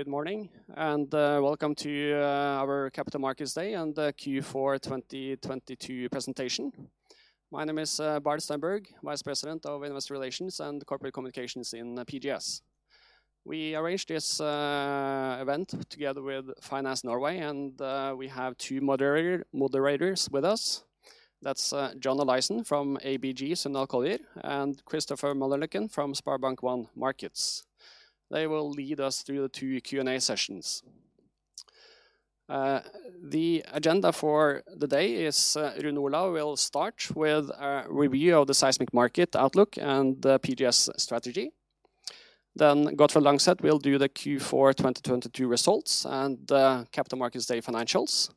Good morning, welcome to our Capital Markets Day and the Q4 2022 presentation. My name is Bård Stenberg, Vice President of Investor Relations and Corporate Communications in PGS. We arranged this event together with Finance Norway, we have two moderators with us. That's John Olaisen from ABG Sundal Collier, and Christopher Møllerløkken from SpareBank 1 Markets. They will lead us through the two Q&A sessions. The agenda for the day is Rune Olav will start with a review of the seismic market outlook and the PGS strategy. Gottfred Langseth will do the Q4 2022 results and Capital Markets Day financials.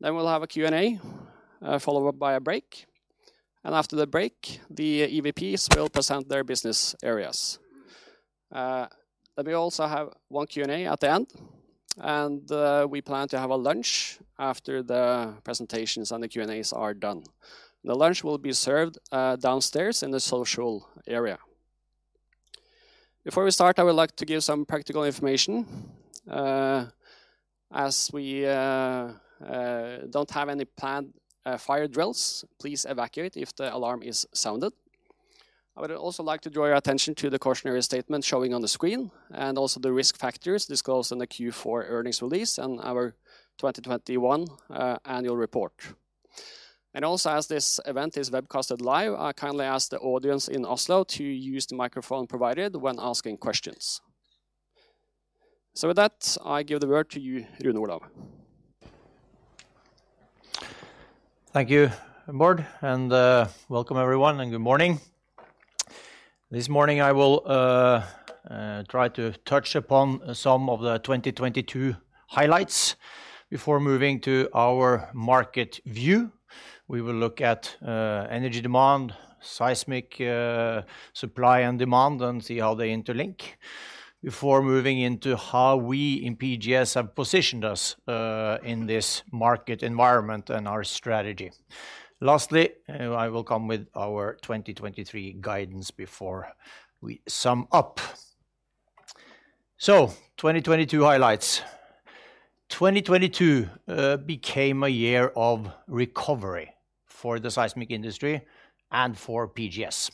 We'll have a Q&A, followed up by a break. After the break, the EVPs will present their business areas. We also have one Q&A at the end, we plan to have a lunch after the presentations and the Q&As are done. The lunch will be served downstairs in the social area. Before we start, I would like to give some practical information. As we don't have any planned fire drills, please evacuate if the alarm is sounded. I would also like to draw your attention to the cautionary statement showing on the screen, and also the risk factors disclosed in the Q4 earnings release and our 2021 annual report. As this event is webcasted live, I kindly ask the audience in Oslo to use the microphone provided when asking questions. With that, I give the word to you, Rune Olav. Thank you, Bård, and welcome everyone, and good morning. This morning I will try to touch upon some of the 2022 highlights before moving to our market view. We will look at energy demand, seismic, supply and demand, and see how they interlink before moving into how we in PGS have positioned us in this market environment and our strategy. Lastly, I will come with our 2023 guidance before we sum up. 2022 highlights. 2022 became a year of recovery for the seismic industry and for PGS.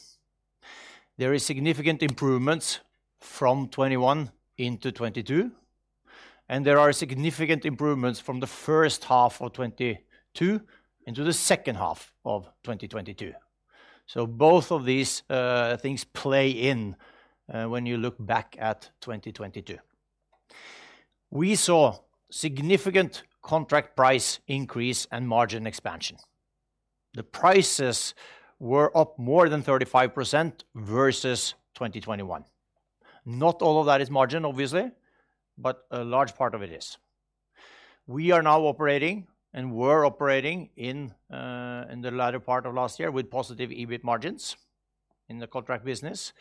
There is significant improvements from 2021 into 2022, and there are significant improvements from the first half of 2022 into the second half of 2022. Both of these things play in when you look back at 2022. We saw significant contract price increase and margin expansion. The prices were up more than 35% versus 2021. Not all of that is margin, obviously, but a large part of it is. We are now operating, and were operating in the latter part of last year with positive EBIT margins in the contract business.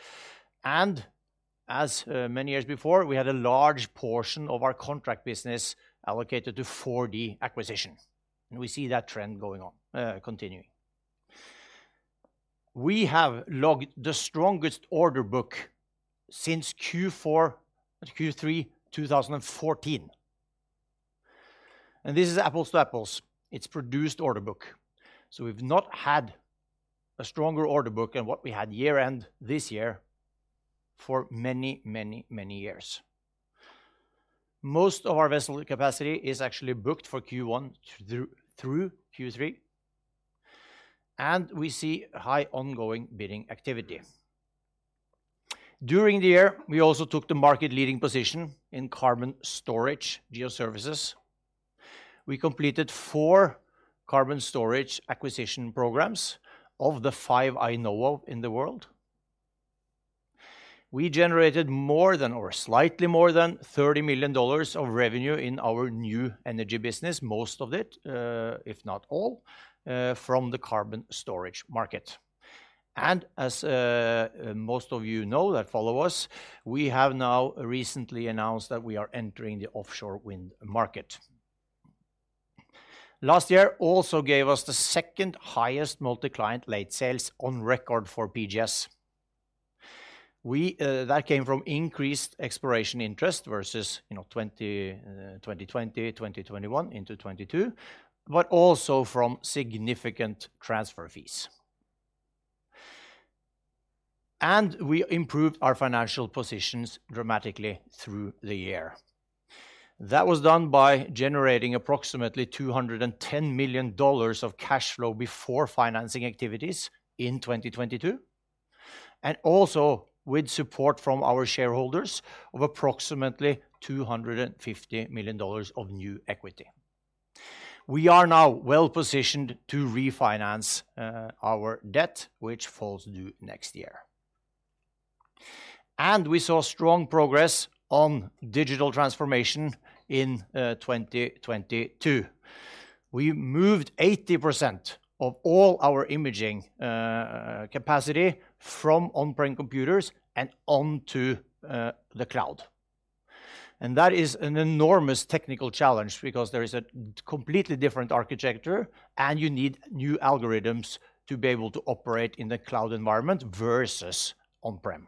As many years before, we had a large portion of our contract business allocated to 4D acquisition, and we see that trend going on, continuing. We have logged the strongest order book since Q3, 2014. This is apples to apples. It's produced order book. We've not had a stronger order book than what we had year-end this year for many, many, many years. Most of our vessel capacity is actually booked for Q1 through Q3, and we see high ongoing bidding activity. During the year, we also took the market-leading position in carbon storage geoservices. We completed four carbon storage acquisition programs of the five I know of in the world. We generated more than, or slightly more than $30 million of revenue in our new energy business, most of it, if not all, from the carbon storage market. As most of you know that follow us, we have now recently announced that we are entering the offshore wind market. Last year also gave us the second highest MultiClient late sales on record for PGS. We that came from increased exploration interest versus, you know, 2020, 2021 into 2022, but also from significant transfer fees. We improved our financial positions dramatically through the year. That was done by generating approximately $210 million of cash flow before financing activities in 2022. Also with support from our shareholders of approximately $250 million of new equity. We are now well-positioned to refinance, our debt, which falls due next year. We saw strong progress on digital transformation in 2022. We moved 80% of all our imaging capacity from on-prem computers and onto the cloud. That is an enormous technical challenge because there is a completely different architecture, and you need new algorithms to be able to operate in the cloud environment versus on-prem.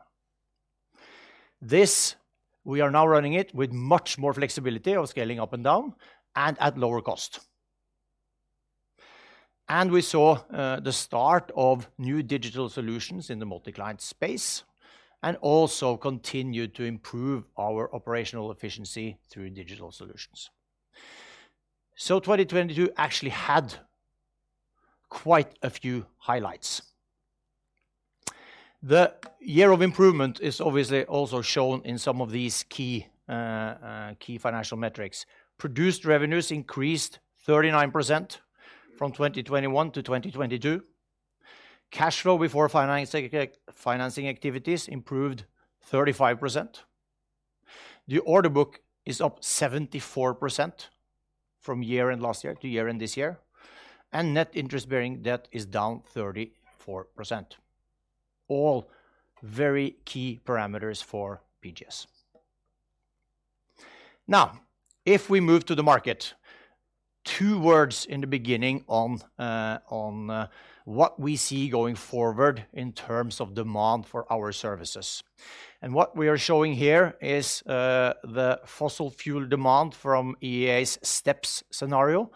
This, we are now running it with much more flexibility of scaling up and down and at lower cost. We saw the start of new digital solutions in the multi-client space and also continued to improve our operational efficiency through digital solutions. 2022 actually had quite a few highlights. The year of improvement is obviously also shown in some of these key financial metrics. Produced revenues increased 39% from 2021-2022. Cash flow before financing activities improved 35%. The order book is up 74% from year-end last year to year-end this year. Net interest-bearing debt is down 34%. All very key parameters for PGS. Now, if we move to the market, two words in the beginning on what we see going forward in terms of demand for our services. What we are showing here is the fossil fuel demand from IEA's STEPS scenario.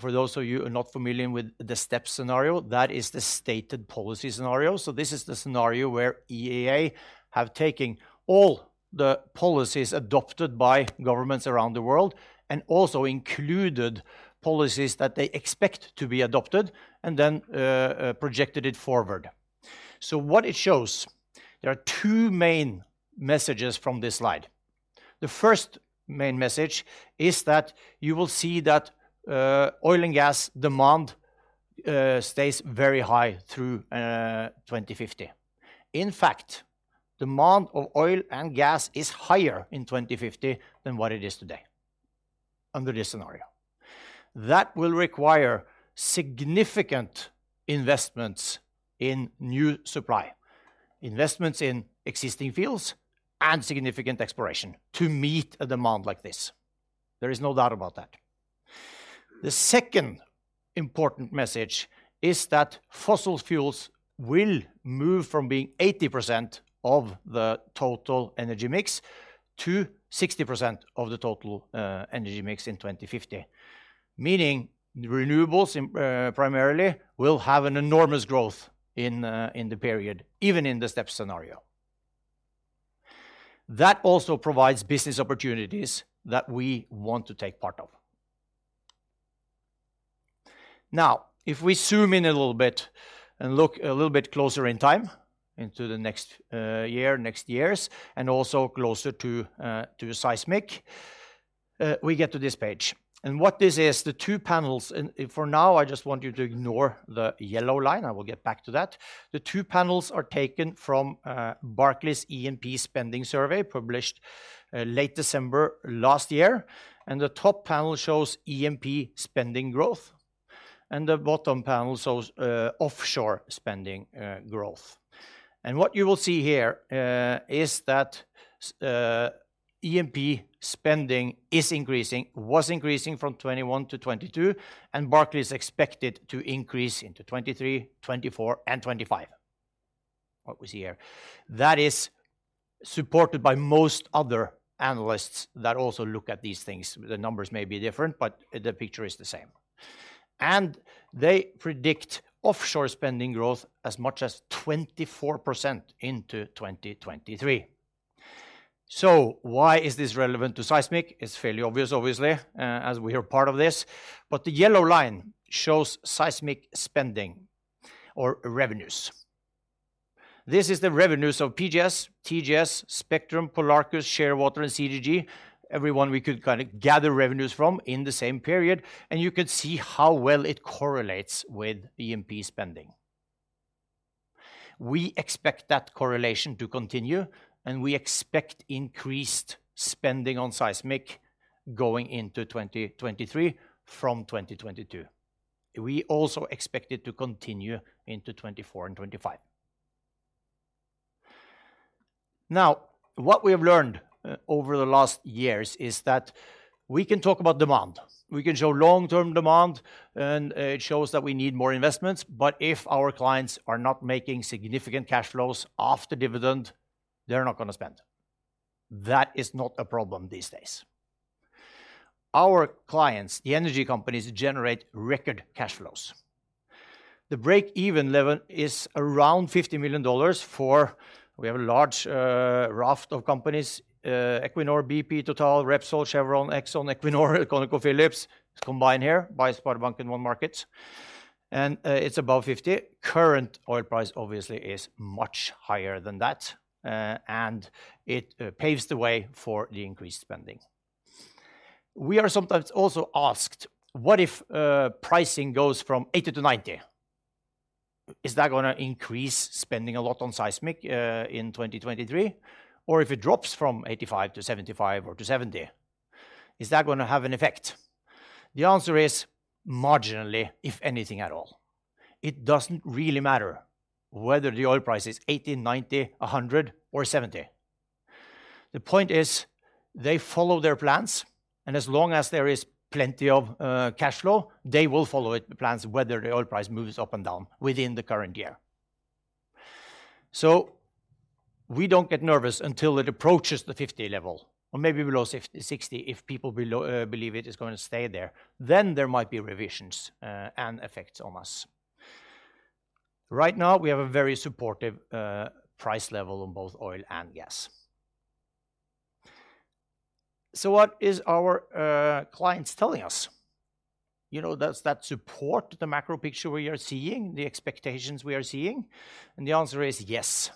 For those of you not familiar with the STEPS scenario, that is the Stated Policy scenario. This is the scenario where IEA have taken all the policies adopted by governments around the world and also included policies that they expect to be adopted and then projected it forward. What it shows, there are two main messages from this slide. The first main message is that you will see that oil and gas demand stays very high through 2050. In fact, demand of oil and gas is higher in 2050 than what it is today under this scenario. That will require significant investments in new supply, investments in existing fields and significant exploration to meet a demand like this. There is no doubt about that. The second important message is that fossil fuels will move from being 80% of the total energy mix to 60% of the total energy mix in 2050. Meaning renewables primarily will have an enormous growth in the period, even in the STEPS scenario. That also provides business opportunities that we want to take part of. Now, if we zoom in a little bit and look a little bit closer in time into the next year, next years, and also closer to seismic, we get to this page. What this is, the two panels. For now, I just want you to ignore the yellow line. I will get back to that. The two panels are taken from Barclays E&P Spending Survey, published late December last year. The top panel shows E&P spending growth, and the bottom panel shows offshore spending growth. What you will see here is that E&P spending is increasing, was increasing from 21-22, and Barclays expect it to increase into 23, 24 and 25. What we see here. That is supported by most other analysts that also look at these things. The numbers may be different, but the picture is the same. They predict offshore spending growth as much as 24% into 2023. Why is this relevant to seismic? It's fairly obvious, obviously, as we are part of this. The yellow line shows seismic spending or revenues. This is the revenues of PGS, TGS, Spectrum, Polarcus, Shearwater and CGG, everyone we could kind of gather revenues from in the same period. You could see how well it correlates with E&P spending. We expect that correlation to continue, and we expect increased spending on seismic going into 2023 from 2022. We also expect it to continue into 2024 and 2025. What we have learned over the last years is that we can talk about demand. We can show long-term demand, it shows that we need more investments. If our clients are not making significant cash flows after dividend, they're not gonna spend. That is not a problem these days. Our clients, the energy companies, generate record cash flows. The break-even level is around $50 million. We have a large raft of companies, Equinor, BP, Total, Repsol, Chevron, Exxon, Equinor, ConocoPhillips, combined here by SpareBank 1 Markets. It's above 50. Current oil price obviously is much higher than that. It paves the way for the increased spending. We are sometimes also asked, "What if pricing goes from $80-$90? Is that gonna increase spending a lot on seismic in 2023? Or if it drops from $85-$75 or to $70, is that gonna have an effect?" The answer is marginally, if anything at all. It doesn't really matter whether the oil price is $80, $90, $100 or $70. The point is they follow their plans, and as long as there is plenty of cash flow, they will follow the plans whether the oil price moves up and down within the current year. We don't get nervous until it approaches the 50 level or maybe below 60 if people below believe it is gonna stay there, then there might be revisions and effects on us. Right now, we have a very supportive price level on both oil and gas. What is our clients telling us? You know, does that support the macro picture we are seeing, the expectations we are seeing? The answer is yes.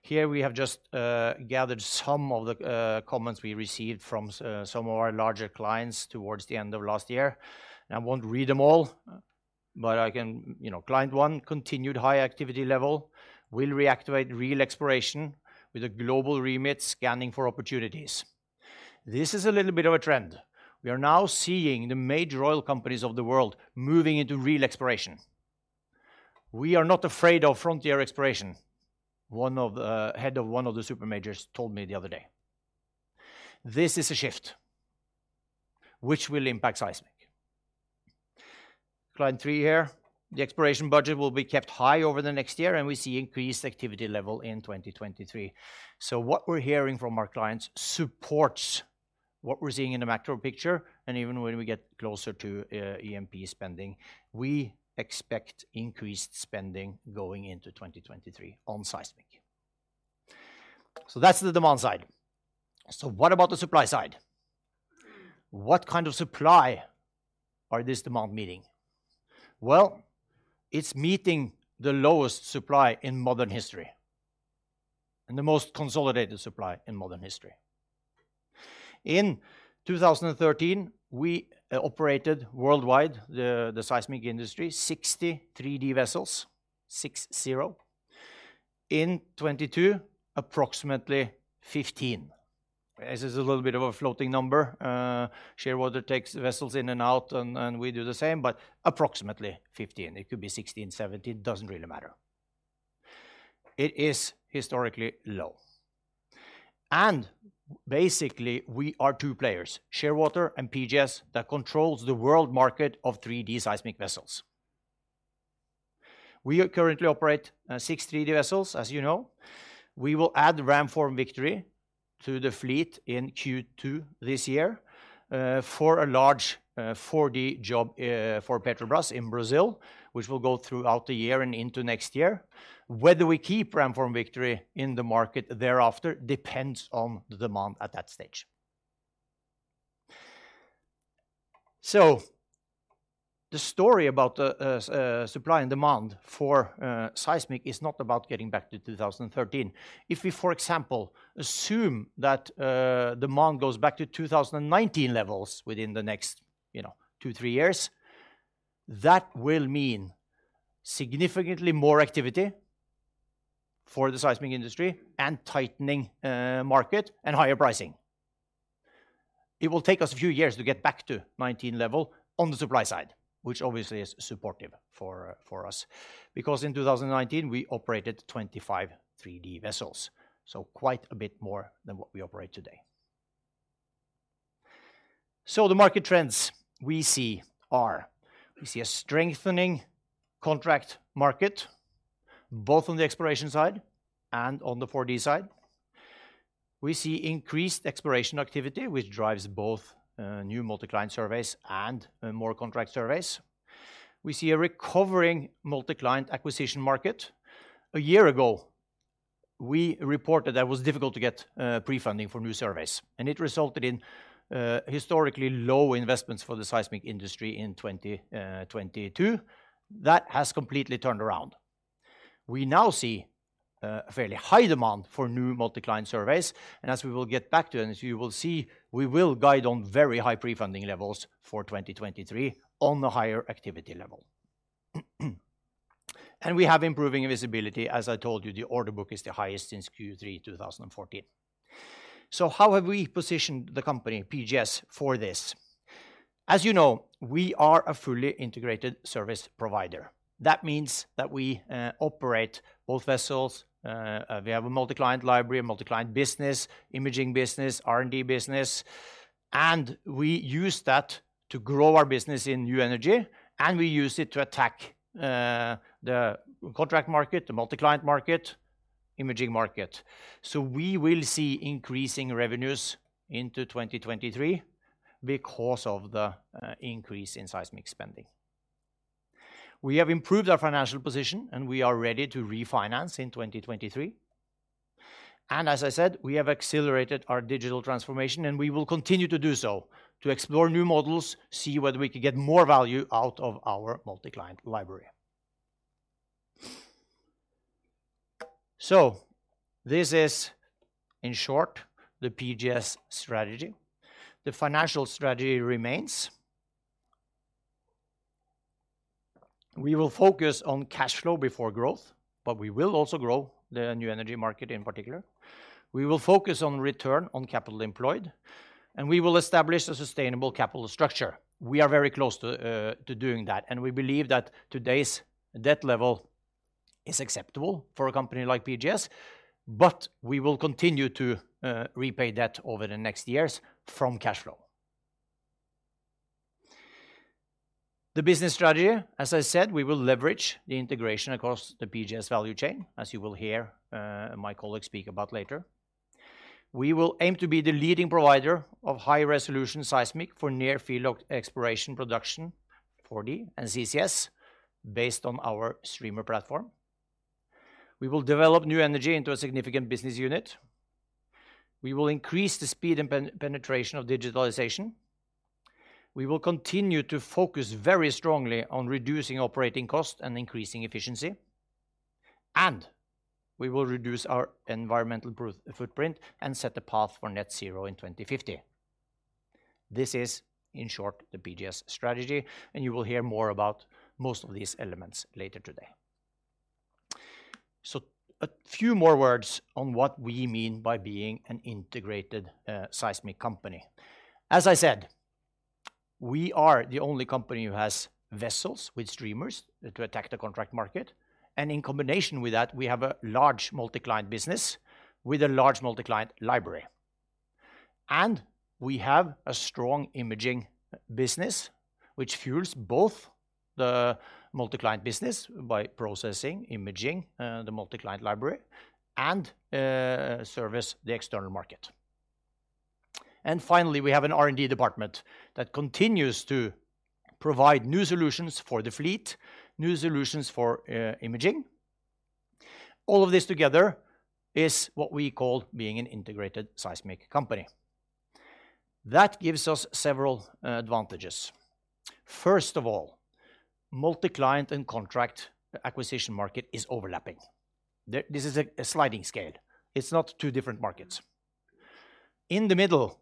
Here we have just gathered some of the comments we received from some of our larger clients towards the end of last year. I won't read them all, but I can... You know, client one, continued high activity level, will reactivate real exploration with a global remit scanning for opportunities. This is a little bit of a trend. We are now seeing the major oil companies of the world moving into real exploration. We are not afraid of frontier exploration, head of one of the super majors told me the other day. This is a shift which will impact seismic. Client three here, the exploration budget will be kept high over the next year, We see increased activity level in 2023. What we're hearing from our clients supports what we're seeing in the macro picture. Even when we get closer to E&P spending, we expect increased spending going into 2023 on seismic. That's the demand side. What about the supply side? What kind of supply are this demand meeting? Well, it's meeting the lowest supply in modern history and the most consolidated supply in modern history. In 2013, we operated worldwide, the seismic industry, 60 3D vessels, 60. In 2022, approximately 15. This is a little bit of a floating number. Shearwater takes vessels in and out and we do the same, but approximately 15. It could be 16, 17, doesn't really matter. It is historically low. Basically we are two players, Shearwater and PGS, that controls the world market of 3D seismic vessels. We currently operate 6 3D vessels, as you know. We will add Ramform Victory to the fleet in Q2 this year for a large 4D job for Petrobras in Brazil, which will go throughout the year and into next year. Whether we keep Ramform Victory in the market thereafter depends on the demand at that stage. The story about the supply and demand for seismic is not about getting back to 2013. If we, for example, assume that demand goes back to 2019 levels within the next, you know, two, three years, that will mean significantly more activity for the seismic industry and tightening market and higher pricing. It will take us a few years to get back to 2019 level on the supply side, which obviously is supportive for us. Because in 2019, we operated 25 3D vessels, so quite a bit more than what we operate today. The market trends we see are: we see a strengthening contract market both on the exploration side and on the 4D side. We see increased exploration activity, which drives both new multi-client surveys and more contract surveys. We see a recovering multi-client acquisition market. A year ago, we reported that it was difficult to get prefunding for new surveys, and it resulted in historically low investments for the seismic industry in 2022. That has completely turned around. We now see a fairly high demand for new multi-client surveys, and as we will get back to, and as you will see, we will guide on very high prefunding levels for 2023 on the higher activity level. We have improving visibility. As I told you, the order book is the highest since Q3 2014. How have we positioned the company, PGS, for this? As you know, we are a fully integrated service provider. That means that we operate both vessels, we have a multi-client library, a multi-client business, imaging business, R&D business, and we use that to grow our business in new energy, and we use it to attack the contract market, the multi-client market, imaging market. We will see increasing revenues into 2023 because of the increase in seismic spending. We have improved our financial position, and we are ready to refinance in 2023. As I said, we have accelerated our digital transformation, and we will continue to do so to explore new models, see whether we can get more value out of our multi-client library. This is, in short, the PGS strategy. The financial strategy remains. We will focus on cash flow before growth, but we will also grow the new energy market in particular. We will focus on return on capital employed. We will establish a sustainable capital structure. We are very close to doing that, and we believe that today's debt level is acceptable for a company like PGS. We will continue to repay debt over the next years from cash flow. The business strategy, as I said, we will leverage the integration across the PGS value chain, as you will hear, my colleague speak about later. We will aim to be the leading provider of high-resolution seismic for near-field exploration production, 4D and CCS, based on our streamer platform. We will develop New Energy into a significant business unit. We will increase the speed and penetration of digitalization. We will continue to focus very strongly on reducing operating costs and increasing efficiency. We will reduce our environmental footprint and set the path for net zero in 2050. This is, in short, the PGS strategy. You will hear more about most of these elements later today. A few more words on what we mean by being an integrated seismic company. As I said, we are the only company who has vessels with streamers to attack the contract market. In combination with that, we have a large multi-client business with a large multi-client library. We have a strong imaging business which fuels both the multi-client business by processing, imaging the multi-client library and service the external market. Finally, we have an R&D department that continues to provide new solutions for the fleet, new solutions for imaging. All of this together is what we call being an integrated seismic company. This is a sliding scale. It's not two different markets. In the middle,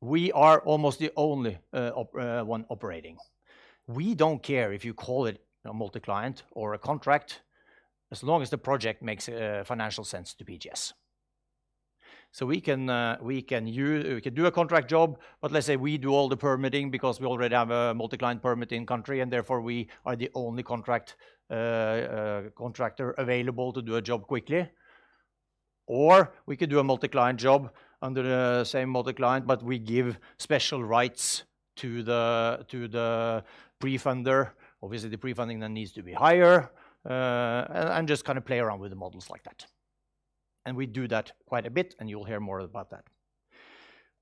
we are almost the only one operating. We don't care if you call it a multi-client or a contract, as long as the project makes financial sense to PGS. We can do a contract job, but let's say we do all the permitting because we already have a multi-client permit in country, and therefore we are the only contract contractor available to do a job quickly. We could do a multi-client job under the same multi-client, but we give special rights to the pre-funder. Obviously, the pre-funding then needs to be higher, and just kind of play around with the models like that. We do that quite a bit, and you'll hear more about that.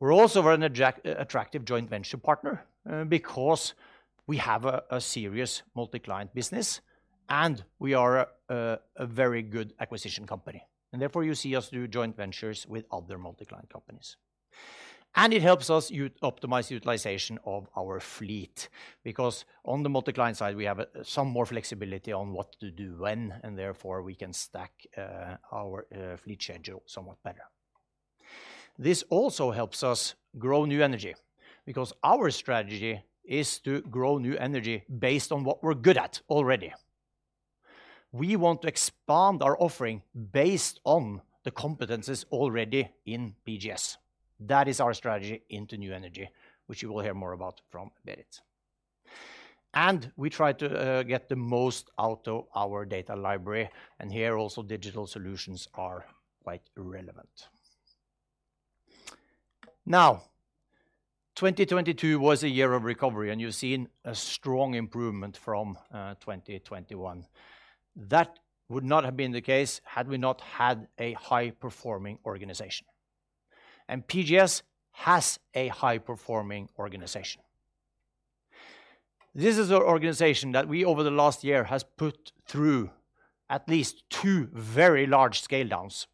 We're also very attractive joint venture partner because we have a serious multi-client business, and we are a very good acquisition company, and therefore you see us do joint ventures with other multi-client companies. It helps us optimize utilization of our fleet because on the multi-client side we have some more flexibility on what to do when, and therefore we can stack our fleet schedule somewhat better. This also helps us grow New Energy because our strategy is to grow New Energy based on what we're good at already. We want to expand our offering based on the competencies already in PGS. That is our strategy into New Energy, which you will hear more about from Berit. We try to get the most out of our data library, and here also digital solutions are quite relevant. Now, 2022 was a year of recovery, and you've seen a strong improvement from 2021. That would not have been the case had we not had a high-performing organization. PGS has a high-performing organization. This is a organization that we over the last year has put through at least two very large scale downs.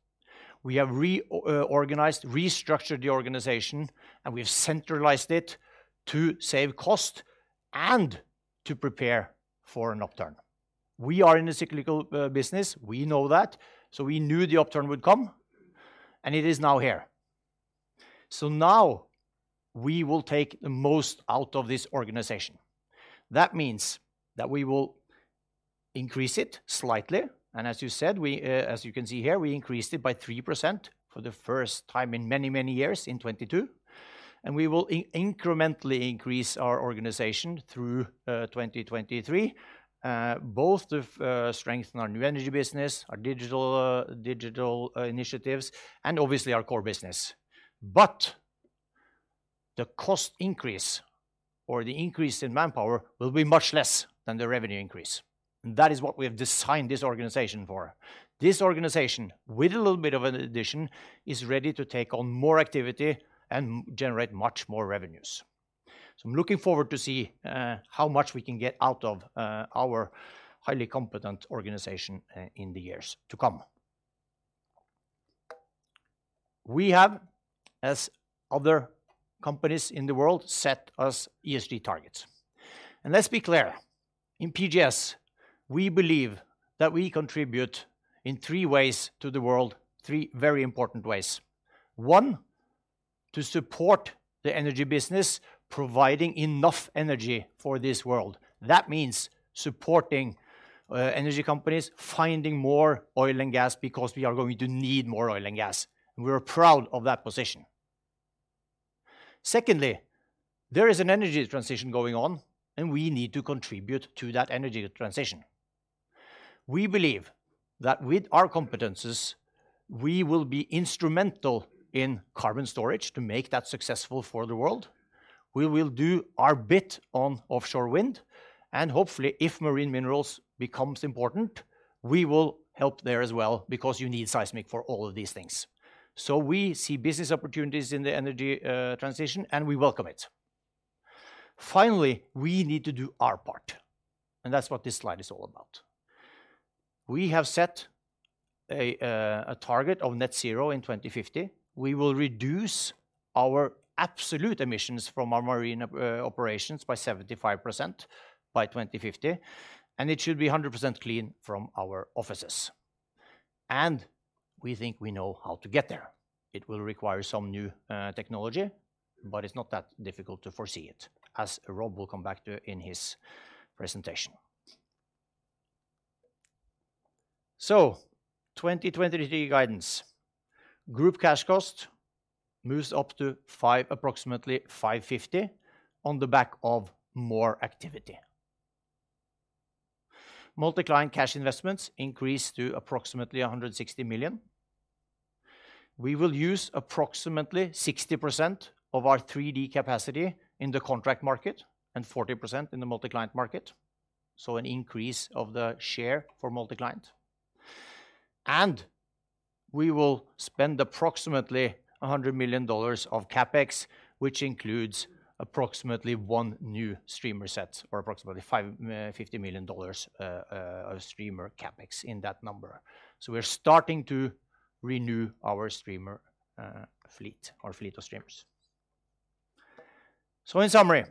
We have reor-organized, restructured the organization, and we've centralized it to save cost and to prepare for an upturn. We are in a cyclical business. We know that. We knew the upturn would come, and it is now here. Now we will take the most out of this organization. That means that we will increase it slightly, as you said, we, as you can see here, we increased it by 3% for the first time in many, many years in 2022. We will incrementally increase our organization through 2023, both to strengthen our New Energy business, our digital initiatives, and obviously our core business. The cost increase or the increase in manpower will be much less than the revenue increase. That is what we have designed this organization for. This organization, with a little bit of an addition, is ready to take on more activity and generate much more revenues. I'm looking forward to see how much we can get out of our highly competent organization in the years to come. We have, as other companies in the world, set us ESG targets. Let's be clear. In PGS, we believe that we contribute in three ways to the world, three very important ways. One, to support the energy business, providing enough energy for this world. That means supporting energy companies, finding more oil and gas because we are going to need more oil and gas. We are proud of that position. Secondly, there is an energy transition going on, we need to contribute to that energy transition. We believe that with our competences, we will be instrumental in carbon storage to make that successful for the world. We will do our bit on offshore wind, hopefully if marine minerals becomes important, we will help there as well, because you need seismic for all of these things. We see business opportunities in the energy transition, we welcome it. Finally, we need to do our part, and that's what this slide is all about. We have set a target of net zero in 2050. We will reduce our absolute emissions from our marine operations by 75% by 2050, and it should be 100% clean from our offices. We think we know how to get there. It will require some new technology, but it's not that difficult to foresee it, as Rob will come back to in his presentation. 2023 guidance. Group cash cost moves up to approximately $550 on the back of more activity. MultiClient cash investments increase to approximately $160 million. We will use approximately 60% of our 3D capacity in the contract market and 40% in the MultiClient market, so an increase of the share for MultiClient. We will spend approximately $100 million of CapEx, which includes approximately 1 new streamer set or approximately $50 million of streamer CapEx in that number. We're starting to renew our streamer fleet or fleet of streamers. In summary,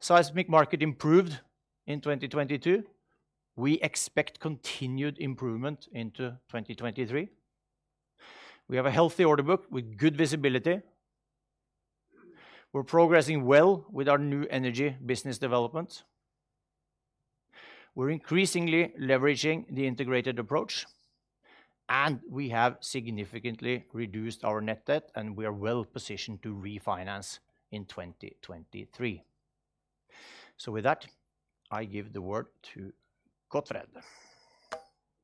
seismic market improved in 2022. We expect continued improvement into 2023. We have a healthy order book with good visibility. We're progressing well with our new energy business developments. We're increasingly leveraging the integrated approach, and we have significantly reduced our net debt, and we are well positioned to refinance in 2023. With that, I give the word to Gottfred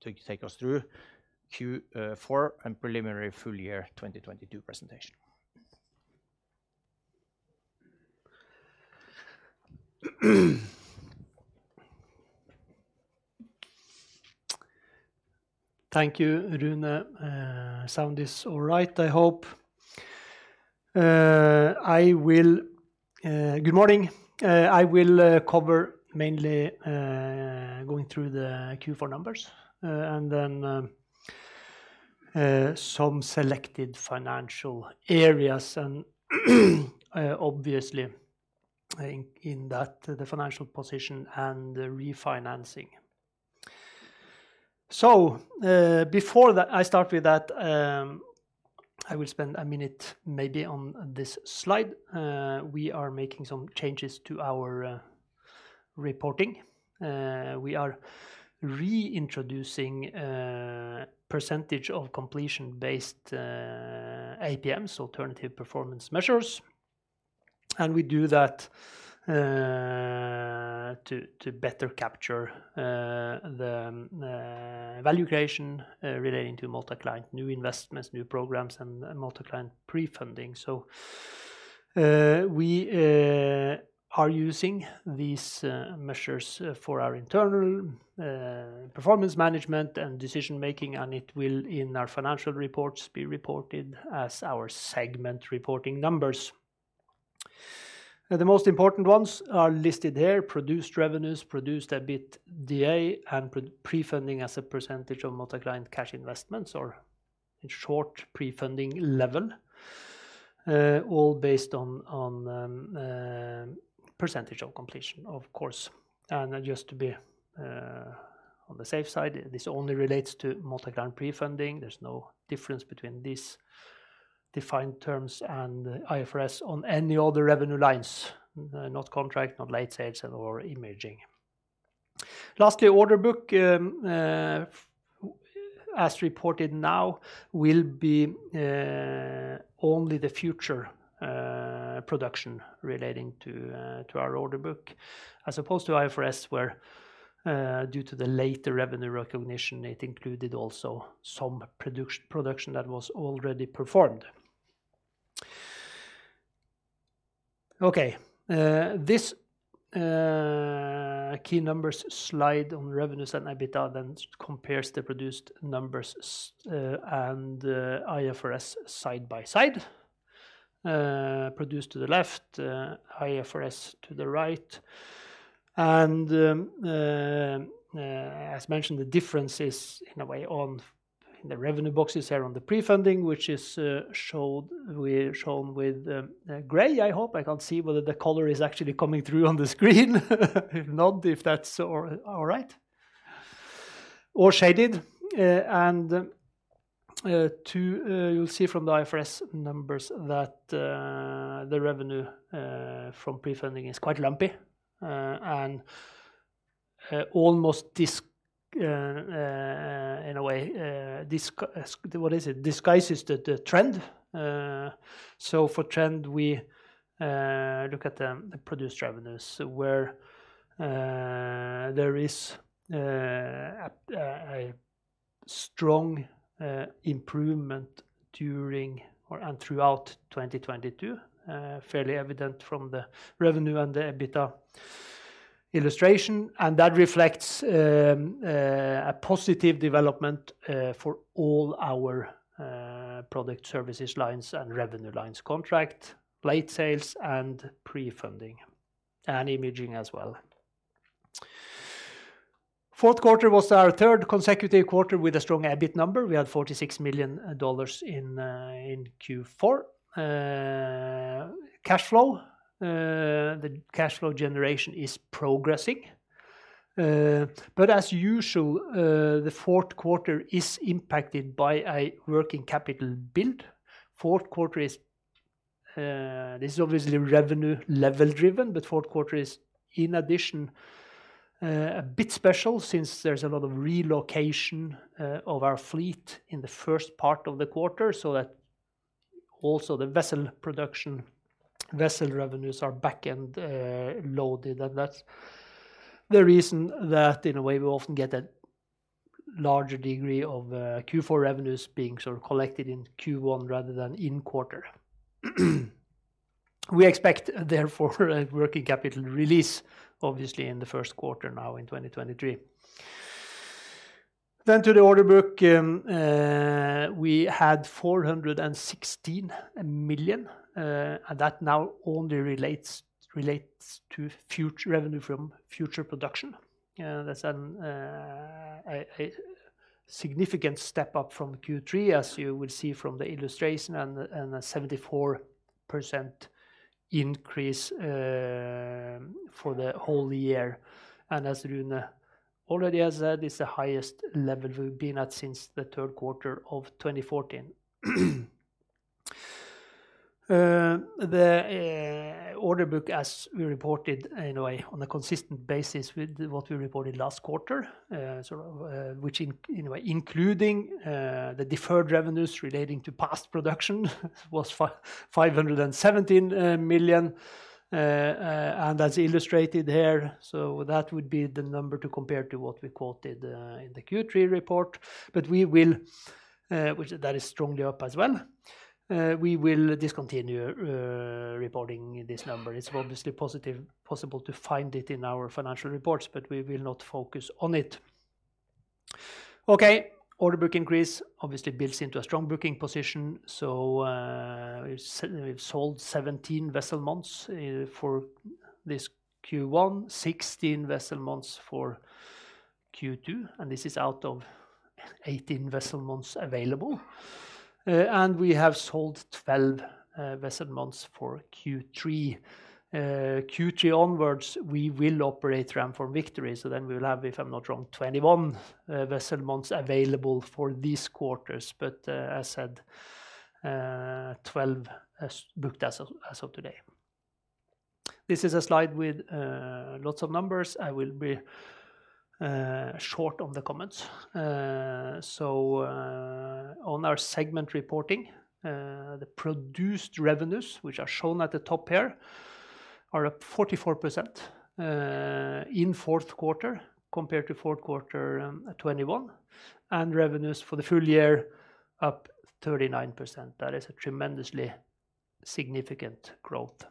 to take us through Q4 and preliminary full year 2022 presentation. Thank you, Rune. Sound is all right, I hope. Good morning. I will cover mainly going through the Q4 numbers, and then some selected financial areas and obviously in that the financial position and the refinancing. Before that, I start with that, I will spend one minute maybe on this slide. We are making some changes to our reporting. We are reintroducing percentage of completion based APMs, alternative performance measures. We do that to better capture the value creation relating to multi-client new investments, new programs, and multi-client prefunding. We are using these measures for our internal performance management and decision-making, and it will in our financial reports be reported as our segment reporting numbers. The most important ones are listed there, produced revenues, produced EBITDA, and prefunding as a percentage of multi-client cash investments, or in short prefunding level, all based on percentage of completion, of course. Just to be on the safe side, this only relates to multi-client prefunding. There's no difference between these defined terms and IFRS on any other revenue lines, not contract, not late sales and/or imaging. Order book as reported now will be only the future production relating to our order book, as opposed to IFRS where due to the late revenue recognition, it included also some production that was already performed. This key numbers slide on revenues and EBITDA then compares the produced numbers and IFRS side by side. Produced to the left, IFRS to the right. As mentioned, the difference is in a way on the revenue boxes here on the prefunding, which is shown with gray, I hope. I can't see whether the color is actually coming through on the screen. If not, if that's all right. Or shaded. You'll see from the IFRS numbers that the revenue from prefunding is quite lumpy and almost dis-what is it? Disguises the trend. For trend, we look at the produced revenues where there is a strong improvement during and throughout 2022. Fairly evident from the revenue and the EBITDA illustration. That reflects a positive development for all our product services lines and revenue lines contract, late sales and pre-funding and imaging as well. Fourth quarter was our third consecutive quarter with a strong EBIT number. We had $46 million in Q4. Cash flow. The cash flow generation is progressing. As usual, the fourth quarter is impacted by a working capital build. Fourth quarter is, this is obviously revenue level-driven, but fourth quarter is in addition a bit special since there's a lot of relocation of our fleet in the first part of the quarter, so that also the vessel production revenues are back and loaded. And that's the reason that in a way we often get a larger degree of Q4 revenues being sort of collected in Q1 rather than in quarter. We expect therefore a working capital release obviously in the first quarter now in 2023. Then to the order book, we had $416 million. That now only relates to revenue from future production. That's a significant step up from Q3 as you will see from the illustration and a 74% increase for the whole year. And as Rune Olav Pedersen already has said, it The order book as we reported in a way on a consistent basis with what we reported last quarter, which in a way including the deferred revenues relating to past production was $517 million. That's illustrated here. That would be the number to compare to what we quoted in the Q3 report. We will, which that is strongly up as well. We will discontinue reporting this number. It's obviously possible to find it in our financial reports, but we will not focus on it. Okay. Order book increase obviously builds into a strong booking position. We've sold 17 vessel months for this Q1, 16 vessel months for Q2, and this is out of 18 vessel months available. We have sold 12 vessel months for Q3. Q3 onwards, we will operate Ramform Victory. We will have, if I'm not wrong, 21 vessel months available for these quarters. As I said, 12 as booked as of today. This is a slide with lots of numbers. I will be short on the comments. On our segment reporting, the produced revenues which are shown at the top here are up 44% in fourth quarter compared to fourth quarter 2021, and revenues for the full year up 39%. That is a tremendously significant growth.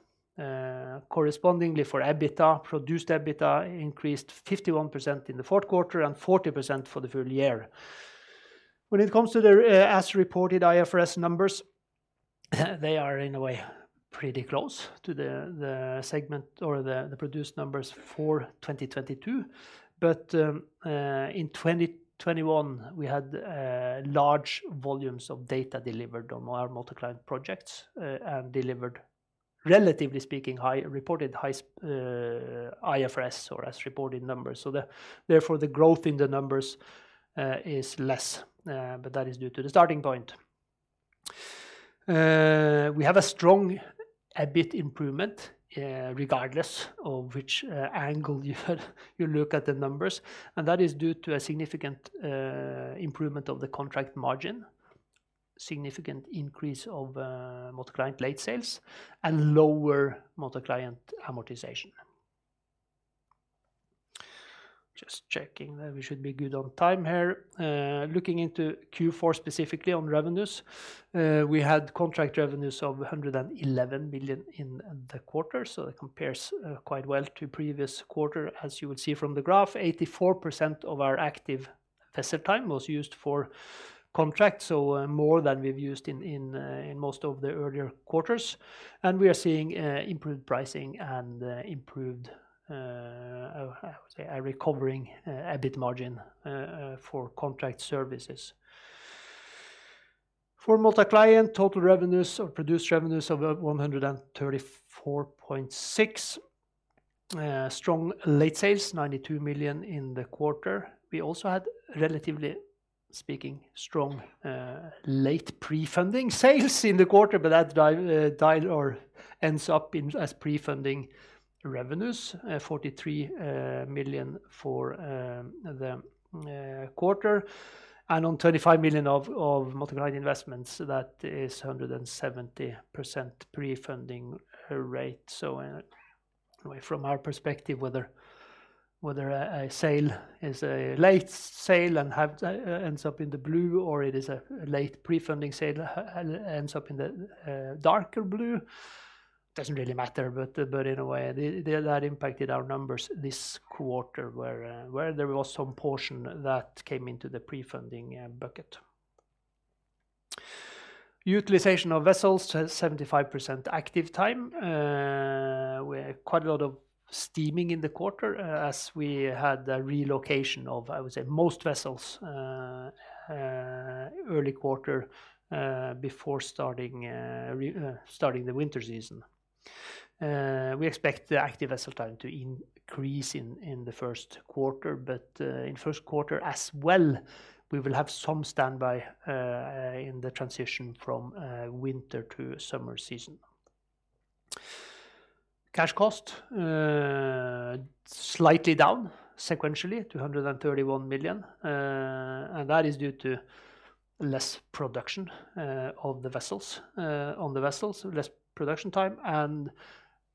Correspondingly for EBITDA, produced EBITDA increased 51% in the fourth quarter and 40% for the full year. When it comes to the as reported IFRS numbers, they are in a way pretty close to the segment or the produced numbers for 2022. In 2021, we had large volumes of data delivered on our multi-client projects and delivered relatively speaking, reported high IFRS or as reported numbers. Therefore the growth in the numbers is less, but that is due to the starting point. We have a strong EBIT improvement regardless of which angle you look at the numbers, and that is due to a significant improvement of the contract margin, significant increase of multi-client late sales, and lower multi-client amortization. Just checking that we should be good on time here. Looking into Q4 specifically on revenues, we had contract revenues of $111 million in the quarter. It compares quite well to previous quarter as you would see from the graph. 84% of our active vessel time was used for contract, so more than we've used in most of the earlier quarters. We are seeing improved pricing and improved, I would say a recovering EBIT margin for contract services. For multi-client total revenues or produced revenues of $134.6 million. Strong late sales, $92 million in the quarter. We also had, relatively speaking, strong, late pre-funding sales in the quarter, that ends up in as pre-funding revenues, $43 million for the quarter and on $35 million of MultiClient investments. That is 170% pre-funding rate. From our perspective, whether a sale is a late sale and ends up in the blue, or it is a late pre-funding sale and ends up in the darker blue, doesn't really matter. In a way, that impacted our numbers this quarter where there was some portion that came into the pre-funding bucket. Utilization of vessels, 75% active time. We had quite a lot of steaming in the quarter as we had a relocation of, I would say, most vessels early quarter before starting the winter season. We expect the active vessel time to increase in the first quarter. In first quarter as well, we will have some standby in the transition from winter to summer season. Cash cost slightly down sequentially to $131 million, and that is due to less production of the vessels on the vessels, less production time, and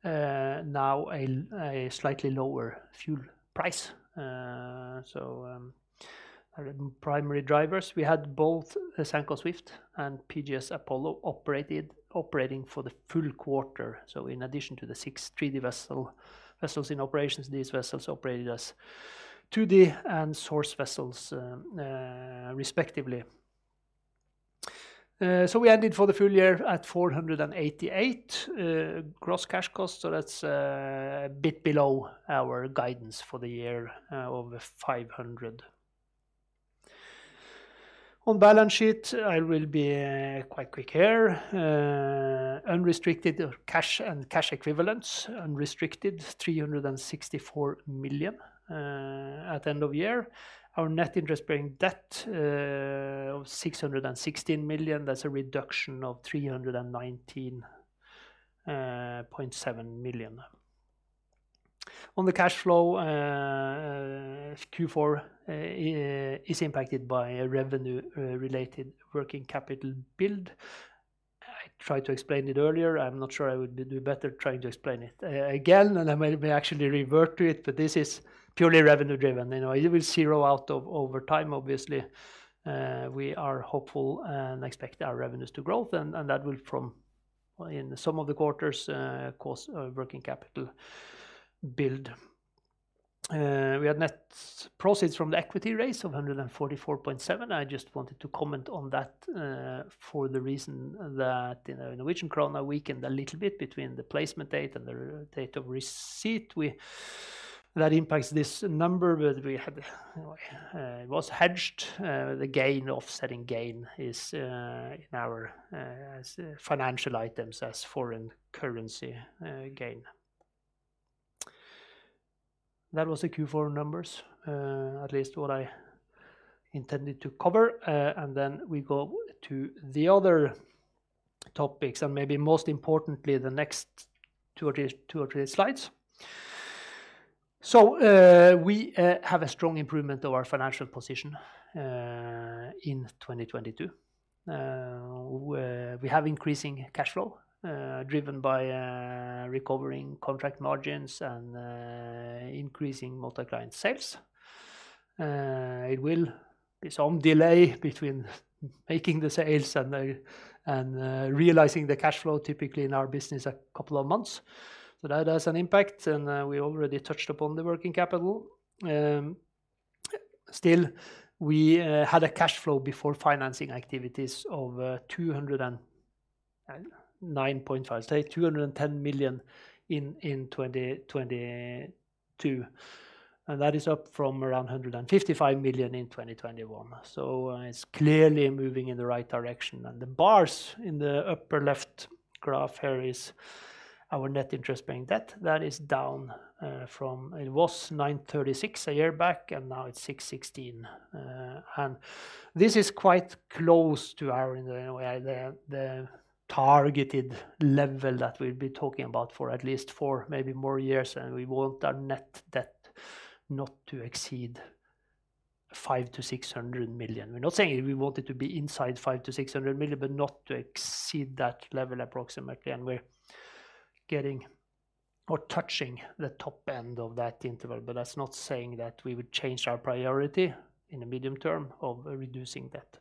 now a slightly lower fuel price. Our primary drivers, we had both Sanco Swift and PGS Apollo operating for the full quarter. In addition to the 6 3D vessels in operations, these vessels operated as 2D and source vessels respectively. We ended for the full year at $488 gross cash costs. That's a bit below our guidance for the year of $500. On balance sheet, I will be quite quick here. Unrestricted cash and cash equivalents, unrestricted, $364 million at end of year. Our net interest-bearing debt of $616 million, that's a reduction of $319.7 million. On the cash flow, Q4 is impacted by a revenue related working capital build. I tried to explain it earlier. I'm not sure I would do better trying to explain it, again, and I may actually revert to it, but this is purely revenue driven. You know, it will zero out over time, obviously. We are hopeful and expect our revenues to grow, and that will from, in some of the quarters, cause a working capital build. We had net proceeds from the equity raise of 144.7. I just wanted to comment on that, for the reason that, you know, Norwegian krona weakened a little bit between the placement date and the date of receipt. That impacts this number, but we had, it was hedged. The gain, offsetting gain is in our as financial items as foreign currency gain. That was the Q4 numbers, at least what I intended to cover. We go to the other topics, and maybe most importantly, the next two or three slides. We have a strong improvement of our financial position in 2022. We have increasing cash flow, driven by recovering contract margins and increasing MultiClient sales. It will be some delay between making the sales and realizing the cash flow, typically in our business, a couple of months. That has an impact, and we already touched upon the working capital. Still, we had a cash flow before financing activities of $209.5. Say $210 million in 2022, and that is up from around $155 million in 2021. It's clearly moving in the right direction. The bars in the upper left graph here is our net interest-bearing debt. That is down. It was $936 million a year back, and now it's $616 million. This is quite close to our, in a way, the targeted level that we'll be talking about for at least four, maybe more years, we want our net debt not to exceed $500 million-$600 million. We're not saying we want it to be inside $500 million-$600 million, but not to exceed that level approximately. We're getting or touching the top end of that interval. That's not saying that we would change our priority in the medium term of reducing debt.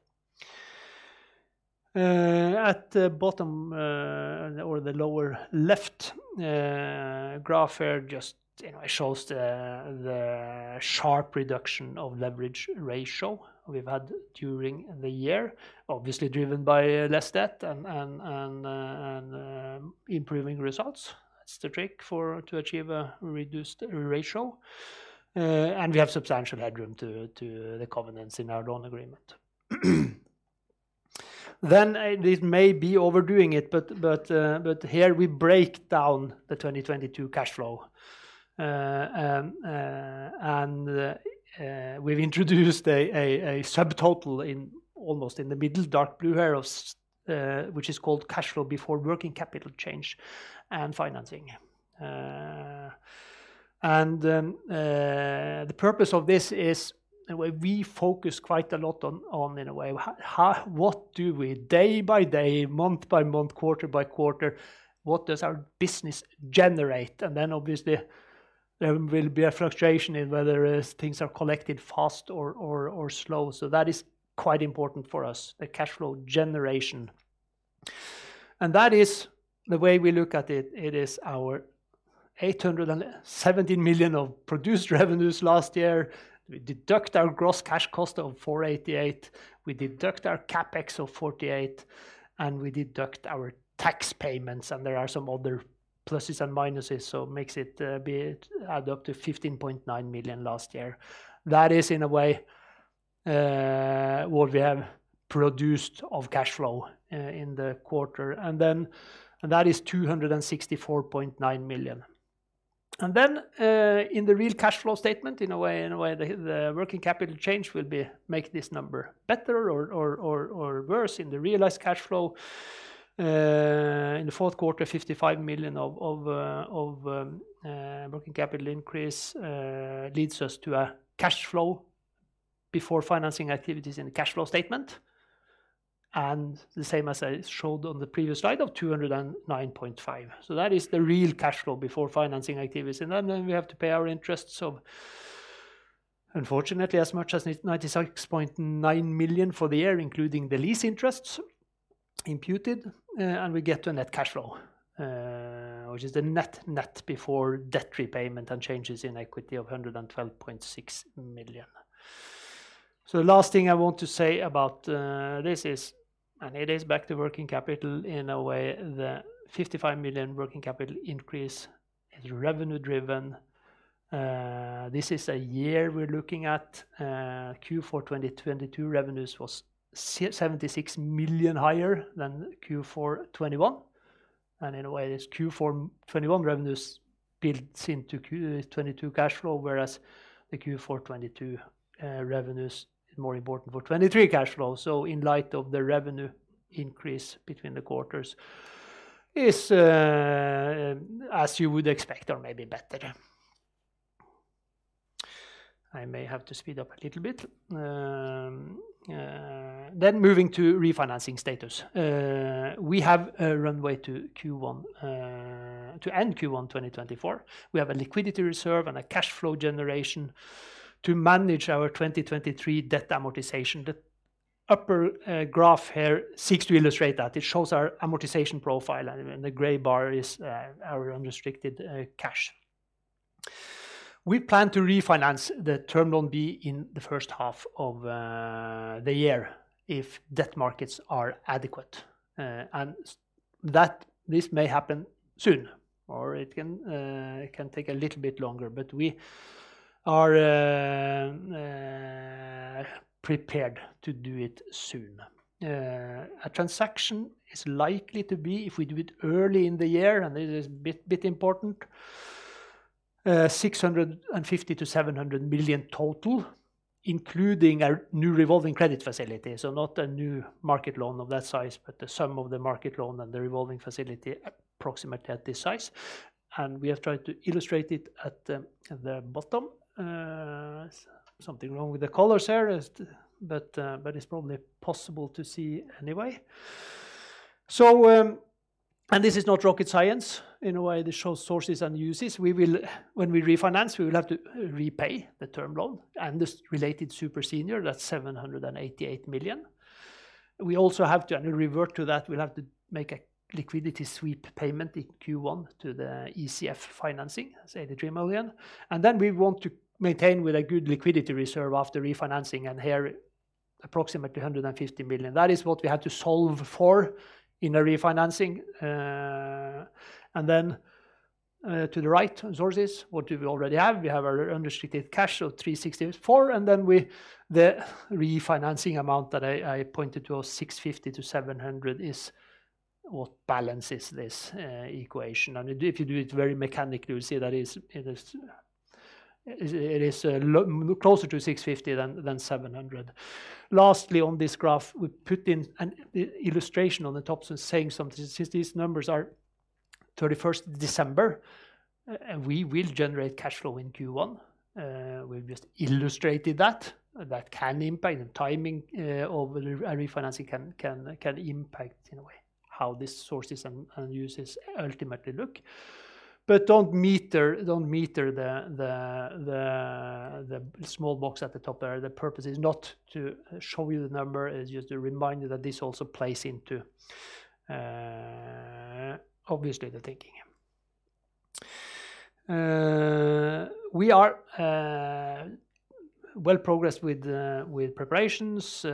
At the bottom, or the lower left, graph here just, you know, shows the sharp reduction of leverage ratio we've had during the year, obviously driven by less debt and improving results. That's the trick to achieve a reduced ratio. We have substantial headroom to the covenants in our loan agreement. This may be overdoing it, but here we break down the 2022 cash flow. We've introduced a subtotal in almost in the middle dark blue here of which is called cash flow before working capital change and financing. The purpose of this is the way we focus quite a lot on in a way, what do we day by day, month by month, quarter by quarter, what does our business generate? Obviously, there will be a fluctuation in whether, things are collected fast or slow. That is quite important for us, the cash flow generation. That is the way we look at it. It is our $817 million of produced revenues last year. We deduct our gross cash cost of $488, we deduct our CapEx of $48, we deduct our tax payments, there are some other pluses and minuses, it makes it a bit, add up to $15.9 million last year. That is, in a way, what we have produced of cash flow in the quarter. That is $264.9 million. In the real cash flow statement, in a way, the working capital change will make this number better or worse in the realized cash flow. In the fourth quarter, $55 million of working capital increase leads us to a cash flow before financing activities in the cash flow statement. The same as I showed on the previous slide of $209.5 million. That is the real cash flow before financing activities. Then we have to pay our interest. Unfortunately, as much as $96.9 million for the year, including the lease interests imputed, and we get to a net cash flow, which is the net before debt repayment and changes in equity of $112.6 million. The last thing I want to say about this is, it is back to working capital in a way, the $55 million working capital increase is revenue driven. This is a year we're looking at, Q for 2022 revenues was $76 million higher than Q for 2021. In a way, this Q for 2021 revenues builds into 2022 cash flow, whereas the Q for 2022 revenues is more important for 2023 cash flow. In light of the revenue increase between the quarters is, as you would expect or maybe better. I may have to speed up a little bit. Moving to refinancing status. We have a runway to Q1 to end Q1 2024. We have a liquidity reserve and a cash flow generation to manage our 2023 debt amortization. The upper graph here seeks to illustrate that. It shows our amortization profile, and the gray bar is our unrestricted cash. We plan to refinance the Term Loan B in the first half of the year if debt markets are adequate, and that this may happen soon, or it can take a little bit longer. We are prepared to do it soon. A transaction is likely to be, if we do it early in the year, and this is important, $650 million-$700 million total, including a new revolving credit facility. Not a new market loan of that size, but the sum of the market loan and the revolving facility approximately at this size. We have tried to illustrate it at the bottom. Something wrong with the colors here, but it's probably possible to see anyway. This is not rocket science. In a way, this shows sources and uses. When we refinance, we will have to repay the Term Loan B and this related super senior, that's $788 million. We also have to revert to that. We'll have to make a liquidity sweep payment in Q1 to the ECF financing, that's $83 million. Then we want to maintain with a good liquidity reserve after refinancing, and here, approximately $150 million. That is what we have to solve for in a refinancing. Then, to the right sources, what do we already have? We have our unrestricted cash of $364, then we the refinancing amount that I pointed to, $650-$700 is what balances this equation. If you do it very mechanically, we see that it is closer to $650 than $700. Lastly, on this graph, we put in an illustration on the top saying something. Since these numbers are 31st December, we will generate cash flow in Q1. We've just illustrated that. That can impact the timing, of a refinancing can impact in a way how these sources and uses ultimately look. Don't meter the small box at the top there. The purpose is not to show you the number, it's just to remind you that this also plays into, obviously the thinking. We are well progressed with preparations.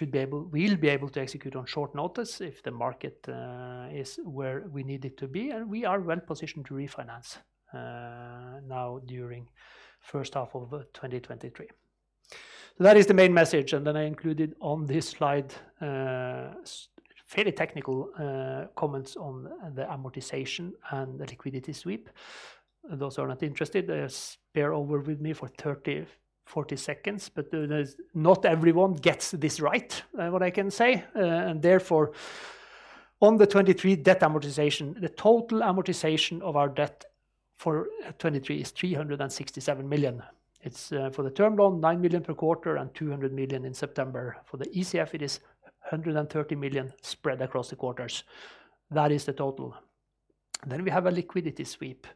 We'll be able to execute on short notice if the market is where we need it to be, and we are well-positioned to refinance now during first half of 2023. That is the main message. I included on this slide, fairly technical comments on the amortization and the liquidity sweep. Those who are not interested, spare over with me for 30, 40 seconds. Not everyone gets this right, what I can say. Therefore on the 23 debt amortization, the total amortization of our debt for 23 is $367 million. It's for the term loan, $9 million per quarter and $200 million in September. For the ECF, it is $130 million spread across the quarters. That is the total. We have a liquidity sweep.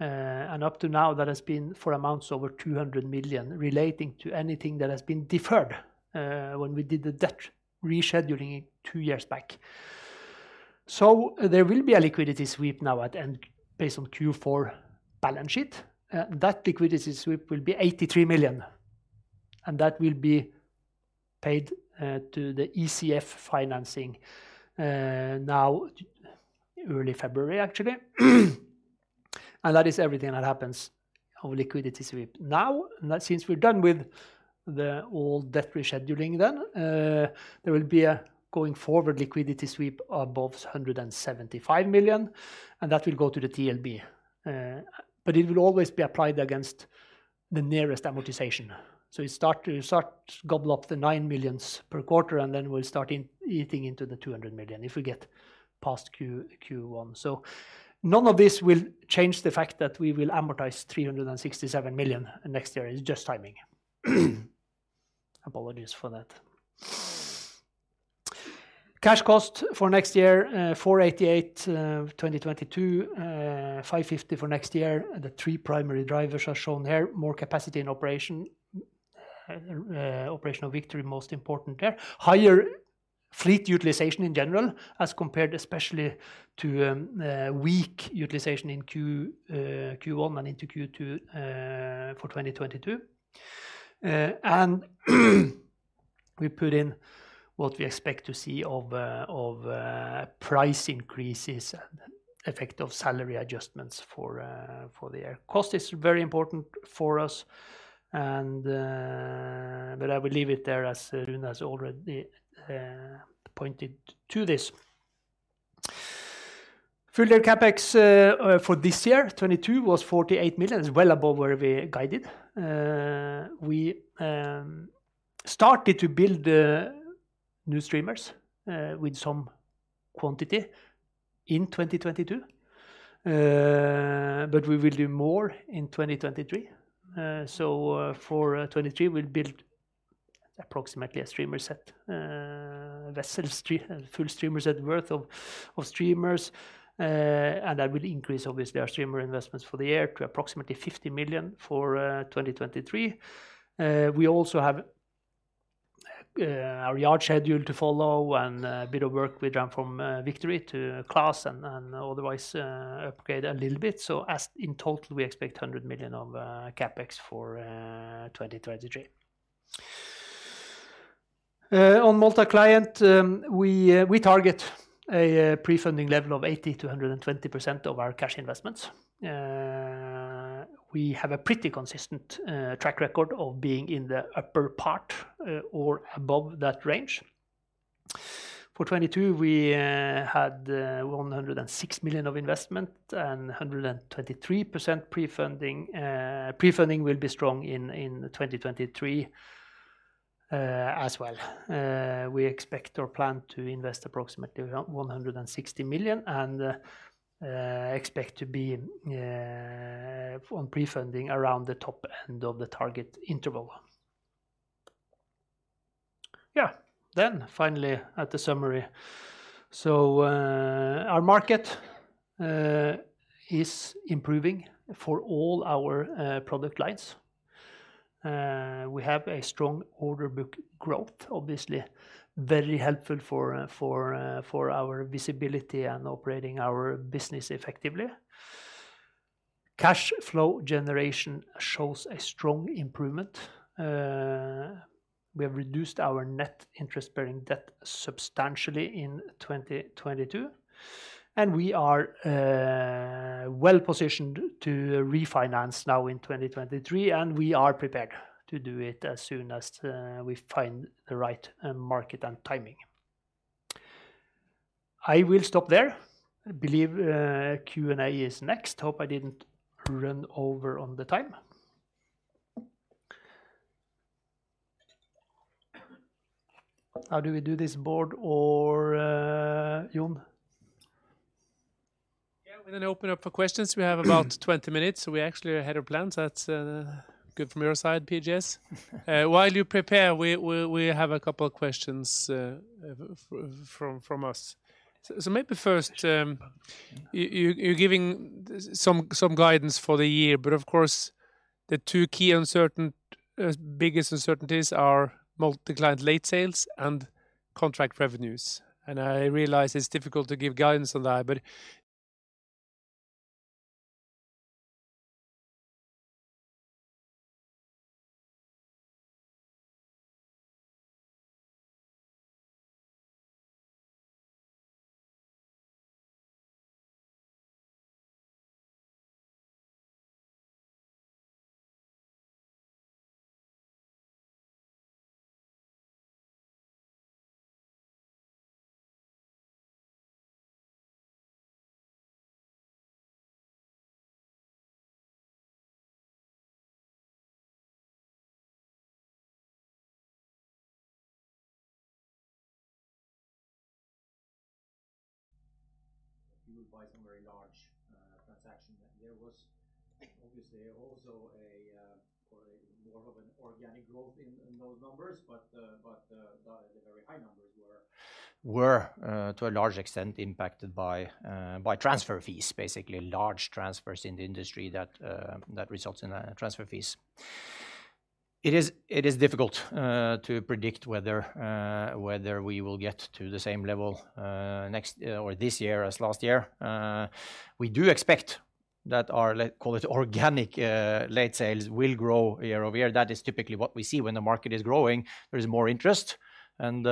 Up to now that has been for amounts over $200 million relating to anything that has been deferred, when we did the debt rescheduling two years back. There will be a liquidity sweep now at the end based on Q4 balance sheet. That liquidity sweep will be $83 million, and that will be paid to the ECF financing now early February, actually. That is everything that happens on liquidity sweep. That since we're done with the old debt rescheduling, there will be a going forward liquidity sweep of both $175 million, and that will go to the TLB. It will always be applied against the nearest amortization. You start gobble up the $9 million per quarter, and then we'll start eating into the $200 million if we get past Q1. None of this will change the fact that we will amortize $367 million next year. It's just timing. Apologies for that. Cash cost for next year, $488 million, 2022, $550 million for next year. The three primary drivers are shown here. More capacity and operation, operational victory most important there. Higher fleet utilization in general as compared especially to weak utilization in Q1 and into Q2 for 2022. And we put in what we expect to see of price increases and effect of salary adjustments for the year. Cost is very important for us. I will leave it there as Rune has already pointed to this. Full year CapEx for this year, 2022 was $48 million. It's well above where we guided. We started to build the new streamers with some quantity in 2022. We will do more in 2023. For 2023, we'll build approximately a streamer set, full streamers worth of streamers. That will increase obviously our streamer investments for the year to approximately $50 million for 2023. We also have our yard schedule to follow and a bit of work we done from Ramform Victory to DNV and otherwise upgrade a little bit. As in total, we expect $100 million of CapEx for 2023. On MultiClient, we target a prefunding level of 80%-120% of our cash investments. We have a pretty consistent track record of being in the upper part or above that range. For 2022, we had $106 million of investment and 123% prefunding. Prefunding will be strong in 2023 as well. We expect or plan to invest approximately $160 million and expect to be on prefunding around the top end of the target interval. Yeah. Finally at the summary. Our market is improving for all our product lines. We have a strong order book growth, obviously very helpful for our visibility and operating our business effectively. Cash flow generation shows a strong improvement. We have reduced our net interest-bearing debt substantially in 2022. We are well-positioned to refinance now in 2023, and we are prepared to do it as soon as we find the right market and timing. I will stop there. I believe Q&A is next. Hope I didn't run over on the time. How do we do this board or, John? Yeah. We're gonna open up for questions. We have about 20 minutes. We actually are ahead of plans. That's good from your side, PGS. While you prepare, we have a couple of questions from us. Maybe first, you're giving some guidance for the year, but of course the two key biggest uncertainties are MultiClient late sales and contract revenues. I realize it's difficult to give guidance on that. Fueled by some very large transaction. There was obviously also a more of an organic growth in those numbers, but the very high numbers were Were to a large extent impacted by transfer fees, basically large transfers in the industry that results in transfer fees. It is difficult to predict whether we will get to the same level next year or this year as last year. We do expect that our, let's call it organic, late sales will grow year-over-year. That is typically what we see when the market is growing. There is more interest and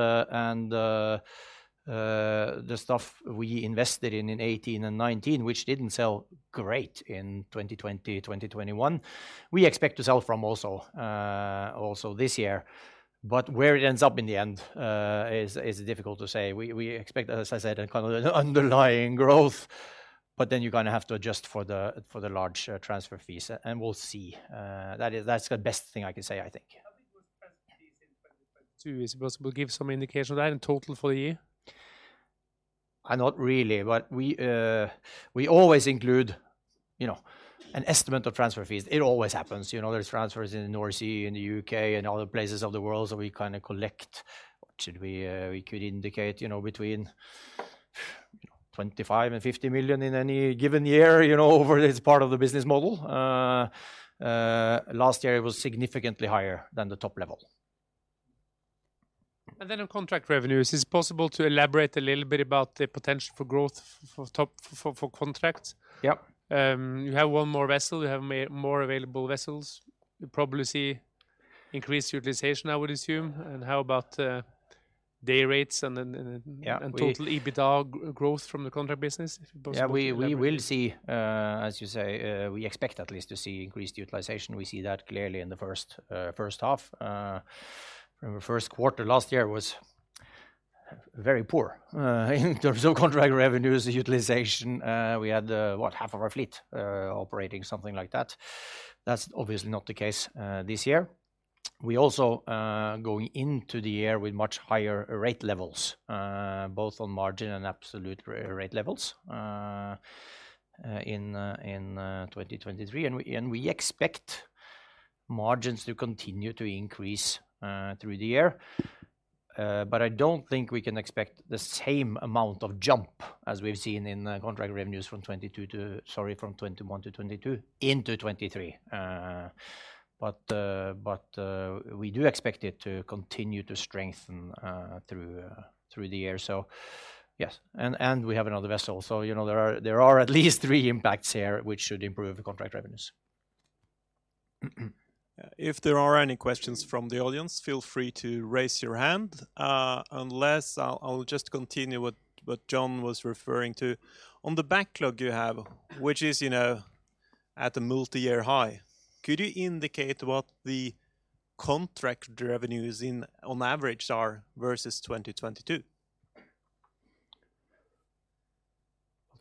the stuff we invested in in 2018 and 2019, which didn't sell great in 2020, 2021, we expect to sell from also this year. Where it ends up in the end is difficult to say. We expect, as I said, kind of an underlying growth, you're gonna have to adjust for the large transfer fees, we'll see. That's the best thing I can say, I think. How big was transfer fees in 2022? Is it possible to give some indication of that in total for the year? Not really. We always include, you know, an estimate of transfer fees. It always happens. You know, there's transfers in the North Sea, in the U.K., and other places of the world, so we kinda collect. Should we could indicate, you know, between $25 million and $50 million in any given year, you know, over this part of the business model. Last year it was significantly higher than the top level. On contract revenues, is it possible to elaborate a little bit about the potential for growth for contracts? Yep. You have one more vessel, you have more available vessels. You probably see increased utilization, I would assume. How about day rates and then. Yeah. total EBITDA growth from the contract business, if it's possible to elaborate. We will see, as you say, we expect at least to see increased utilization. We see that clearly in the first first half. Remember first quarter last year was very poor in terms of contract revenues utilization. We had, what, half of our fleet operating, something like that. That's obviously not the case this year. We also go into the year with much higher rate levels, both on margin and absolute rate levels in 2023. We expect margins to continue to increase through the year. I don't think we can expect the same amount of jump as we've seen in contract revenues from 2021 to 2022 into 2023. We do expect it to continue to strengthen through the year. Yes. We have another vessel. You know, there are at least three impacts here which should improve the contract revenues. If there are any questions from the audience, feel free to raise your hand. Unless I'll just continue what John was referring to. On the backlog you have, which is, you know, at a multiyear high, could you indicate what the contract revenues on average are versus 2022?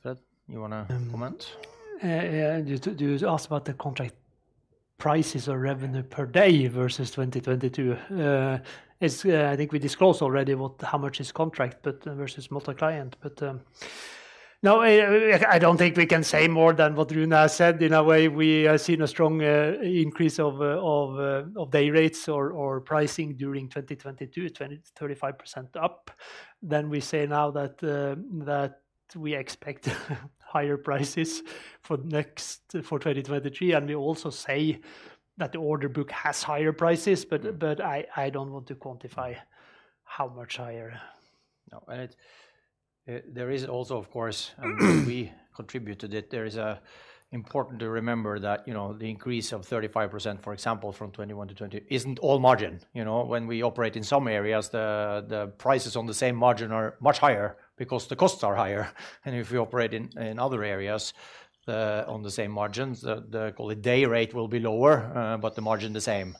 Fred, you wanna comment? Yeah. Do you ask about the contract prices or revenue per day versus 2022? It's, I think we disclosed already what, how much is contract but, versus MultiClient. No, I don't think we can say more than what Rune has said. In a way, we are seeing a strong increase of day rates or pricing during 2022, 35% up. We say now that we expect higher prices for next, for 2023. We also say that the order book has higher prices, but I don't want to quantify how much higher. No. There is also, of course, and we contribute to that. Important to remember that, you know, the increase of 35%, for example, from 2021-2020 isn't all margin. You know, when we operate in some areas, the prices on the same margin are much higher because the costs are higher. If we operate in other areas, on the same margins, the call it day rate will be lower, but the margin the same.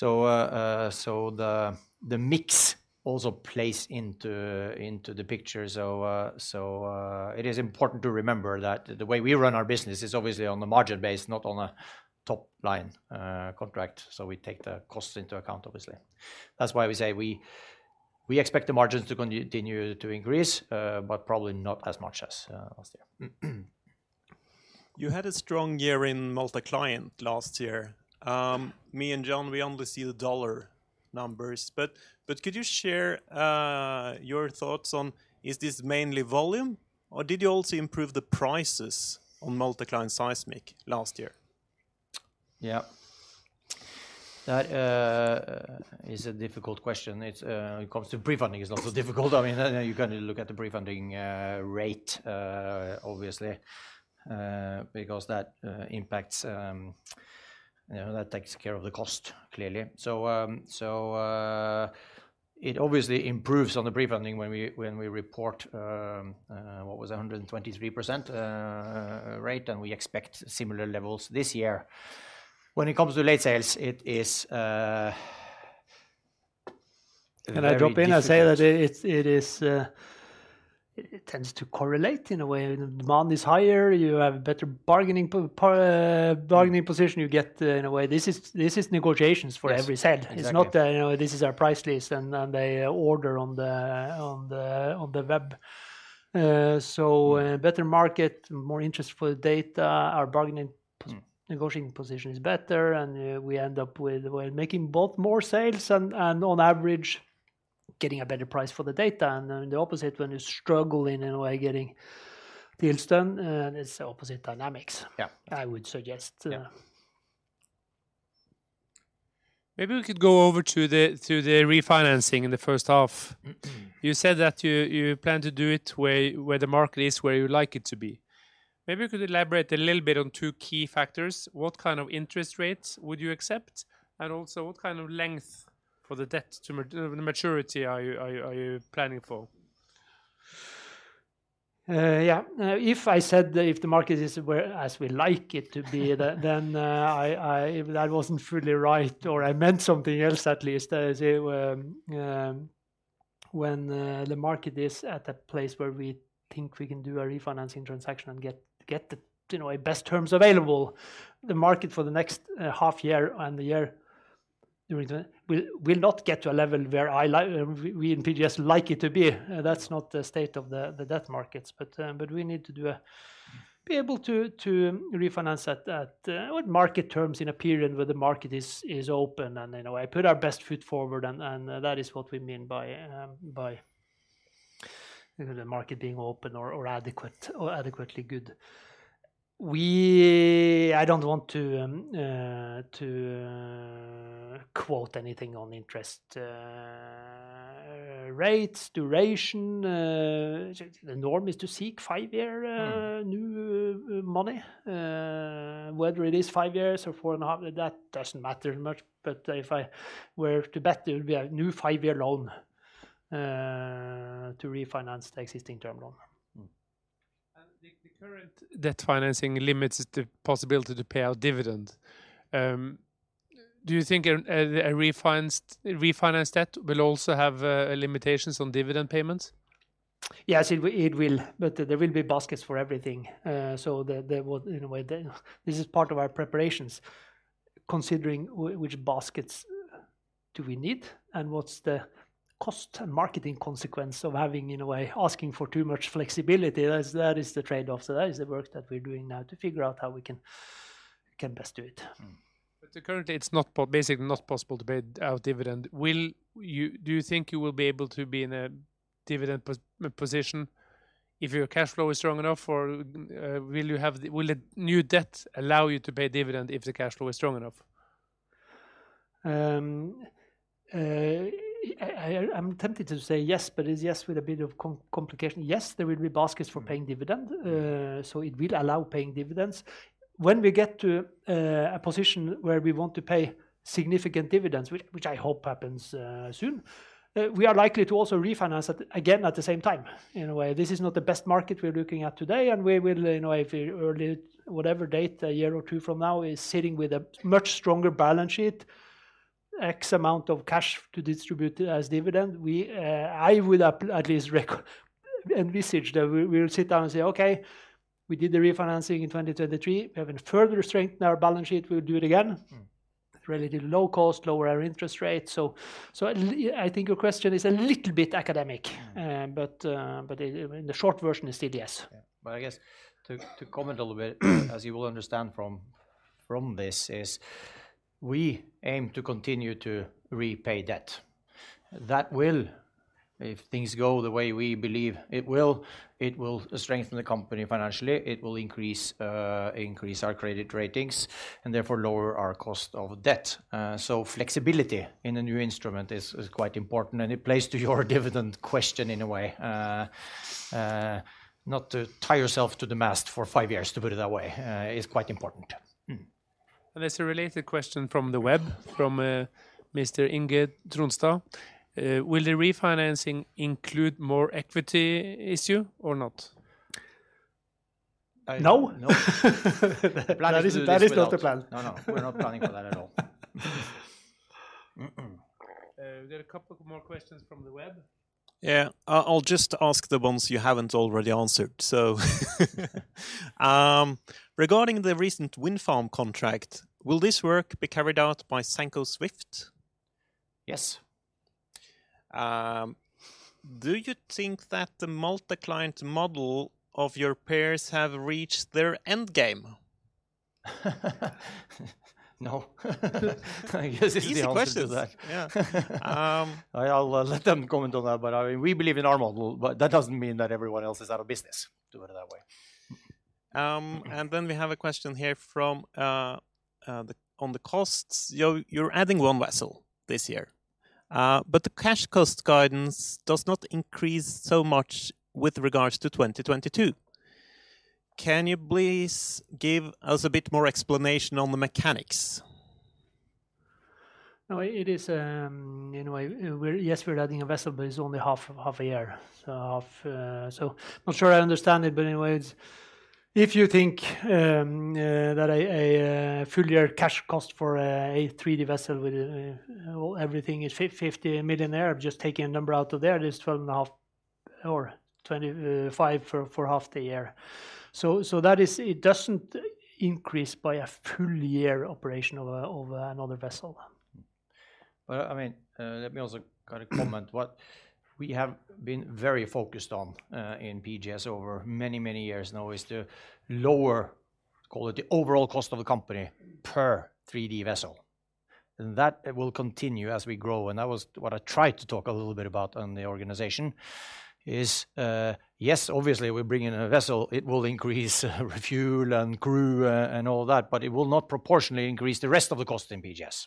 The mix also plays into the picture. It is important to remember that the way we run our business is obviously on a margin base, not on a top line contract. We take the costs into account, obviously. That's why we say we expect the margins to continue to increase, but probably not as much as last year. You had a strong year in MultiClient last year. Me and John, we only see the $ numbers, but could you share your thoughts on is this mainly volume or did you also improve the prices on MultiClient seismic last year? That is a difficult question. It's when it comes to prefunding, it's not so difficult. I mean, you can look at the prefunding rate, obviously, because that impacts, you know, that takes care of the cost, clearly. It obviously improves on the prefunding when we report 123% rate, and we expect similar levels this year. When it comes to late sales, it is. Can I drop in and say that it is, it tends to correlate in a way. When demand is higher, you have better bargaining position, you get in a way. This is negotiations for every head. Yes, exactly. It's not, you know, this is our price list and they order on the web. A better market, more interest for the data, our bargaining- Mm negotiating position is better and, we end up with, well, making both more sales and on average getting a better price for the data. Then the opposite when you're struggling in a way getting deals done, and it's opposite dynamics- Yeah I would suggest. Yeah. Maybe we could go over to the refinancing in the first half. Mm. You said that you plan to do it where the market is where you would like it to be. Maybe you could elaborate a little bit on two key factors. What kind of interest rates would you accept? Also, what kind of length for the debt to maturity are you planning for? Yeah. If I said that if the market is where as we like it to be, then, if that wasn't really right or I meant something else, at least, as it, when the market is at that place where we think we can do a refinancing transaction and get the, you know, best terms available, the market for the next half year and the year, We'll not get to a level where I like we in PGS like it to be. That's not the state of the debt markets. We need to be able to refinance at market terms in a period where the market is open and in a way put our best foot forward and that is what we mean by the market being open or adequate or adequately good. I don't want to quote anything on interest rates, duration. The norm is to seek five-year new money. Whether it is five years or four and a half, that doesn't matter much. If I were to bet, there would be a new five-year loan to refinance the existing term loan. Mm. The current debt financing limits the possibility to pay out dividend. Do you think a refinanced debt will also have limitations on dividend payments? Yes, it will, but there will be baskets for everything. There will in a way then. This is part of our preparations, considering which baskets do we need and what's the cost and marketing consequence of having, in a way, asking for too much flexibility. That is the trade-off. That is the work that we're doing now to figure out how we can best do it. Mm. Currently, it's not basically not possible to pay out dividend. Do you think you will be able to be in a dividend position if your cash flow is strong enough? Will the new debt allow you to pay dividend if the cash flow is strong enough? I'm tempted to say yes, but it's yes with a bit of complication. Yes, there will be baskets for paying dividend. Mm. It will allow paying dividends. When we get to a position where we want to pay significant dividends, which I hope happens soon, we are likely to also refinance at, again, at the same time. In a way, this is not the best market we're looking at today, we will, you know, if we early, whatever date, a year or two from now, is sitting with a much stronger balance sheet, X amount of cash to distribute as dividend, we, I will at least envisage that we will sit down and say, "Okay, we did the refinancing in 2023. We have further strengthened our balance sheet. We'll do it again. Mm. At relatively low cost, lower our interest rate. I think your question is a little bit academic. Mm. In the short version, it is yes. I guess to comment a little bit as you will understand from this is we aim to continue to repay debt. That will, if things go the way we believe it will, it will strengthen the company financially. It will increase our credit ratings and therefore lower our cost of debt. Flexibility in a new instrument is quite important, and it plays to your dividend question in a way. Not to tie yourself to the mast for five years, to put it that way, is quite important. Mm. There's a related question from the web, from Mr. Ingrid Trondstad. Will the refinancing include more equity issue or not? No. No. Planning to do this without. That is not the plan. No, no, we're not planning for that at all. There are a couple more questions from the web. Yeah. I'll just ask the ones you haven't already answered. Regarding the recent wind farm contract, will this work be carried out by Sanco Swift? Yes. Do you think that the multi-client model of your peers have reached their endgame? No. I guess it's the answer to that. Easy question. Yeah. I'll let them comment on that, but I mean, we believe in our model, but that doesn't mean that everyone else is out of business, to put it that way. We have a question here on the costs. You're adding one vessel this year, the cash cost guidance does not increase so much with regards to 2022. Can you please give us a bit more explanation on the mechanics? It is, you know, yes, we're adding a vessel, it's only half a year. Half. Not sure I understand it. Anyway, if you think that a full year cash cost for a 3D vessel with everything is $50 million. I'm just taking a number out of the air. Just $12.5 or $25 for half the year. That is, it doesn't increase by a full year operation of another vessel. I mean, let me also kind of comment. What we have been very focused on in PGS over many, many years now is to lower, call it, the overall cost of the company per 3D vessel. That will continue as we grow. That was what I tried to talk a little bit about on the organization is, yes, obviously, we bring in a vessel, it will increase fuel and crew and all that, but it will not proportionally increase the rest of the cost in PGS.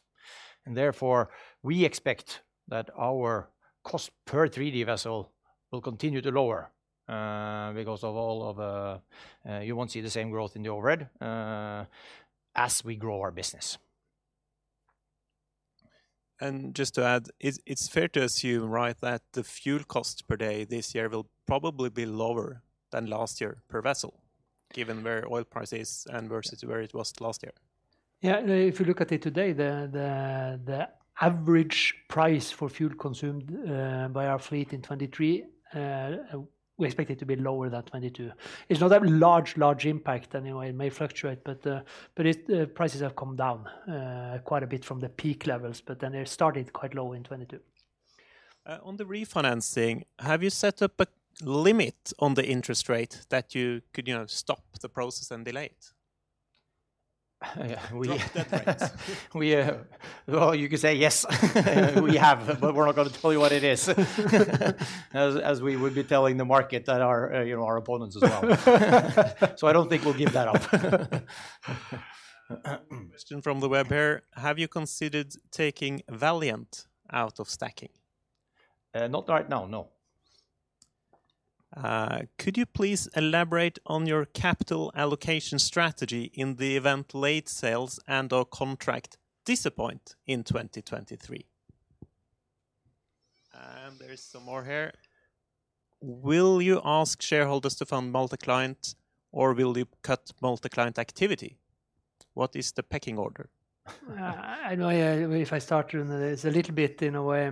Therefore, we expect that our cost per 3D vessel will continue to lower. You won't see the same growth in the overhead as we grow our business. Just to add, it's fair to assume, right, that the fuel cost per day this year will probably be lower than last year per vessel given where oil price is and versus where it was last year? If you look at it today, the average price for fuel consumed by our fleet in 2023, we expect it to be lower than 2022. It's not that large impact anyway. It may fluctuate, but prices have come down quite a bit from the peak levels. They started quite low in 2022. On the refinancing, have you set up a limit on the interest rate that you could, you know, stop the process and delay it? We- Stop the trains. Well, you could say, yes, we have. We're not gonna tell you what it is as we would be telling the market that our, you know, our opponents as well. I don't think we'll give that up. Question from the web here. Have you considered taking Valiant out of stacking? Not right now, no. Could you please elaborate on your capital allocation strategy in the event late sales and/or contract disappoint in 2023? There is some more here. Will you ask shareholders to fund MultiClient, or will you cut MultiClient activity? What is the pecking order? I know, yeah, if I start, Rune. It's a little bit in a way.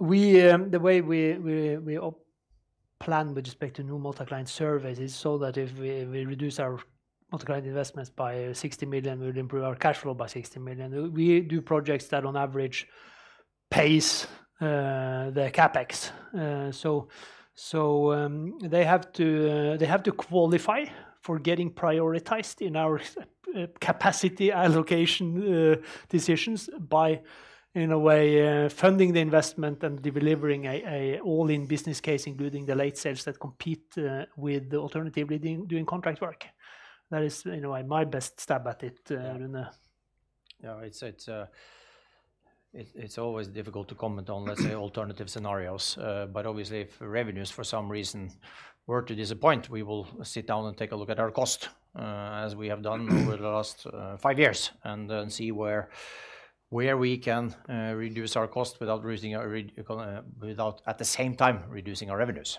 The way we plan with respect to new multi-client surveys is so that if we reduce our multi-client investments by $60 million, we'll improve our cash flow by $60 million. We do projects that on average pace the CapEx. They have to qualify for getting prioritized in our capacity allocation decisions by, in a way, funding the investment and delivering a all-in business case, including the late sales that compete with the alternatively doing contract work. That is, you know, my best stab at it, Rune. Yeah. It's always difficult to comment on, let's say, alternative scenarios. Obviously, if revenues for some reason were to disappoint, we will sit down and take a look at our cost, as we have done over the last five years and see where we can reduce our cost without at the same time reducing our revenues.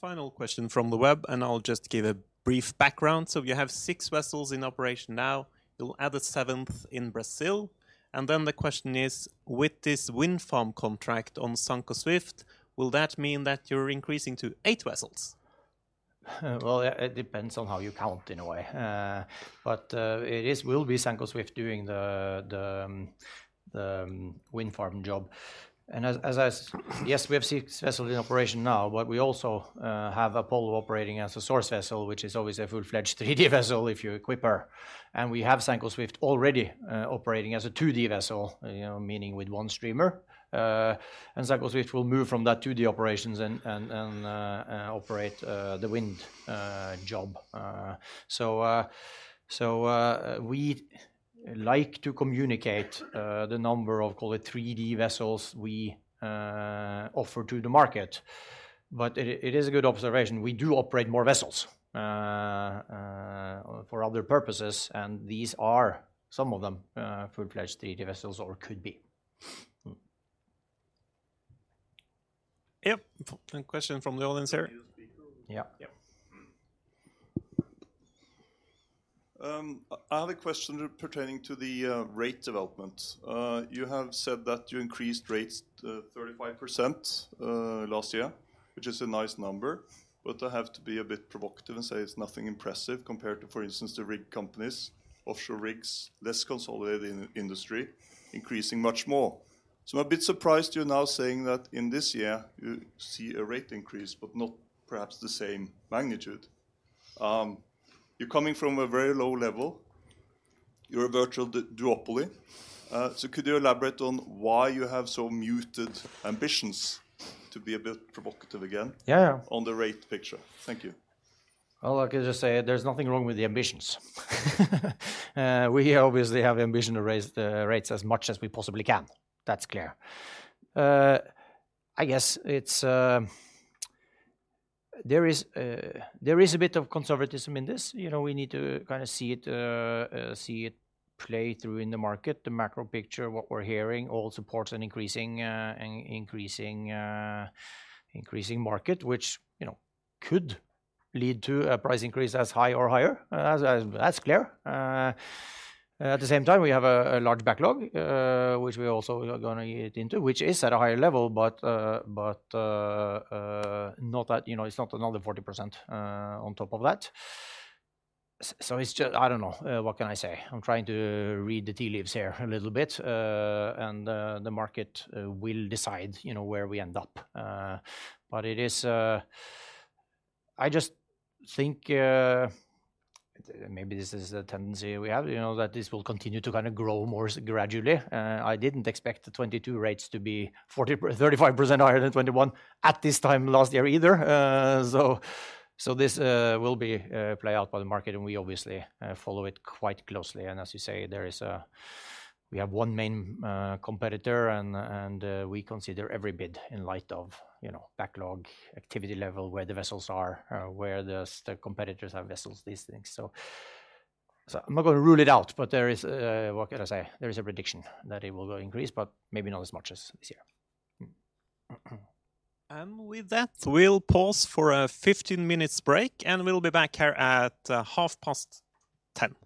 Final question from the web, I'll just give a brief background. You have six vessels in operation now. You'll add a seventh in Brazil. The question is, with this wind farm contract on Sanco Swift, will that mean that you're increasing to eight vessels? ds on how you count in a way. But it is, will be Sanco Swift doing the wind farm job. And as I, yes, we have six vessels in operation now, but we also have PGS Apollo operating as a source vessel, which is always a full-fledged 3D vessel if you equip her. And we have Sanco Swift already operating as a 2D vessel, you know, meaning with one streamer. And Sanco Swift will move from that 2D operations and operate the wind job. So we like to communicate the number of, call it, 3D vessels we offer to the market. But it is a good observation We do operate more vessels for other purposes, and these are some of them, full-fledged 3D vessels or could be. Yeah. Question from the audience here. Can you speak a little- Yeah. Yeah. Mm. I have a question pertaining to the rate development. You have said that you increased rates to 35% last year, which is a nice number, but I have to be a bit provocative and say it's nothing impressive compared to, for instance, the rig companies, offshore rigs, less consolidated in industry, increasing much more. I'm a bit surprised you're now saying that in this year you see a rate increase but not perhaps the same magnitude. You're coming from a very low level. You're a virtual duopoly. Could you elaborate on why you have so muted ambitions, to be a bit provocative again? Yeah, yeah. on the rate picture? Thank you. Well, I could just say there's nothing wrong with the ambitions. We obviously have ambition to raise the rates as much as we possibly can. That's clear. I guess it's, there is a bit of conservatism in this. You know, we need to kinda see it, see it play through in the market. The macro picture, what we're hearing all supports an increasing market, which, you know, could lead to a price increase as high or higher, that's clear. At the same time, we have a large backlog, which we also are gonna get into, which is at a higher level. Not that, you know, it's not another 40%, on top of that. It's I don't know. What can I say? I'm trying to read the tea leaves here a little bit, and the market will decide, you know, where we end up. I just think, maybe this is a tendency we have, you know, that this will continue to kinda grow more gradually. I didn't expect the 2022 rates to be 35% higher than 2021 at this time last year either. This will be play out by the market, and we obviously follow it quite closely. As you say, we have one main competitor and we consider every bid in light of, you know, backlog, activity level, where the vessels are, where the competitors have vessels, these things. I'm not gonna rule it out, but there is, what can I say? There is a prediction that it will increase, but maybe not as much as this year. We'll pause for a 15-minute break, and we'll be back here at 10:30 A.M.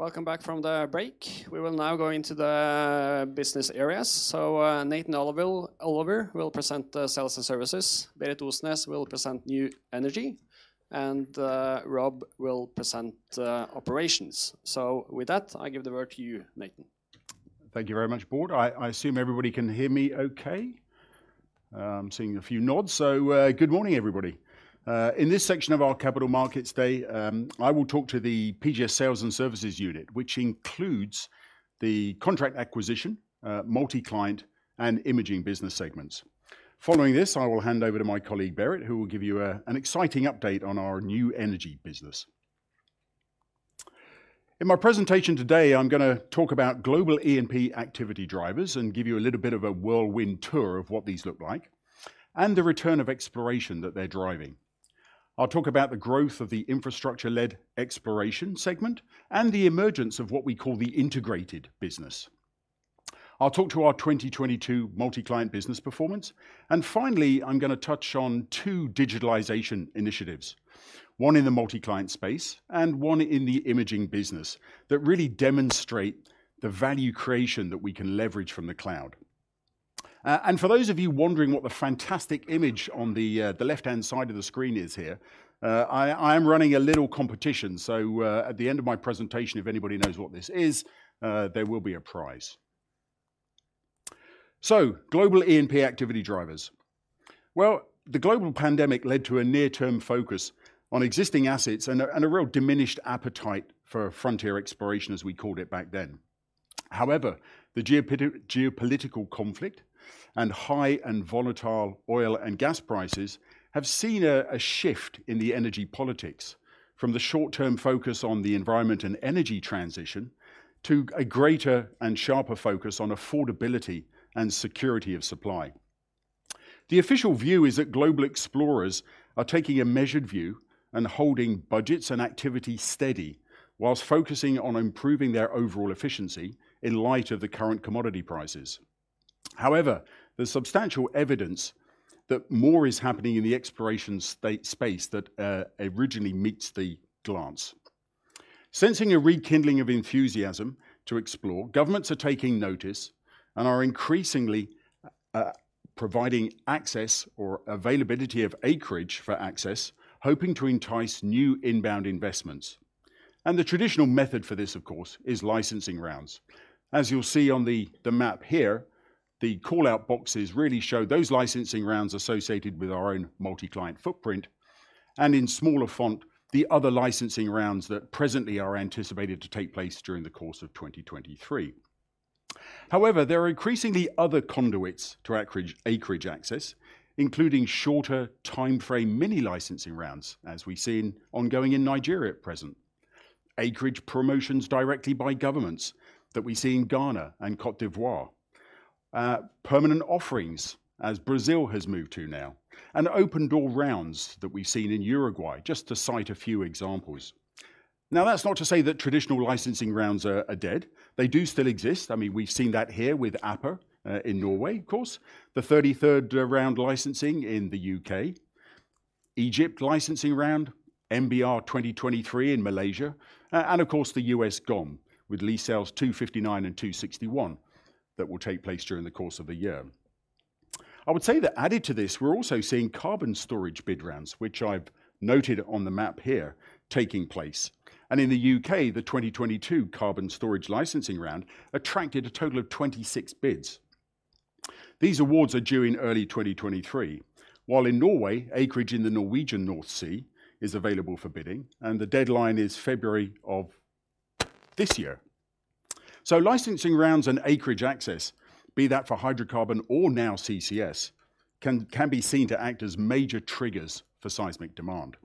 Welcome back from the break. We will now go into the business areas. Nathan Oliver will present the Sales & Services. Berit Osnes will present New Energy, and Rob will present operations. I give the word to you, Nathan. Thank you very much, Bård. I assume everybody can hear me OK. I'm seeing a few nods. Good morning, everybody. In this section of our Capital Markets Day, I will talk to the PGS Sales and Services unit, which includes the contract acquisition, multi-client, and imaging business segments. Following this, I will hand over to my colleague, Berit, who will give you an exciting update on our new energy business. In my presentation today, I'm gonna talk about global E&P activity drivers and give you a little bit of a whirlwind tour of what these look like and the return of exploration that they're driving. I'll talk about the growth of the infrastructure-led exploration segment and the emergence of what we call the integrated business. I'll talk to our 2022 multi-client business performance. Finally, I'm gonna touch on two digitalization initiatives, one in the MultiClient space and one in the imaging business that really demonstrate the value creation that we can leverage from the cloud. For those of you wondering what the fantastic image on the left-hand side of the screen is here, I am running a little competition. At the end of my presentation, if anybody knows what this is, there will be a prize. Global E&P activity drivers. Well, the global pandemic led to a near-term focus on existing assets and a real diminished appetite for frontier exploration, as we called it back then. The geopolitical conflict and high and volatile oil and gas prices have seen a shift in the energy politics from the short-term focus on the environment and energy transition to a greater and sharper focus on affordability and security of supply. The official view is that global explorers are taking a measured view and holding budgets and activity steady whilst focusing on improving their overall efficiency in light of the current commodity prices. There's substantial evidence that more is happening in the exploration space that originally meets the glance. Sensing a rekindling of enthusiasm to explore, governments are taking notice and are increasingly providing access or availability of acreage for access, hoping to entice new inbound investments. The traditional method for this, of course, is licensing rounds. As you'll see on the map here, the call-out boxes really show those licensing rounds associated with our own multi-client footprint, and in smaller font, the other licensing rounds that presently are anticipated to take place during the course of 2023. There are increasingly other conduits to acreage access, including shorter timeframe mini-licensing rounds, as we've seen ongoing in Nigeria at present. Acreage promotions directly by governments that we see in Ghana and Côte d'Ivoire. Permanent offerings, as Brazil has moved to now, open-door rounds that we've seen in Uruguay, just to cite a few examples. That's not to say that traditional licensing rounds are dead. They do still exist. I mean, we've seen that here with APA in Norway, of course. The 33rd round licensing in the U.K. Egypt licensing round, MBR 2023 in Malaysia, of course, the U.S. GOM with lease sales 259 and 261 that will take place during the course of the year. I would say that added to this, we're also seeing carbon storage bid rounds, which I've noted on the map here, taking place. In the U.K., the 2022 carbon storage licensing round attracted a total of 26 bids. These awards are due in early 2023, while in Norway, acreage in the Norwegian North Sea is available for bidding, and the deadline is February of this year. Licensing rounds and acreage access, be that for hydrocarbon or now CCS, can be seen to act as major triggers for seismic demand.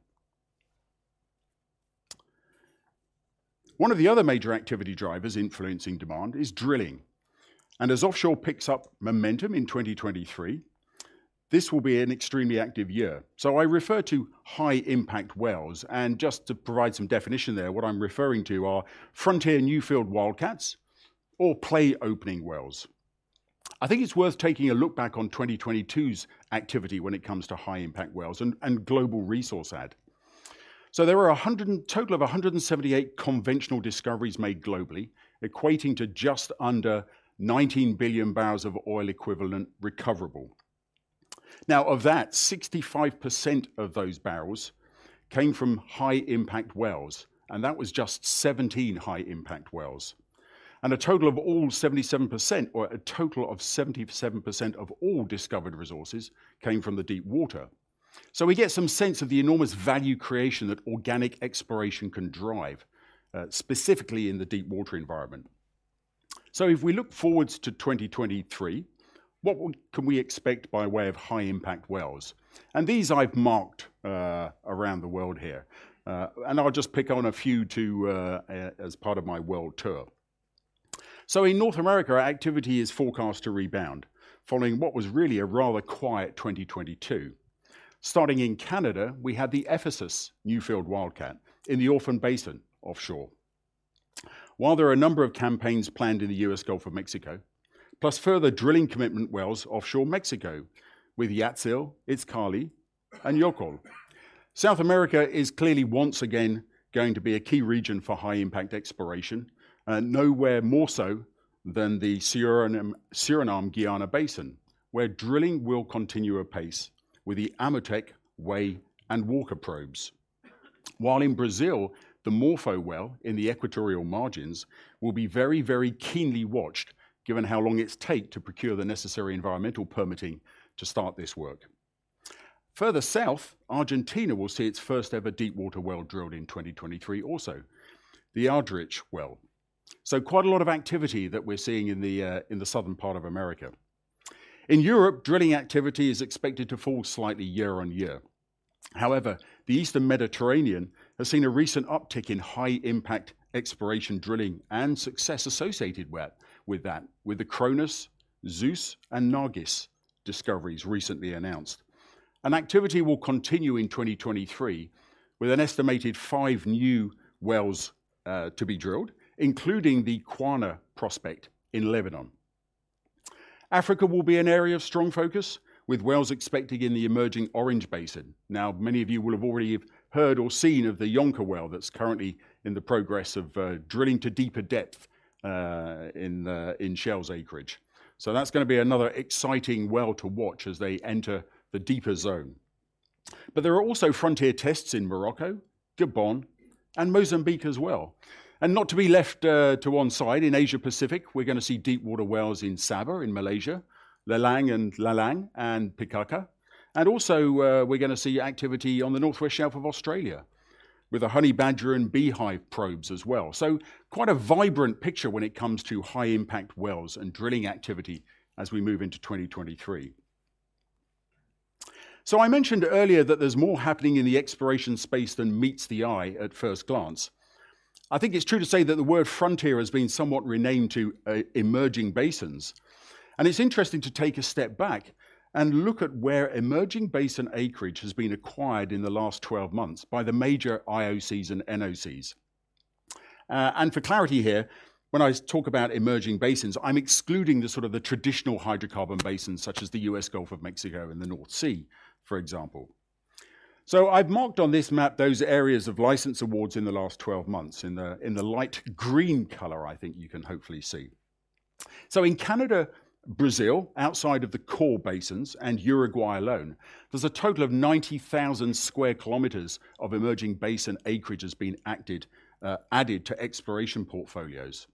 One of the other major activity drivers influencing demand is drilling. As offshore picks up momentum in 2023, this will be an extremely active year. I refer to high-impact wells, and just to provide some definition there, what I'm referring to are frontier newfield wildcats or play opening wells. I think it's worth taking a look back on 2022's activity when it comes to high-impact wells and global resource add. There are a total of 178 conventional discoveries made globally, equating to just under 19 billion barrels of oil equivalent recoverable. Now, of that, 65% of those barrels came from high-impact wells, and that was just 17 high-impact wells. A total of 77% of all discovered resources came from the deep water. We get some sense of the enormous value creation that organic exploration can drive specifically in the deep water environment. If we look forwards to 2023, what can we expect by way of high-impact wells? These I've marked around the world here. I'll just pick on a few to as part of my world tour. In North America, activity is forecast to rebound following what was really a rather quiet 2022. Starting in Canada, we had the Ephesus newfield wildcat in the Orphan Basin offshore. While there are a number of campaigns planned in the U.S. Gulf of Mexico, plus further drilling commitment wells offshore Mexico with Yatzil, Itzcali, and Yokol. South America is clearly once again going to be a key region for high-impact exploration, and nowhere more so than the Suriname-Guyana Basin, where drilling will continue apace with the Amotik, Way, and Walker probes. While in Brazil, the Morpho well in the equatorial margins will be very, very keenly watched given how long it's take to procure the necessary environmental permitting to start this work. Further south, Argentina will see its first-ever deepwater well drilled in 2023 also, the Aldrich well. Quite a lot of activity that we're seeing in the southern part of America. In Europe, drilling activity is expected to fall slightly year-on-year. However, the Eastern Mediterranean has seen a recent uptick in high-impact exploration drilling and success associated with that, with the Cronus, Zeus, and Nargis discoveries recently announced. Activity will continue in 2023 with an estimated five new wells to be drilled, including the Qana prospect in Lebanon. Africa will be an area of strong focus, with wells expected in the emerging Orange Basin. Many of you will have already heard or seen of the Jonker well that's currently in the progress of drilling to deeper depth in Shell's acreage. That's gonna be another exciting well to watch as they enter the deeper zone. There are also frontier tests in Morocco, Gabon, and Mozambique as well. Not to be left to one side, in Asia-Pacific, we're gonna see deepwater wells in Sabah, in Malaysia, Leleng and Lelayang, and Pikaka. Also, we're gonna see activity on the North West Shelf of Australia with the Honey Badger and Beehive probes as well. Quite a vibrant picture when it comes to high-impact wells and drilling activity as we move into 2023. I mentioned earlier that there's more happening in the exploration space than meets the eye at first glance. I think it's true to say that the word frontier has been somewhat renamed to emerging basins. It's interesting to take a step back and look at where emerging basin acreage has been acquired in the last 12 months by the major IOCs and NOCs. For clarity here, when I talk about emerging basins, I'm excluding the sort of the traditional hydrocarbon basins such as the U.S. Gulf of Mexico and the North Sea, for example. I've marked on this map those areas of license awards in the last 12 months in the, in the light green color, I think you can hopefully see. In Canada, Brazil, outside of the core basins, and Uruguay alone, there's a total of 90,000 square kilometers of emerging basin acreage has been added to exploration portfolios.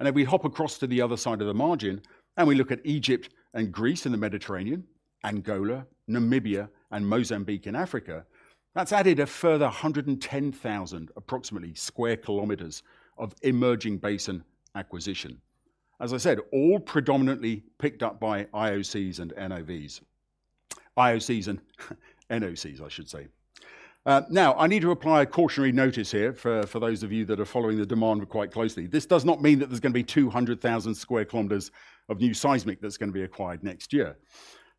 If we hop across to the other side of the margin, and we look at Egypt and Greece in the Mediterranean, Angola, Namibia and Mozambique in Africa, that's added a further 110,000 approximately square kilometers of emerging basin acquisition. As I said, all predominantly picked up by IOCs and NOVs. IOCs and NOCs, I should say. Now, I need to apply a cautionary notice here for those of you that are following the demand quite closely. This does not mean that there's gonna be 200,000 square kilometers of new seismic that's gonna be acquired next year.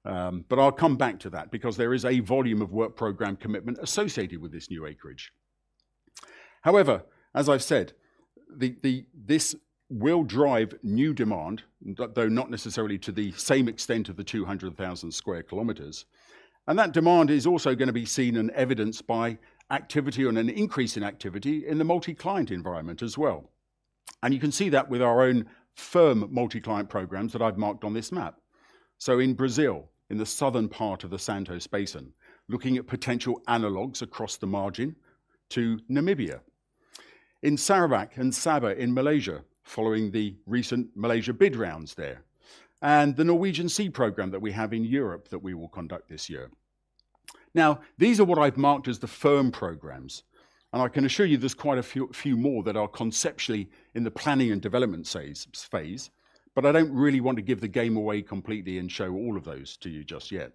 I'll come back to that because there is a volume of work program commitment associated with this new acreage. However, as I've said, this will drive new demand, though not necessarily to the same extent of the 200,000 square kilometers. That demand is also gonna be seen and evidenced by activity or an increase in activity in the multi-client environment as well. You can see that with our own firm multi-client programs that I've marked on this map. In Brazil, in the southern part of the Santos Basin, looking at potential analogs across the margin to Namibia. In Sarawak and Sabah in Malaysia, following the recent Malaysia Bid Rounds there, and the Norwegian Sea program that we have in Europe that we will conduct this year. These are what I've marked as the firm programs, and I can assure you there's quite a few more that are conceptually in the planning and development phase, but I don't really want to give the game away completely and show all of those to you just yet.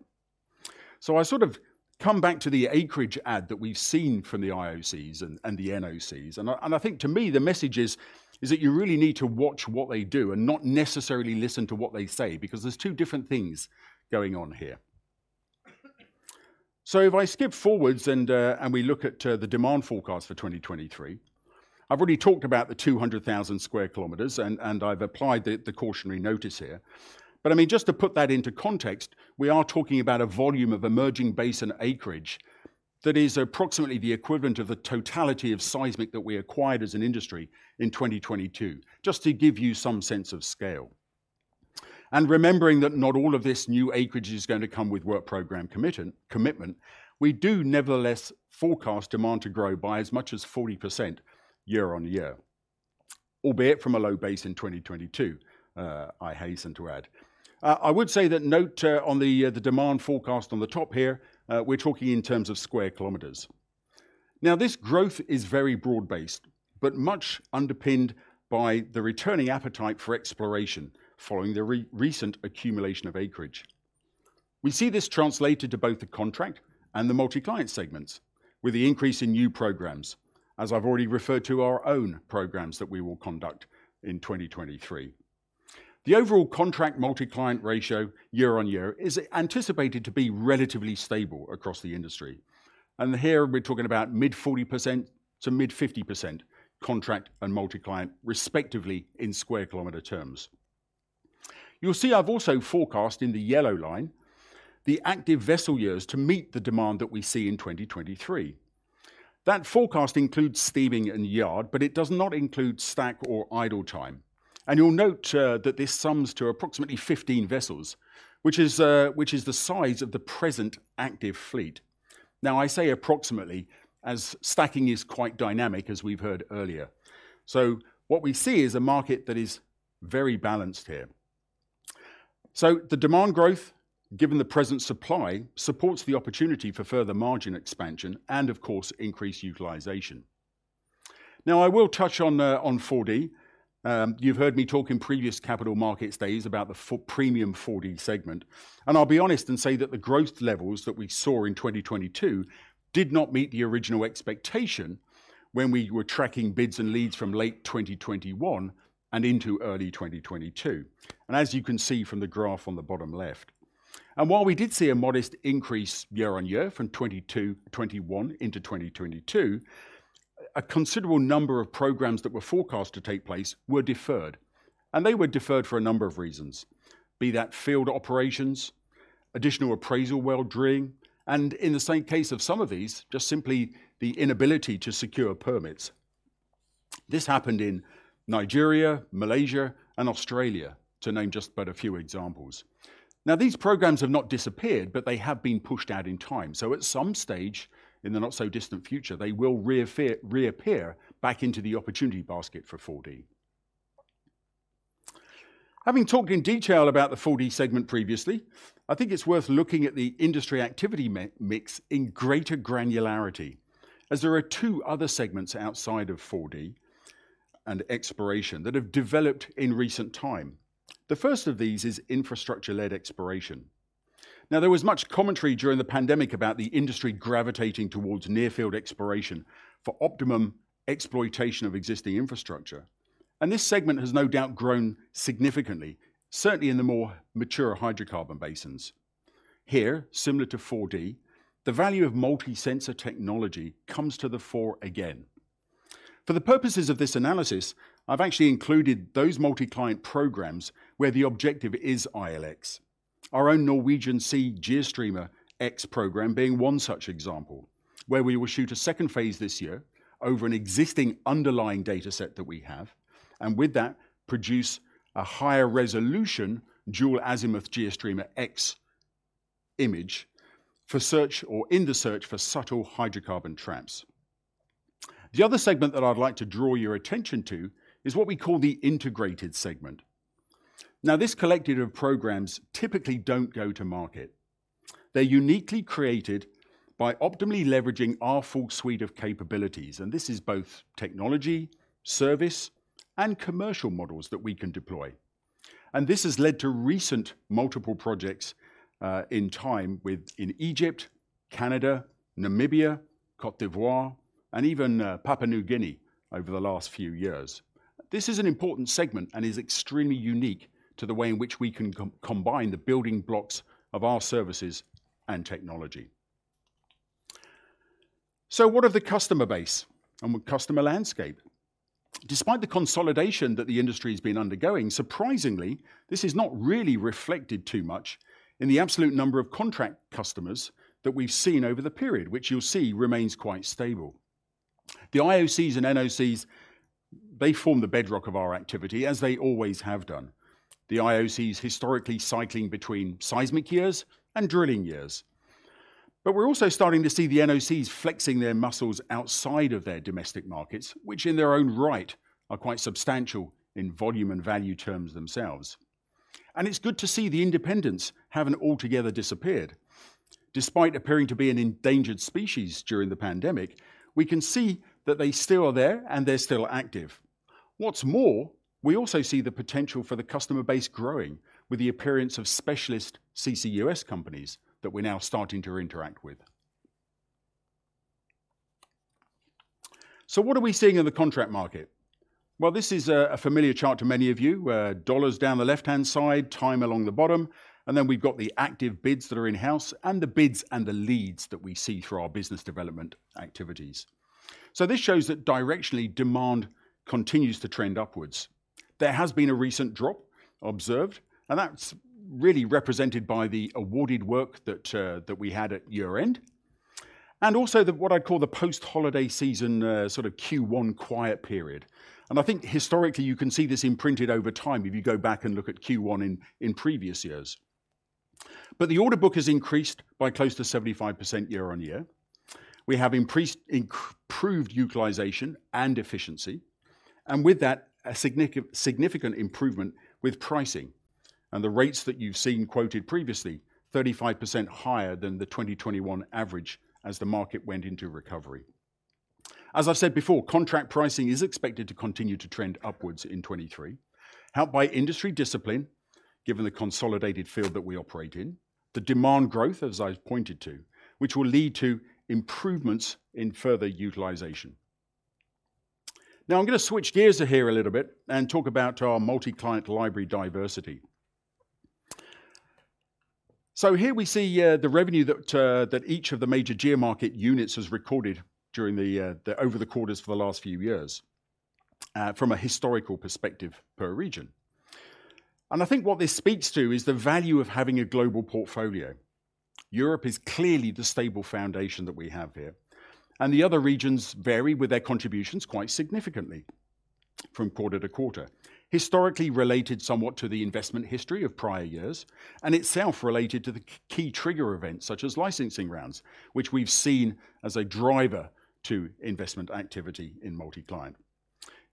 I sort of come back to the acreage ad that we've seen from the IOCs and the NOCs, and I think to me the message is that you really need to watch what they do and not necessarily listen to what they say, because there's two different things going on here. If I skip forwards and we look at the demand forecast for 2023, I've already talked about the 200,000 square kilometers and I've applied the cautionary notice here. I mean, just to put that into context, we are talking about a volume of emerging basin acreage that is approximately the equivalent of the totality of seismic that we acquired as an industry in 2022, just to give you some sense of scale. Remembering that not all of this new acreage is gonna come with work program commitment, we do nevertheless forecast demand to grow by as much as 40% year-on-year, albeit from a low base in 2022, I hasten to add. I would say that note on the demand forecast on the top here, we're talking in terms of square kilometers. Now, this growth is very broad-based, but much underpinned by the returning appetite for exploration following the recent accumulation of acreage. We see this translated to both the contract and the multi-client segments with the increase in new programs, as I've already referred to our own programs that we will conduct in 2023. The overall contract multi-client ratio year-over-year is anticipated to be relatively stable across the industry. Here we're talking about mid 40%-mid 50% contract and multi-client respectively in sq km terms. You'll see I've also forecast in the yellow line the active vessel years to meet the demand that we see in 2023. That forecast includes steaming and yard, but it does not include stack or idle time. You'll note that this sums to approximately 15 vessels, which is the size of the present active fleet. Now, I say approximately as stacking is quite dynamic as we've heard earlier. What we see is a market that is very balanced here. The demand growth, given the present supply, supports the opportunity for further margin expansion and of course increased utilization. I will touch on 4D. You've heard me talk in previous capital markets days about the premium 4D segment. I'll be honest and say that the growth levels that we saw in 2022 did not meet the original expectation when we were tracking bids and leads from late 2021 and into early 2022. As you can see from the graph on the bottom left. While we did see a modest increase year-on-year from 2021 into 2022, a considerable number of programs that were forecast to take place were deferred. They were deferred for a number of reasons, be that field operations, additional appraisal well drilling, and in the same case of some of these, just simply the inability to secure permits. This happened in Nigeria, Malaysia and Australia to name just but a few examples. These programs have not disappeared, but they have been pushed out in time. At some stage in the not so distant future, they will reappear back into the opportunity basket for 4D. Having talked in detail about the 4D segment previously, I think it's worth looking at the industry activity mix in greater granularity as there are two other segments outside of 4D and exploration that have developed in recent time. The first of these is infrastructure-led exploration. There was much commentary during the pandemic about the industry gravitating towards near-field exploration for optimum exploitation of existing infrastructure. This segment has no doubt grown significantly, certainly in the more mature hydrocarbon basins. Here, similar to 4D, the value of multi-sensor technology comes to the fore again. For the purposes of this analysis, I've actually included those multi-client programs where the objective is ILX. Our own Norwegian Sea GeoStreamerX program being one such example, where we will shoot a second phase this year over an existing underlying data set that we have, with that produce a higher resolution dual-azimuth GeoStreamerX image for search or in the search for subtle hydrocarbon traps. The other segment that I'd like to draw your attention to is what we call the integrated segment. This collective of programs typically don't go to market. They're uniquely created by optimally leveraging our full suite of capabilities, this is both technology, service, and commercial models that we can deploy. This has led to recent multiple projects in time with in Egypt, Canada, Namibia, Côte d'Ivoire, and even Papua New Guinea over the last few years. This is an important segment and is extremely unique to the way in which we can combine the building blocks of our services and technology. What of the customer base and customer landscape? Despite the consolidation that the industry has been undergoing, surprisingly, this is not really reflected too much in the absolute number of contract customers that we've seen over the period, which you'll see remains quite stable. The IOCs and NOCs, they form the bedrock of our activity as they always have done. The IOCs historically cycling between seismic years and drilling years. We're also starting to see the NOCs flexing their muscles outside of their domestic markets, which in their own right are quite substantial in volume and value terms themselves. It's good to see the independents haven't altogether disappeared. Despite appearing to be an endangered species during the pandemic, we can see that they still are there, and they're still active. What's more, we also see the potential for the customer base growing with the appearance of specialist CCUS companies that we're now starting to interact with. What are we seeing in the contract market? Well, this is a familiar chart to many of you, where dollars down the left-hand side, time along the bottom, and then we've got the active bids that are in-house and the bids and the leads that we see through our business development activities. This shows that directionally demand continues to trend upwards. There has been a recent drop observed, and that's really represented by the awarded work that we had at year-end, and also the what I'd call the post-holiday season, sort of Q1 quiet period. I think historically you can see this imprinted over time if you go back and look at Q1 in previous years. The order book has increased by close to 75% year-on-year. We have improved utilization and efficiency, and with that, a significant improvement with pricing and the rates that you've seen quoted previously, 35% higher than the 2021 average as the market went into recovery. As I've said before, contract pricing is expected to continue to trend upwards in 2023, helped by industry discipline, given the consolidated field that we operate in, the demand growth, as I've pointed to, which will lead to improvements in further utilization. Now I'm gonna switch gears here a little bit and talk about our MultiClient library diversity. Here we see, the revenue that each of the major geomarket units has recorded during the over the quarters for the last few years, from a historical perspective per region. I think what this speaks to is the value of having a global portfolio. Europe is clearly the stable foundation that we have here, and the other regions vary with their contributions quite significantly from quarter to quarter. Historically related somewhat to the investment history of prior years and itself related to the key trigger events such as licensing rounds, which we've seen as a driver to investment activity in MultiClient.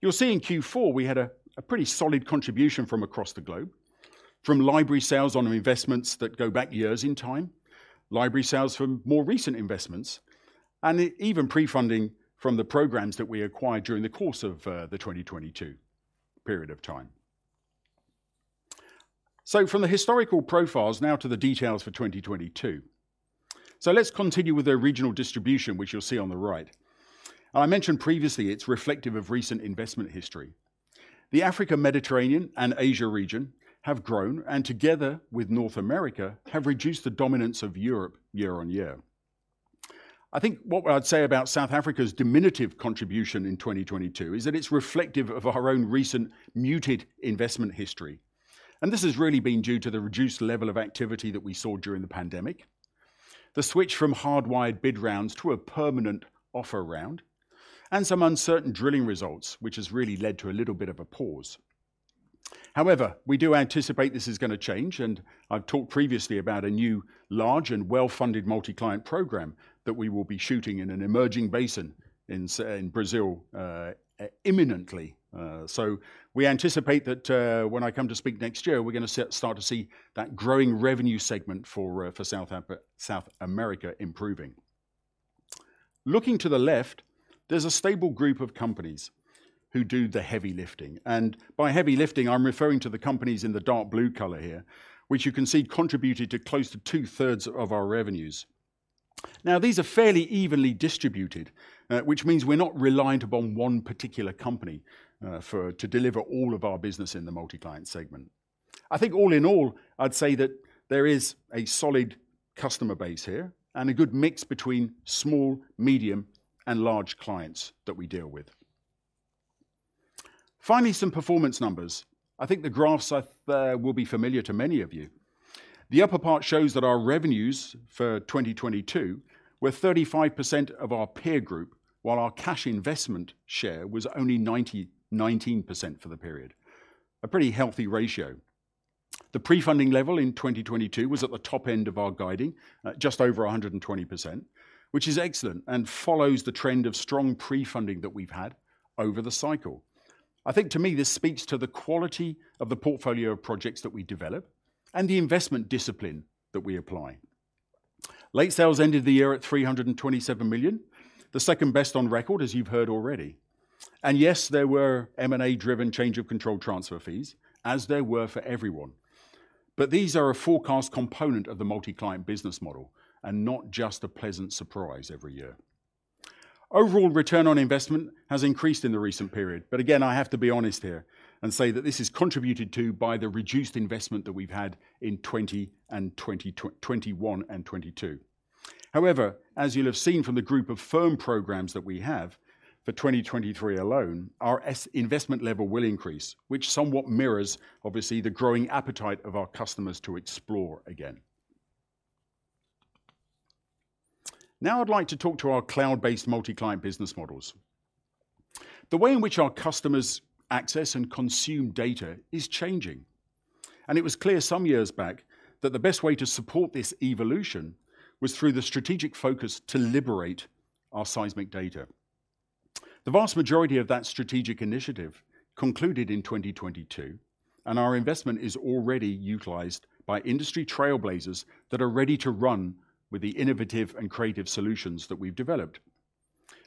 You'll see in Q4 we had a pretty solid contribution from across the globe from library sales on investments that go back years in time, library sales from more recent investments, and even pre-funding from the programs that we acquired during the course of the 2022 period of time. From the historical profiles now to the details for 2022. Let's continue with the regional distribution which you'll see on the right. I mentioned previously it's reflective of recent investment history. The Africa, Mediterranean, and Asia region have grown and together with North America have reduced the dominance of Europe year-over-year. I think what I'd say about South Africa's diminutive contribution in 2022 is that it's reflective of our own recent muted investment history. This has really been due to the reduced level of activity that we saw during the pandemic, the switch from hardwired bid rounds to a permanent offer round, and some uncertain drilling results which has really led to a little bit of a pause. However, we do anticipate this is gonna change, and I've talked previously about a new large and well-funded multi-client program that we will be shooting in an emerging basin in Brazil imminently. We anticipate that, when I come to speak next year, we're gonna start to see that growing revenue segment for South America improving. Looking to the left, there's a stable group of companies who do the heavy lifting. By heavy lifting, I'm referring to the companies in the dark blue color here, which you can see contributed to close to two-thirds of our revenues. These are fairly evenly distributed, which means we're not reliant upon one particular company to deliver all of our business in the MultiClient segment. I think all in all, I'd say that there is a solid customer base here, and a good mix between small, medium, and large clients that we deal with. Finally, some performance numbers. I think the graphs will be familiar to many of you. The upper part shows that our revenues for 2022 were 35% of our peer group, while our cash investment share was only 19% for the period. A pretty healthy ratio. The prefunding level in 2022 was at the top end of our guiding, just over 120%, which is excellent and follows the trend of strong prefunding that we've had over the cycle. I think to me, this speaks to the quality of the portfolio of projects that we develop and the investment discipline that we apply. Late sales ended the year at $327 million, the second best on record, as you've heard already. Yes, there were M&A driven change of control transfer fees, as there were for everyone. These are a forecast component of the multi-client business model and not just a pleasant surprise every year. Overall return on investment has increased in the recent period. Again, I have to be honest here and say that this is contributed to by the reduced investment that we've had in 20 and 2021 and 2022. As you'll have seen from the group of firm programs that we have for 2023 alone, our investment level will increase, which somewhat mirrors, obviously, the growing appetite of our customers to explore again. Now I'd like to talk to our cloud-based multi-client business models. The way in which our customers access and consume data is changing. It was clear some years back that the best way to support this evolution was through the strategic focus to liberate our seismic data. The vast majority of that strategic initiative concluded in 2022. Our investment is already utilized by industry trailblazers that are ready to run with the innovative and creative solutions that we've developed.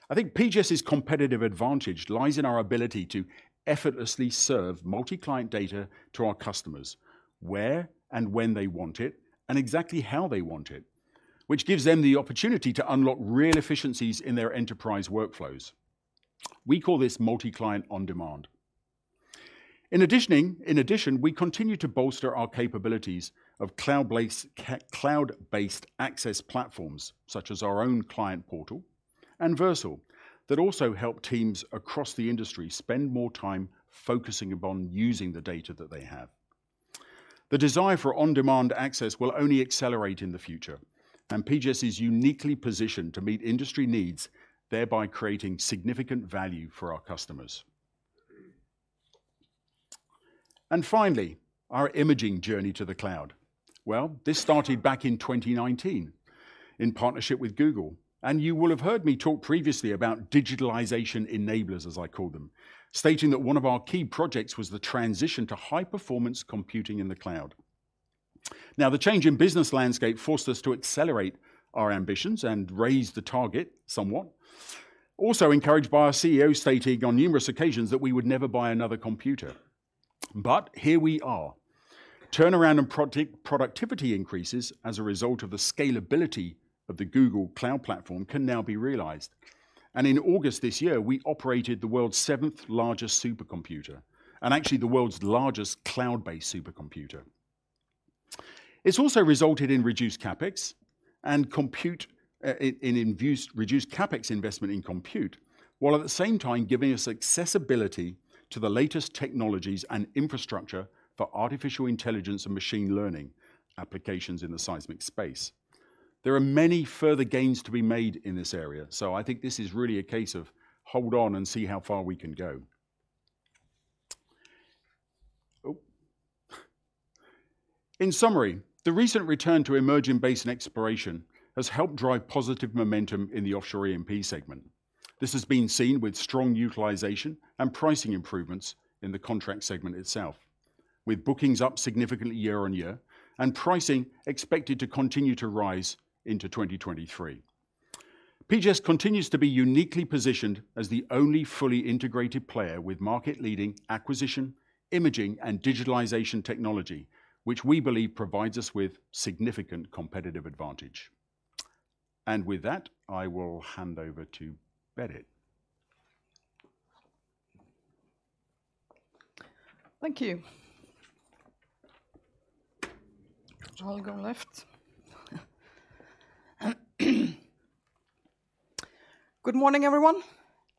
I think PGS's competitive advantage lies in our ability to effortlessly serve multi-client data to our customers where and when they want it and exactly how they want it, which gives them the opportunity to unlock real efficiencies in their enterprise workflows. We call this MultiClient on-demand. In addition, we continue to bolster our capabilities of cloud-based access platforms, such as our own client portal and Versal, that also help teams across the industry spend more time focusing upon using the data that they have. The desire for on-demand access will only accelerate in the future. PGS is uniquely positioned to meet industry needs, thereby creating significant value for our customers. Finally, our imaging journey to the cloud. This started back in 2019 in partnership with Google. You will have heard me talk previously about digitalization enablers, as I call them, stating that one of our key projects was the transition to high performance computing in the cloud. The change in business landscape forced us to accelerate our ambitions and raise the target somewhat. Also encouraged by our CEO stating on numerous occasions that we would never buy another computer. Here we are. Turnaround and product-productivity increases as a result of the scalability of the Google Cloud Platform can now be realized. In August this year, we operated the world's seventh largest supercomputer, and actually the world's largest cloud-based supercomputer. It's also resulted in reduced CapEx and compute in use. reduced CapEx investment in compute, while at the same time giving us accessibility to the latest technologies and infrastructure for artificial intelligence and machine learning applications in the seismic space. There are many further gains to be made in this area, I think this is really a case of hold on and see how far we can go. In summary, the recent return to emerging basin exploration has helped drive positive momentum in the offshore E&P segment. This has been seen with strong utilization and pricing improvements in the contract segment itself, with bookings up significantly year-on-year and pricing expected to continue to rise into 2023. PGS continues to be uniquely positioned as the only fully integrated player with market leading acquisition, imaging, and digitalization technology, which we believe provides us with significant competitive advantage. With that, I will hand over to Berit. Thank you. I'll go left. Good morning, everyone.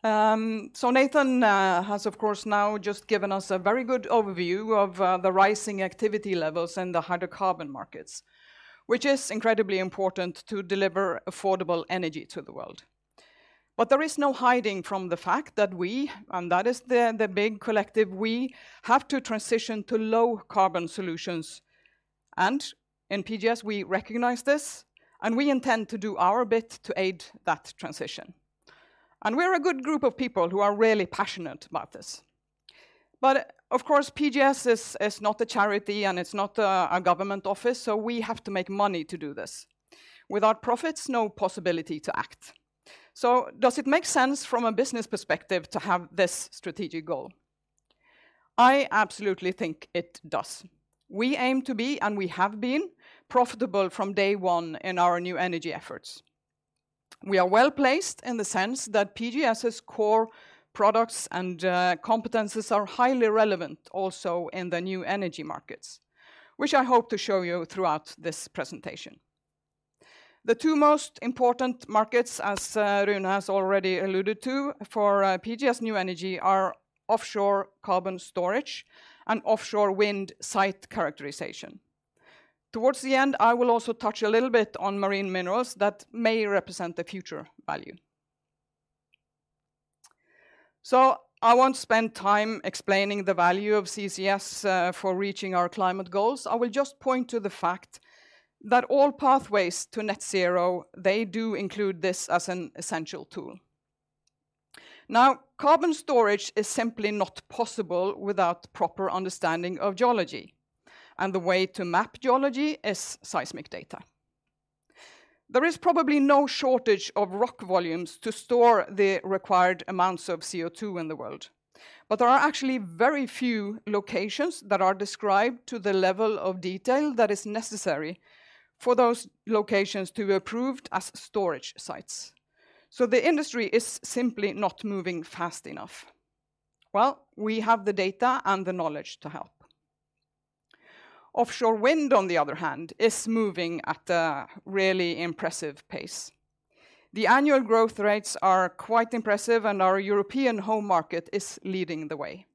Nathan has of course now just given us a very good overview of the rising activity levels in the hydrocarbon markets, which is incredibly important to deliver affordable energy to the world. There is no hiding from the fact that we, and that is the big collective we, have to transition to low carbon solutions. In PGS we recognize this, and we intend to do our bit to aid that transition. We're a good group of people who are really passionate about this. Of course, PGS is not a charity and it's not a government office, so we have to make money to do this. Without profits, no possibility to act. Does it make sense from a business perspective to have this strategic goal? I absolutely think it does. We aim to be, and we have been profitable from day one in our new energy efforts. We are well-placed in the sense that PGS's core products and competencies are highly relevant also in the new energy markets, which I hope to show you throughout this presentation. The two most important markets, as Rune has already alluded to for PGS New Energy are offshore carbon storage and offshore wind site characterization. Towards the end, I will also touch a little bit on marine minerals that may represent the future value. I won't spend time explaining the value of CCS for reaching our climate goals. I will just point to the fact that all pathways to net zero, they do include this as an essential tool. Carbon storage is simply not possible without proper understanding of geology, and the way to map geology is seismic data. There is probably no shortage of rock volumes to store the required amounts of CO2 in the world, but there are actually very few locations that are described to the level of detail that is necessary for those locations to be approved as storage sites. The industry is simply not moving fast enough. Well, we have the data and the knowledge to help. Offshore wind, on the other hand, is moving at a really impressive pace. The annual growth rates are quite impressive and our European home market is leading the way.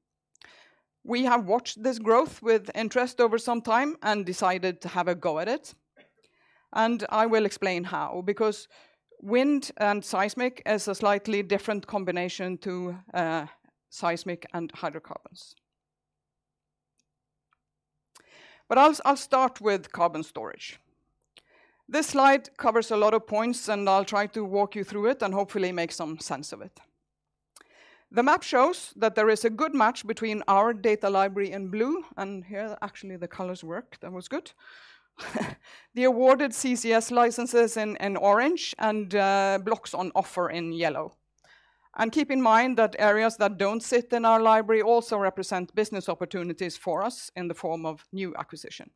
We have watched this growth with interest over some time and decided to have a go at it, I will explain how because wind and seismic is a slightly different combination to seismic and hydrocarbons. I'll start with carbon storage. This slide covers a lot of points, and I'll try to walk you through it and hopefully make some sense of it. The map shows that there is a good match between our data library in blue, and here actually the colors work. That was good. The awarded CCS licenses in orange and blocks on offer in yellow. Keep in mind that areas that don't sit in our library also represent business opportunities for us in the form of new acquisition.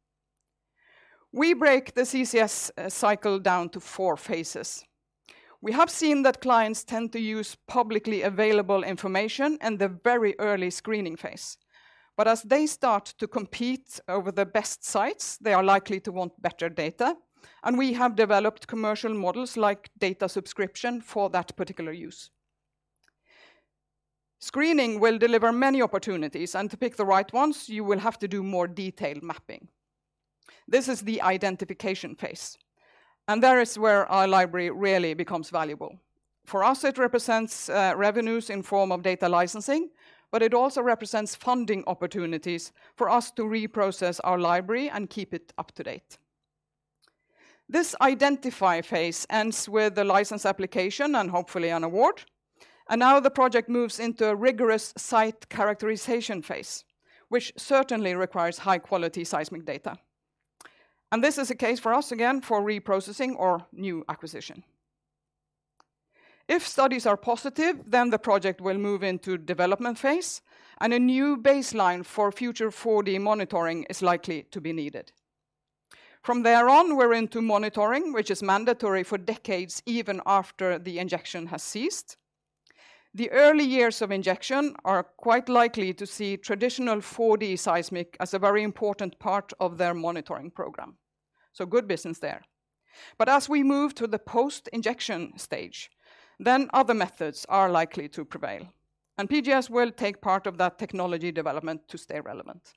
We break the CCS cycle down to four phases. We have seen that clients tend to use publicly available information in the very early screening phase. As they start to compete over the best sites, they are likely to want better data, and we have developed commercial models like data subscription for that particular use. Screening will deliver many opportunities, and to pick the right ones, you will have to do more detailed mapping. This is the identification phase, and there is where our library really becomes valuable. For us, it represents revenues in form of data licensing, but it also represents funding opportunities for us to reprocess our library and keep it up to date. This identify phase ends with the license application and hopefully an award. The project moves into a rigorous site characterization phase, which certainly requires high quality seismic data. This is a case for us, again, for reprocessing or new acquisition. If studies are positive, the project will move into development phase and a new baseline for future 4D monitoring is likely to be needed. There on, we're into monitoring, which is mandatory for decades, even after the injection has ceased. The early years of injection are quite likely to see traditional 4D seismic as a very important part of their monitoring program. Good business there. As we move to the post-injection stage, other methods are likely to prevail. PGS will take part of that technology development to stay relevant.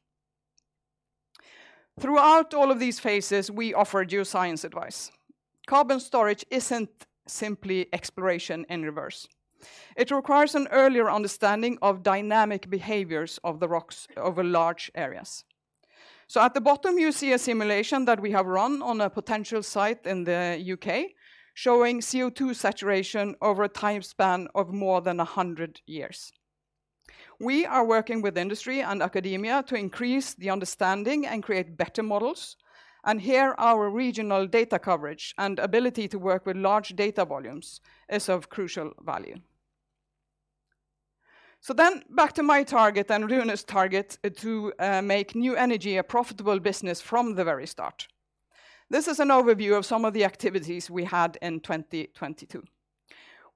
Throughout all of these phases, we offer geoscience advice. Carbon storage isn't simply exploration in reverse. It requires an earlier understanding of dynamic behaviors of the rocks over large areas. At the bottom you see a simulation that we have run on a potential site in the U.K., showing CO2 saturation over a time span of more than 100 years. We are working with industry and academia to increase the understanding and create better models, and here our regional data coverage and ability to work with large data volumes is of crucial value. Back to my target and Rune's target to make new energy a profitable business from the very start. This is an overview of some of the activities we had in 2022.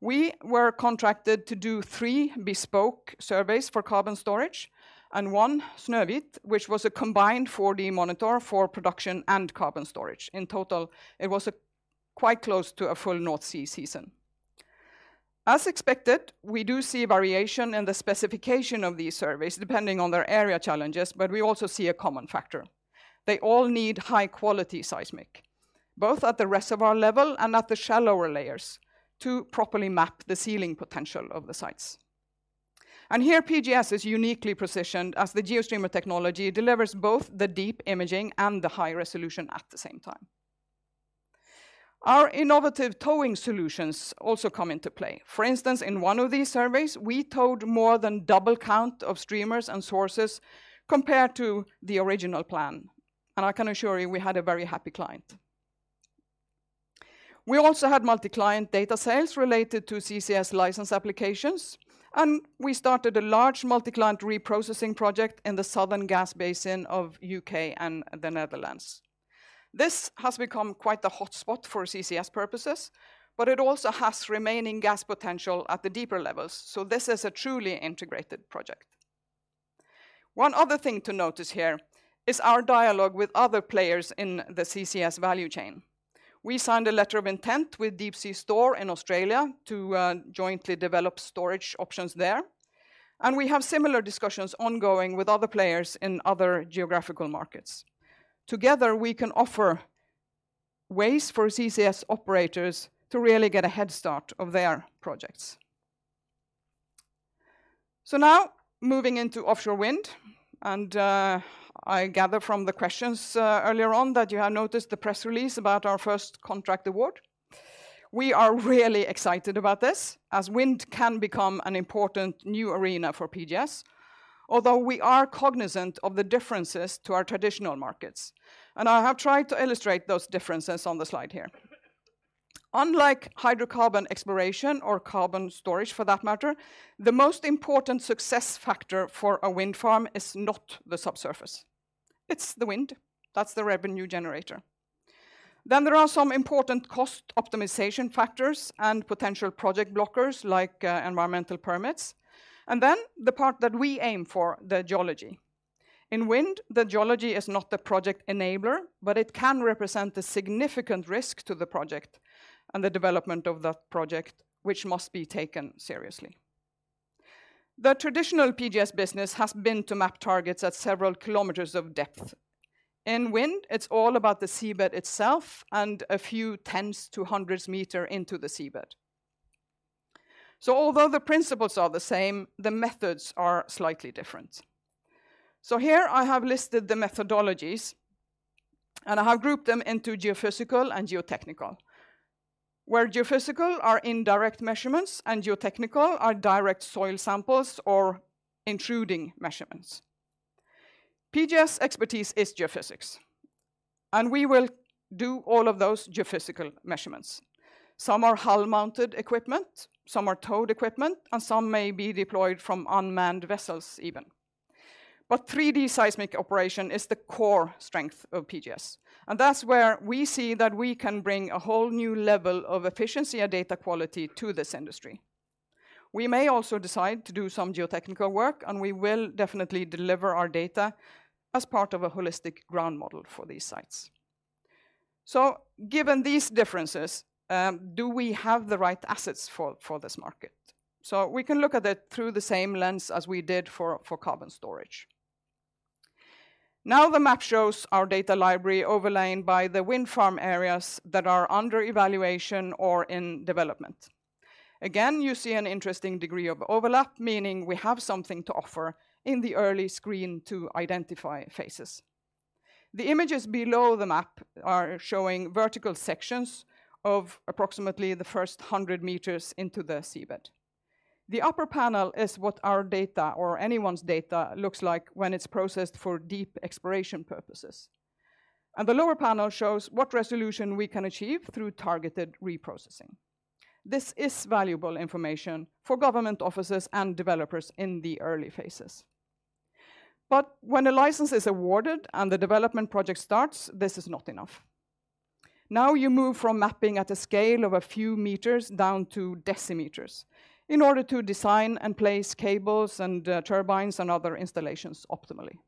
We were contracted to do three bespoke surveys for carbon storage and one Snøhvit, which was a combined 4D monitor for production and carbon storage. In total, it was a quite close to a full North Sea season. As expected, we do see variation in the specification of these surveys depending on their area challenges, but we also see a common factor. They all need high quality seismic, both at the reservoir level and at the shallower layers to properly map the sealing potential of the sites. Here PGS is uniquely positioned as the GeoStreamer technology delivers both the deep imaging and the high resolution at the same time. Our innovative towing solutions also come into play. For instance, in one of these surveys, we towed more than double count of streamers and sources compared to the original plan, and I can assure you we had a very happy client. We also had MultiClient data sales related to CCS license applications, and we started a large MultiClient reprocessing project in the Southern Gas Basin of U.K. and the Netherlands. This has become quite the hotspot for CCS purposes, but it also has remaining gas potential at the deeper levels, so this is a truly integrated project. One other thing to notice here is our dialogue with other players in the CCS value chain. We signed a letter of intent with deepC Store in Australia to jointly develop storage options there, and we have similar discussions ongoing with other players in other geographical markets. Together, we can offer ways for CCS operators to really get a head start of their projects. Now moving into offshore wind, and I gather from the questions earlier on that you have noticed the press release about our first contract award. We are really excited about this as wind can become an important new arena for PGS, although we are cognizant of the differences to our traditional markets. I have tried to illustrate those differences on the slide here. Unlike hydrocarbon exploration or carbon storage for that matter, the most important success factor for a wind farm is not the subsurface. It's the wind. That's the revenue generator. There are some important cost optimization factors and potential project blockers like environmental permits. The part that we aim for, the geology. In wind, the geology is not the project enabler. It can represent a significant risk to the project and the development of that project which must be taken seriously. The traditional PGS business has been to map targets at several kilometers of depth. In wind, it's all about the seabed itself and a few tens to hundreds meters into the seabed. Although the principles are the same, the methods are slightly different. Here, I have listed the methodologies, and I have grouped them into geophysical and geotechnical, where geophysical are indirect measurements and geotechnical are direct soil samples or intruding measurements. PGS expertise is geophysics, and we will do all of those geophysical measurements. Some are hull-mounted equipment, some are towed equipment, and some may be deployed from unmanned vessels even. 3D seismic operation is the core strength of PGS, and that's where we see that we can bring a whole new level of efficiency and data quality to this industry. We may also decide to do some geotechnical work, and we will definitely deliver our data as part of a holistic ground model for these sites. Given these differences, do we have the right assets for this market? We can look at it through the same lens as we did for carbon storage. The map shows our data library overlain by the wind farm areas that are under evaluation or in development. You see an interesting degree of overlap, meaning we have something to offer in the early screen to identify phases. The images below the map are showing vertical sections of approximately the first 100 meters into the seabed. The upper panel is what our data or anyone's data looks like when it's processed for deep exploration purposes, and the lower panel shows what resolution we can achieve through targeted reprocessing. This is valuable information for government offices and developers in the early phases. When a license is awarded and the development project starts, this is not enough. Now you move from mapping at a scale of a few meters down to decimeters in order to design and place cables and turbines and other installations optimally.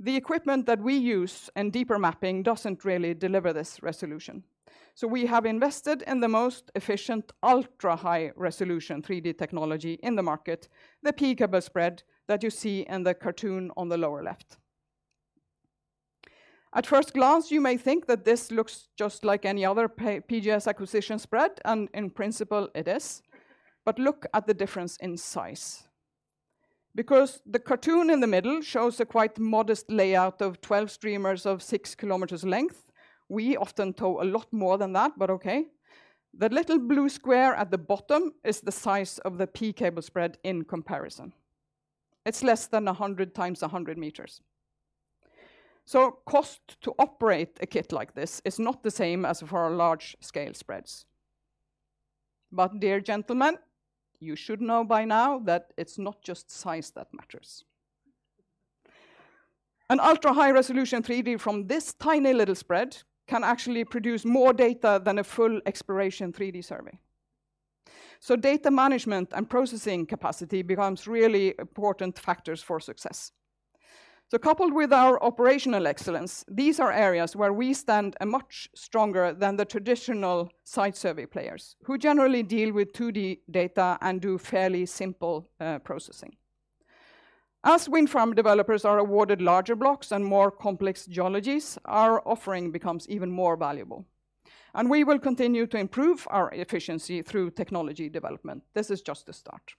The equipment that we use in deeper mapping doesn't really deliver this resolution, we have invested in the most efficient ultra-high-resolution 3D technology in the market, the P-Cable spread that you see in the cartoon on the lower left. At first glance, you may think that this looks just like any other PGS acquisition spread, in principle it is, look at the difference in size. The cartoon in the middle shows a quite modest layout of 12 streamers of six kilometers length, we often tow a lot more than that, okay. The little blue square at the bottom is the size of the P-Cable spread in comparison. It's less than 100 times 100 meters. Cost to operate a kit like this is not the same as for our large-scale spreads. Dear gentlemen, you should know by now that it's not just size that matters. An ultra-high-resolution 3D from this tiny little spread can actually produce more data than a full exploration 3D survey. Data management and processing capacity becomes really important factors for success. Coupled with our operational excellence, these are areas where we stand much stronger than the traditional site survey players who generally deal with 2D data and do fairly simple processing. As wind farm developers are awarded larger blocks and more complex geologies, our offering becomes even more valuable, and we will continue to improve our efficiency through technology development. This is just the start.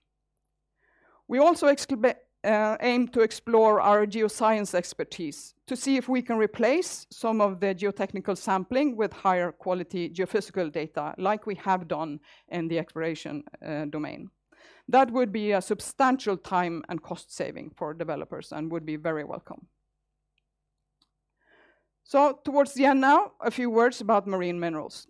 We also explore, aim to explore our geoscience expertise to see if we can replace some of the geotechnical sampling with higher quality geophysical data like we have done in the exploration domain. That would be a substantial time and cost saving for developers and would be very welcome. Towards the end now, a few words about marine minerals.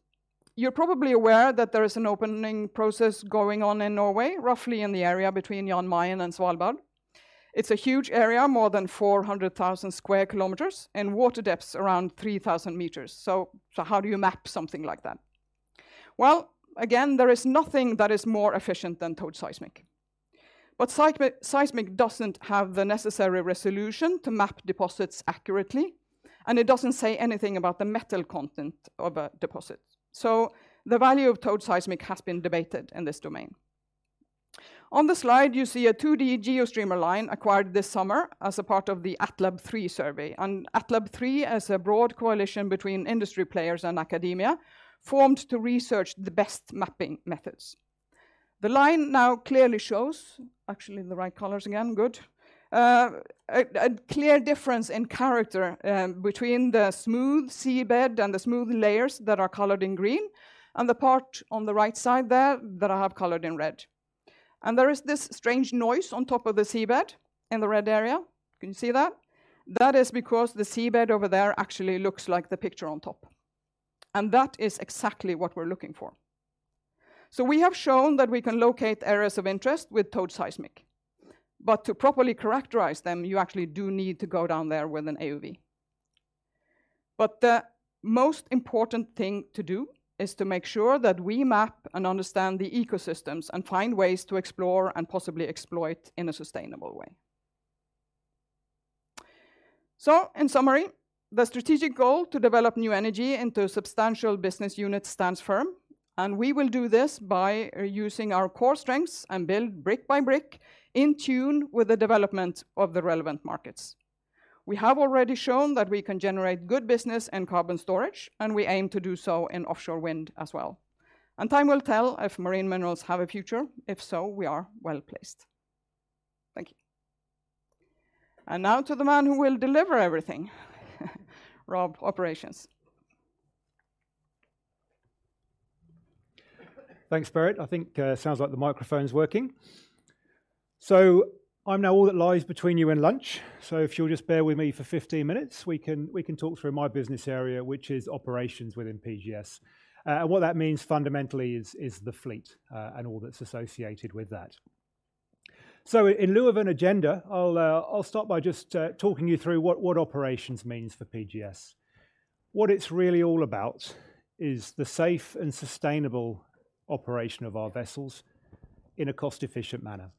You're probably aware that there is an opening process going on in Norway, roughly in the area between Jan Mayen and Svalbard. It's a huge area, more than 400,000 sq km and water depths around 3,000 m. How do you map something like that? Well, again, there is nothing that is more efficient than towed seismic. Seismic doesn't have the necessary resolution to map deposits accurately, and it doesn't say anything about the metal content of a deposit. The value of towed seismic has been debated in this domain. On the slide, you see a 2D GeoStreamer line acquired this summer as a part of the ATLAB survey. ATLAB is a broad coalition between industry players and academia formed to research the best mapping methods. The line now clearly shows, actually in the right colors again, good, a clear difference in character between the smooth seabed and the smooth layers that are colored in green and the part on the right side there that I have colored in red. There is this strange noise on top of the seabed in the red area. Can you see that? That is because the seabed over there actually looks like the picture on top. That is exactly what we're looking for. We have shown that we can locate areas of interest with towed seismic, but to properly characterize them, you actually do need to go down there with an AUV. The most important thing to do is to make sure that we map and understand the ecosystems and find ways to explore and possibly exploit in a sustainable way. In summary, the strategic goal to develop new energy into a substantial business unit stands firm, and we will do this by using our core strengths and build brick by brick in tune with the development of the relevant markets. We have already shown that we can generate good business and carbon storage, and we aim to do so in offshore wind as well. Time will tell if marine minerals have a future. If so, we are well-placed. Thank you. Now to the man who will deliver everything, Rob, operations. Thanks, Berit. I think sounds like the microphone's working. I'm now all that lies between you and lunch, so if you'll just bear with me for 15 minutes, we can talk through my business area, which is operations within PGS. What that means fundamentally is the fleet and all that's associated with that. In lieu of an agenda, I'll start by just talking you through what operations means for PGS. What it's really all about is the safe and sustainable operation of our vessels in a cost-efficient manner.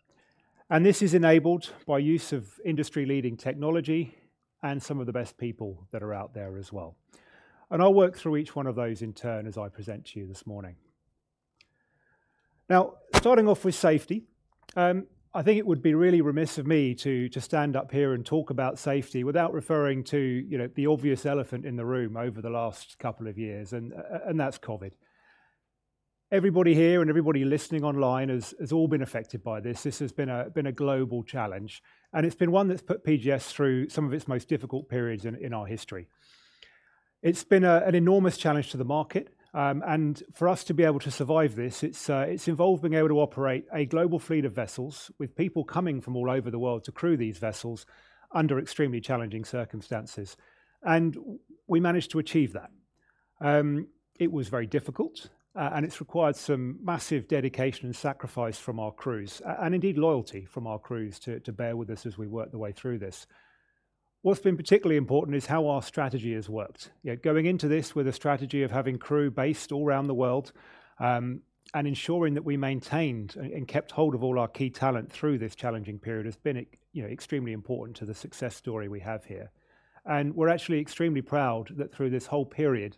This is enabled by use of industry-leading technology and some of the best people that are out there as well. I'll work through each one of those in turn as I present to you this morning. Starting off with safety, I think it would be really remiss of me to stand up here and talk about safety without referring to, you know, the obvious elephant in the room over the last couple of years, and that's COVID. Everybody here and everybody listening online has all been affected by this. This has been a global challenge, and it's been one that's put PGS through some of its most difficult periods in our history. It's been an enormous challenge to the market, and for us to be able to survive this, it's involved being able to operate a global fleet of vessels with people coming from all over the world to crew these vessels under extremely challenging circumstances. We managed to achieve that. It was very difficult, and it's required some massive dedication and sacrifice from our crews and indeed loyalty from our crews to bear with us as we work the way through this. What's been particularly important is how our strategy has worked. You know, going into this with a strategy of having crew based all around the world, and ensuring that we maintained and kept hold of all our key talent through this challenging period has been you know, extremely important to the success story we have here. We're actually extremely proud that through this whole period,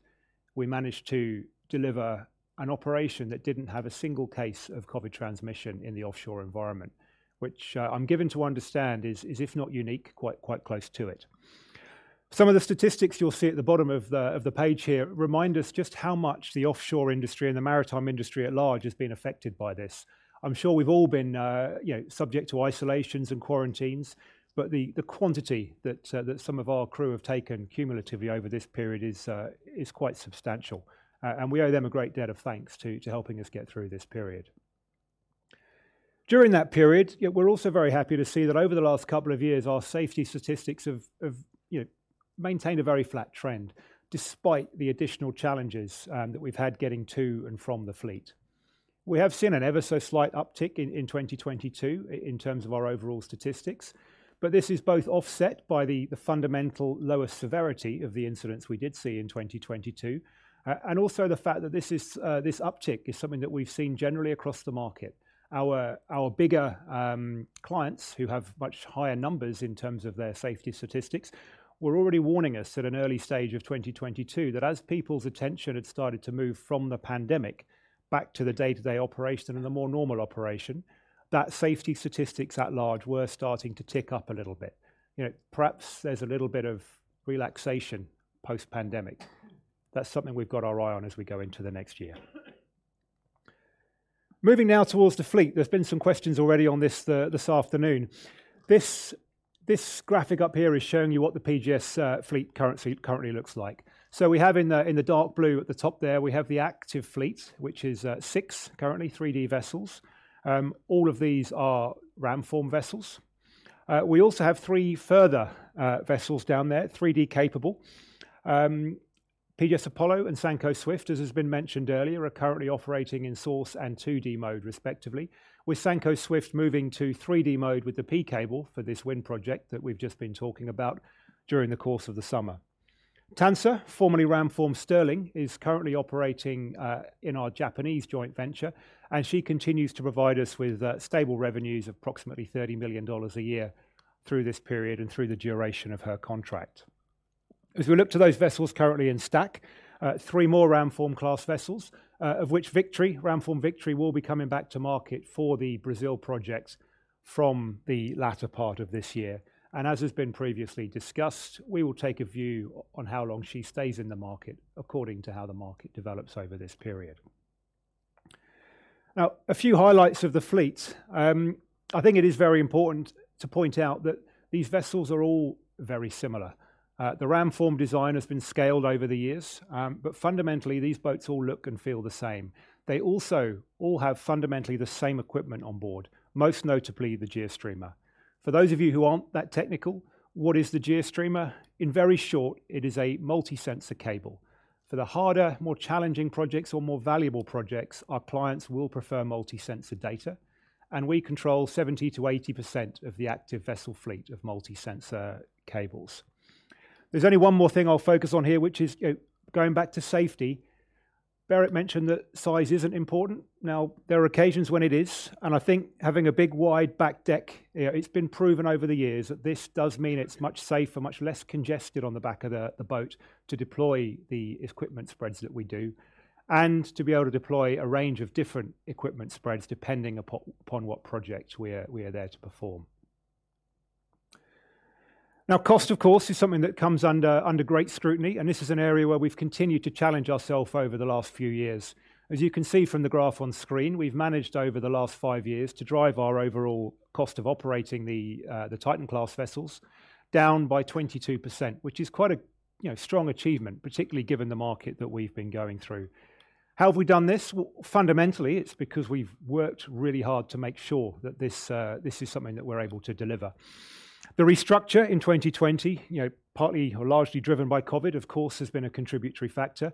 we managed to deliver an operation that didn't have a single case of COVID transmission in the offshore environment, which I'm given to understand is if not unique, quite close to it. Some of the statistics you'll see at the bottom of the page here remind us just how much the offshore industry and the maritime industry at large has been affected by this. I'm sure we've all been, you know, subject to isolations and quarantines, but the quantity that some of our crew have taken cumulatively over this period is quite substantial. We owe them a great debt of thanks to helping us get through this period. During that period, yet we're also very happy to see that over the last couple of years, our safety statistics have, you know, maintained a very flat trend despite the additional challenges that we've had getting to and from the fleet. We have seen an ever so slight uptick in 2022 in terms of our overall statistics, but this is both offset by the fundamental lower severity of the incidents we did see in 2022, and also the fact that this is this uptick is something that we've seen generally across the market. Our bigger clients who have much higher numbers in terms of their safety statistics were already warning us at an early stage of 2022 that as people's attention had started to move from the pandemic back to the day-to-day operation and the more normal operation, that safety statistics at large were starting to tick up a little bit. You know, perhaps there's a little bit of relaxation post-pandemic. That's something we've got our eye on as we go into the next year. Moving now towards the fleet, there's been some questions already on this this afternoon. This graphic up here is showing you what the PGS fleet currently looks like. We have in the dark blue at the top there, we have the active fleet, which is six currently, 3D vessels. All of these are Ramform vessels. We also have three further vessels down there, 3D capable. PGS Apollo and Sanco Swift, as has been mentioned earlier, are currently operating in source and 2D mode respectively, with Sanco Swift moving to 3D mode with the P-Cable for this wind project that we've just been talking about during the course of the summer. Tansur, formerly Ramform Sterling, is currently operating in our Japanese joint venture, and she continues to provide us with stable revenues of approximately $30 million a year through this period and through the duration of her contract. As we look to those vessels currently in stack, three more Ramform class vessels, of which Victory, Ramform Victory, will be coming back to market for the Brazil projects from the latter part of this year. As has been previously discussed, we will take a view on how long she stays in the market according to how the market develops over this period. A few highlights of the fleet. I think it is very important to point out that these vessels are all very similar. The Ramform design has been scaled over the years, but fundamentally these boats all look and feel the same. They also all have fundamentally the same equipment on board, most notably the GeoStreamer. For those of you who aren't that technical, what is the GeoStreamer? In very short, it is a multi-sensor cable. For the harder, more challenging projects or more valuable projects, our clients will prefer multi-sensor data, and we control 70%-80% of the active vessel fleet of multi-sensor cables. There's only one more thing I'll focus on here, which is going back to safety. Barrett mentioned that size isn't important. There are occasions when it is, and I think having a big wide-back deck, it's been proven over the years that this does mean it's much safer, much less congested on the back of the boat to deploy the equipment spreads that we do, and to be able to deploy a range of different equipment spreads depending upon what project we are, we are there to perform. Cost of course, is something that comes under great scrutiny, and this is an area where we've continued to challenge ourself over the last few years. You can see from the graph on screen, we've managed over the last five years to drive our overall cost of operating the Titan-class vessels down by 22%, which is quite a, you know, strong achievement, particularly given the market that we've been going through. How have we done this? Well, fundamentally, it's because we've worked really hard to make sure that this is something that we're able to deliver. The restructure in 2020, you know, partly or largely driven by COVID, of course, has been a contributory factor.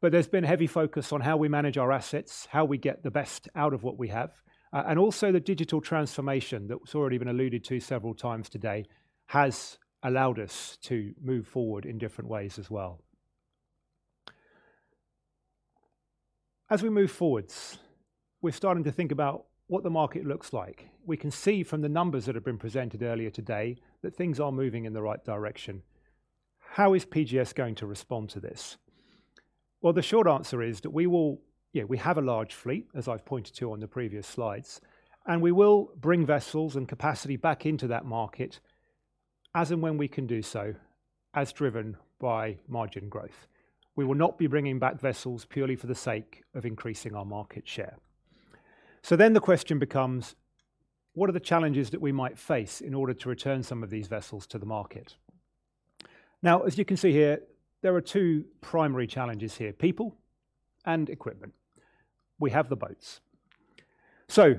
There's been heavy focus on how we manage our assets, how we get the best out of what we have. Also the digital transformation that's already been alluded to several times today has allowed us to move forward in different ways as well. As we move forwards, we're starting to think about what the market looks like. We can see from the numbers that have been presented earlier today that things are moving in the right direction. How is PGS going to respond to this? The short answer is that we will, you know, we have a large fleet, as I've pointed to on the previous slides, and we will bring vessels and capacity back into that market as and when we can do so, as driven by margin growth. We will not be bringing back vessels purely for the sake of increasing our market share. The question becomes: What are the challenges that we might face in order to return some of these vessels to the market? As you can see here, there are two primary challenges here, people and equipment. We have the boats.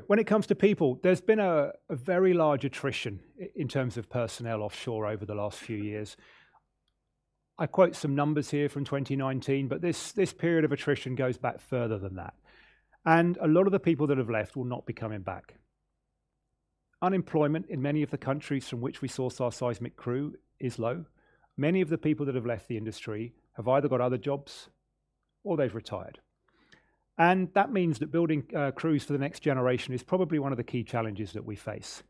When it comes to people, there's been a very large attrition in terms of personnel offshore over the last few years. I quote some numbers here from 2019, but this period of attrition goes back further than that. A lot of the people that have left will not be coming back. Unemployment in many of the countries from which we source our seismic crew is low. Many of the people that have left the industry have either got other jobs or they've retired. That means that building crews for the next generation is probably one of the key challenges that we face.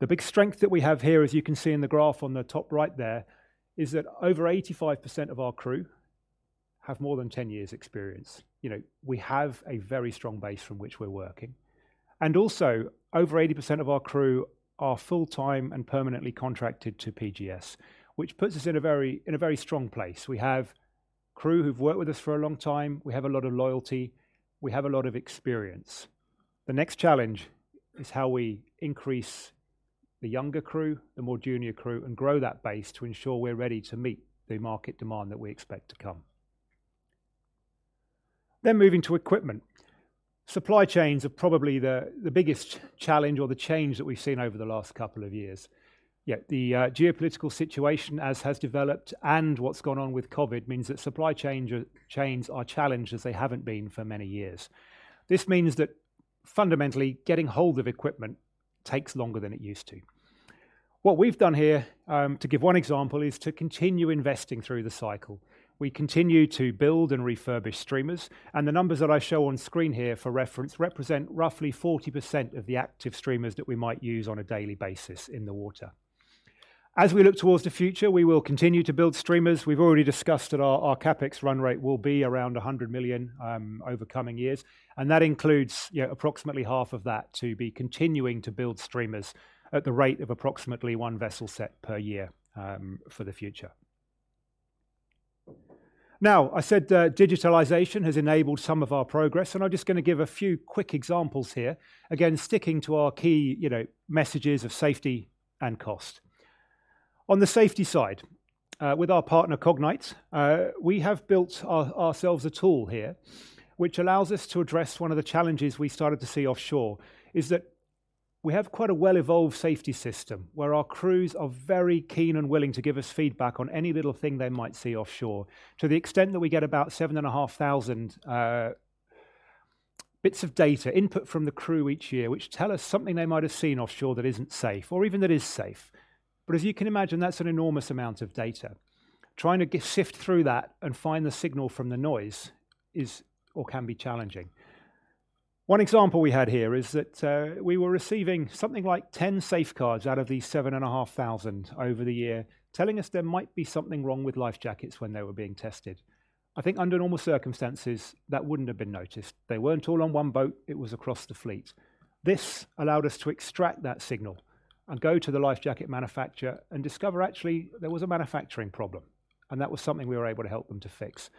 The big strength that we have here, as you can see in the graph on the top right there, is that over 85% of our crew have more than 10 years experience. You know, we have a very strong base from which we're working. Also, over 80% of our crew are full-time and permanently contracted to PGS, which puts us in a very strong place. We have crew who've worked with us for a long time. We have a lot of loyalty. We have a lot of experience. The next challenge is how we increase the younger crew, the more junior crew, and grow that base to ensure we're ready to meet the market demand that we expect to come. Moving to equipment. Supply chains are probably the biggest challenge or the change that we've seen over the last couple of years. The geopolitical situation as has developed and what's gone on with COVID means that supply chains are challenged as they haven't been for many years. This means that fundamentally, getting hold of equipment takes longer than it used to. What we've done here, to give one example, is to continue investing through the cycle. We continue to build and refurbish streamers. The numbers that I show on screen here for reference represent roughly 40% of the active streamers that we might use on a daily basis in the water. As we look towards the future, we will continue to build streamers. We've already discussed that our CapEx run rate will be around $100 million over coming years. That includes, you know, approximately half of that to be continuing to build streamers at the rate of approximately one vessel set per year for the future. I said digitalization has enabled some of our progress. I'm just gonna give a few quick examples here. Again, sticking to our key, you know, messages of safety and cost. On the safety side, with our partner Cognite, we have built ourselves a tool here which allows us to address one of the challenges we started to see offshore, is that we have quite a well-evolved safety system where our crews are very keen and willing to give us feedback on any little thing they might see offshore. To the extent that we get about 7,500 bits of data input from the crew each year, which tell us something they might have seen offshore that isn't safe or even that is safe. As you can imagine, that's an enormous amount of data. Sift through that and find the signal from the noise is or can be challenging. One example we had here is that we were receiving something like 10 safeguards out of these 7,500 over the year, telling us there might be something wrong with life jackets when they were being tested. I think under normal circumstances, that wouldn't have been noticed. They weren't all on one boat. It was across the fleet. This allowed us to extract that signal and go to the life jacket manufacturer and discover actually there was a manufacturing problem, and that was something we were able to help them to fix.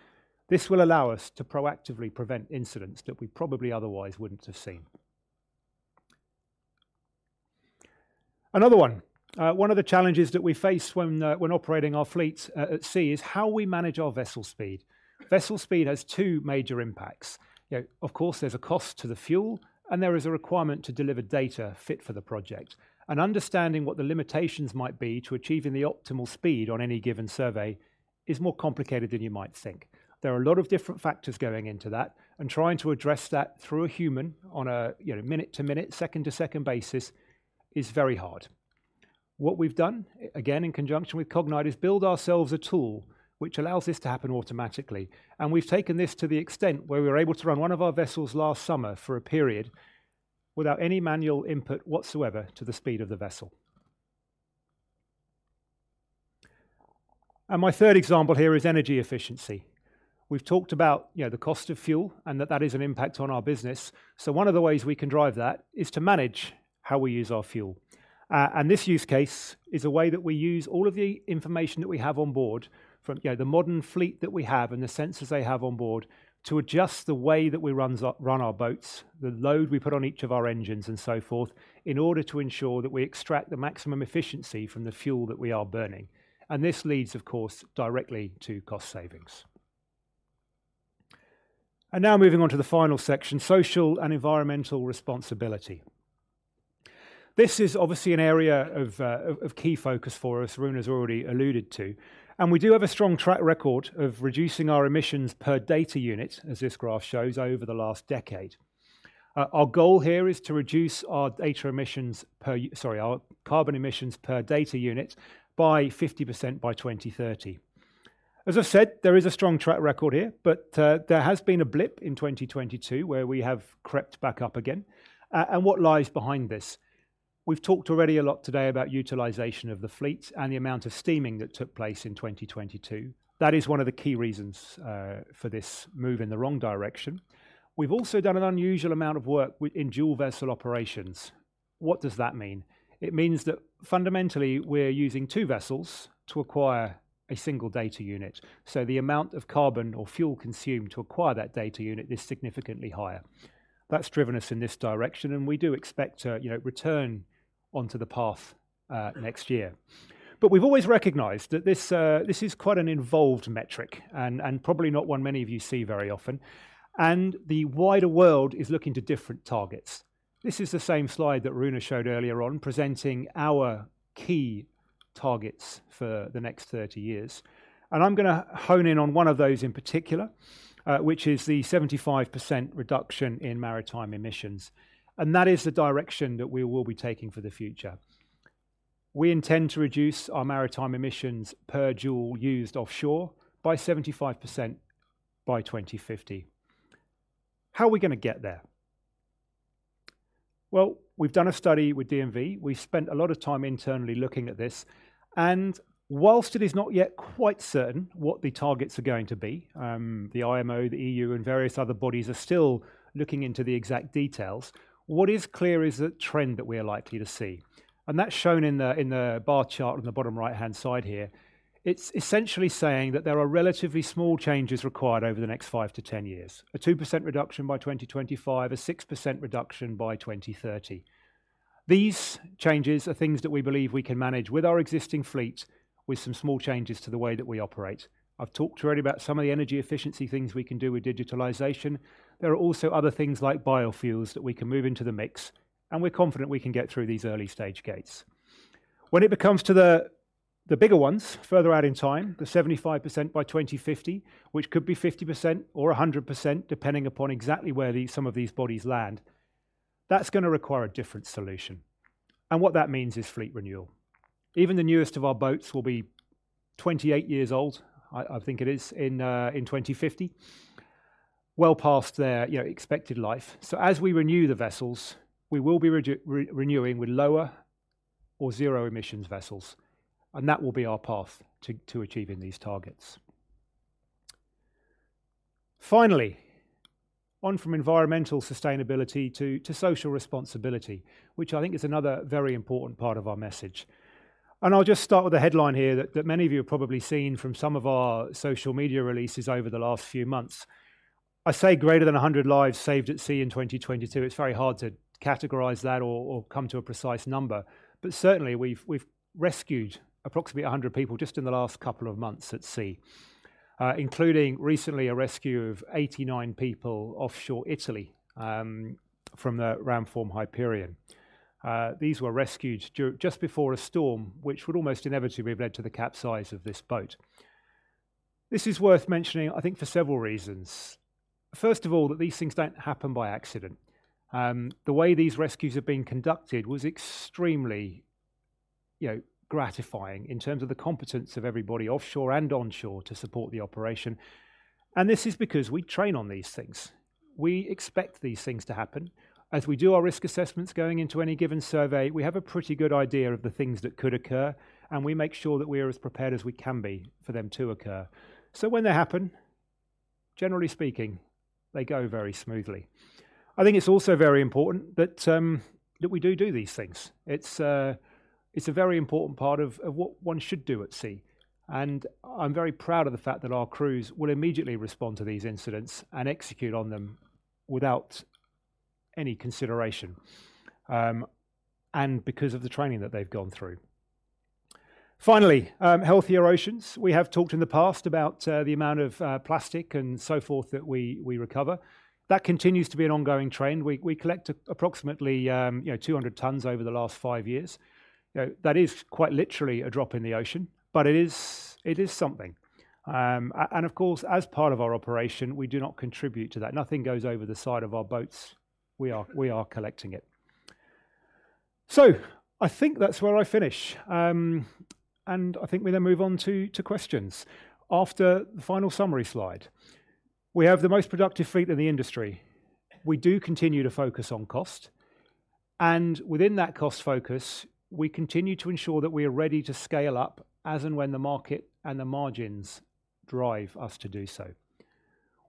This will allow us to proactively prevent incidents that we probably otherwise wouldn't have seen. Another one. One of the challenges that we face when operating our fleets at sea is how we manage our vessel speed. Vessel speed has two major impacts. You know, of course, there's a cost to the fuel and there is a requirement to deliver data fit for the project. Understanding what the limitations might be to achieving the optimal speed on any given survey is more complicated than you might think. There are a lot of different factors going into that, and trying to address that through a human on a, you know, minute-to-minute, second-to-second basis is very hard. What we've done, again, in conjunction with Cognite, is build ourselves a tool which allows this to happen automatically, and we've taken this to the extent where we were able to run one of our vessels last summer for a period without any manual input whatsoever to the speed of the vessel. My third example here is energy efficiency. We've talked about, you know, the cost of fuel and that that is an impact on our business. One of the ways we can drive that is to manage how we use our fuel. This use case is a way that we use all of the information that we have on board from, you know, the modern fleet that we have and the sensors they have on board to adjust the way that we run our boats, the load we put on each of our engines and so forth, in order to ensure that we extract the maximum efficiency from the fuel that we are burning. This leads, of course, directly to cost savings. Now moving on to the final section, social and environmental responsibility. This is obviously an area of key focus for us Rune has already alluded to. We do have a strong track record of reducing our emissions per data unit, as this graph shows, over the last decade. Our goal here is to reduce our data emissions per sorry, our carbon emissions per data unit by 50% by 2030. As I said, there is a strong track record here, but there has been a blip in 2022 where we have crept back up again. What lies behind this? We've talked already a lot today about utilization of the fleet and the amount of steaming that took place in 2022. That is one of the key reasons for this move in the wrong direction. We've also done an unusual amount of work in dual vessel operations. What does that mean? It means that fundamentally, we're using two vessels to acquire a single data unit. The amount of carbon or fuel consumed to acquire that data unit is significantly higher. That's driven us in this direction, and we do expect to, you know, return onto the path next year. We've always recognized that this is quite an involved metric and probably not one many of you see very often. The wider world is looking to different targets. This is the same slide that Rune showed earlier on, presenting our key targets for the next 30 years. I'm gonna hone in on one of those in particular, which is the 75% reduction in maritime emissions, and that is the direction that we will be taking for the future. We intend to reduce our maritime emissions per joule used offshore by 75% by 2050. How are we gonna get there? Well, we've done a study with DNV. We've spent a lot of time internally looking at this. Whilst it is not yet quite certain what the targets are going to be, the IMO, the EU, and various other bodies are still looking into the exact details. What is clear is the trend that we are likely to see, and that's shown in the bar chart on the bottom right-hand side here. It's essentially saying that there are relatively small changes required over the next five to 10 years. A 2% reduction by 2025, a 6% reduction by 2030. These changes are things that we believe we can manage with our existing fleet with some small changes to the way that we operate. I've talked already about some of the energy efficiency things we can do with digitalization. There are also other things like biofuels that we can move into the mix, and we're confident we can get through these early stage gates. When it comes to the bigger ones further out in time, the 75% by 2050, which could be 50% or 100%, depending upon exactly where these some of these bodies land, that's gonna require a different solution. What that means is fleet renewal. Even the newest of our boats will be 28 years old, I think it is, in 2050, well past their, you know, expected life. As we renew the vessels, we will be re-renewing with lower or zero emissions vessels, and that will be our path to achieving these targets. Finally, on from environmental sustainability to social responsibility, which I think is another very important part of our message. I'll just start with the headline here that many of you have probably seen from some of our social media releases over the last few months. I say greater than 100 lives saved at sea in 2022. It's very hard to categorize that or come to a precise number. Certainly we've rescued approximately 100 people just in the last couple of months at sea, including recently a rescue of 89 people offshore Italy, from the Ramform Hyperion. These were rescued just before a storm which would almost inevitably have led to the capsize of this boat. This is worth mentioning, I think, for several reasons. First of all, that these things don't happen by accident. The way these rescues have been conducted was extremely, you know, gratifying in terms of the competence of everybody offshore and onshore to support the operation. This is because we train on these things. We expect these things to happen. As we do our risk assessments going into any given survey, we have a pretty good idea of the things that could occur, and we make sure that we are as prepared as we can be for them to occur. When they happen, generally speaking, they go very smoothly. I think it's also very important that we do do these things. It's a very important part of what one should do at sea. I'm very proud of the fact that our crews will immediately respond to these incidents and execute on them without any consideration because of the training that they've gone through. Finally, healthier oceans. We have talked in the past about the amount of plastic and so forth that we recover. That continues to be an ongoing trend. We collect approximately, you know, 200 tons over the last 5 years. You know, that is quite literally a drop in the ocean, but it is something. Of course, as part of our operation, we do not contribute to that. Nothing goes over the side of our boats. We are collecting it. I think that's where I finish. I think we then move on to questions after the final summary slide. We have the most productive fleet in the industry. We do continue to focus on cost, and within that cost focus, we continue to ensure that we are ready to scale up as and when the market and the margins drive us to do so.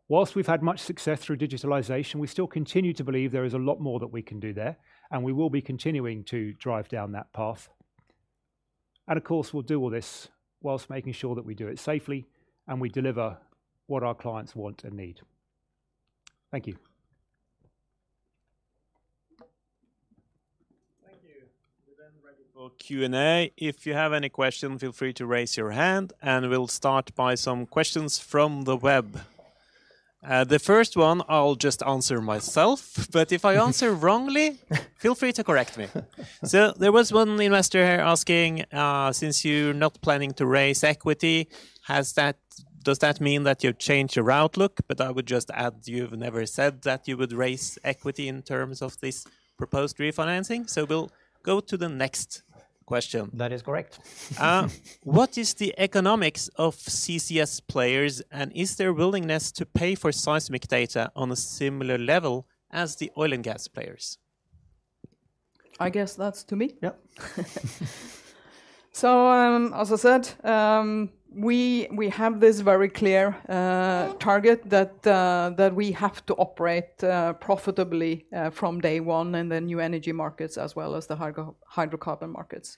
Whilst we've had much success through digitalization, we still continue to believe there is a lot more that we can do there, and we will be continuing to drive down that path. Of course, we'll do all this whilst making sure that we do it safely and we deliver what our clients want and need. Thank you. Thank you. We're ready for Q&A. If you have any question, feel free to raise your hand, we'll start by some questions from the web. The first one I'll just answer myself, if I answer wrongly, feel free to correct me. There was one investor here asking, since you're not planning to raise equity, does that mean that you've changed your outlook? I would just add, you've never said that you would raise equity in terms of this proposed refinancing. We'll go to the next question. That is correct. What is the economics of CCS players, and is there willingness to pay for seismic data on a similar level as the oil and gas players? I guess that's to me. Yeah. As I said, we have this very clear target that we have to operate profitably from day one in the new energy markets as well as the hydrocarbon markets.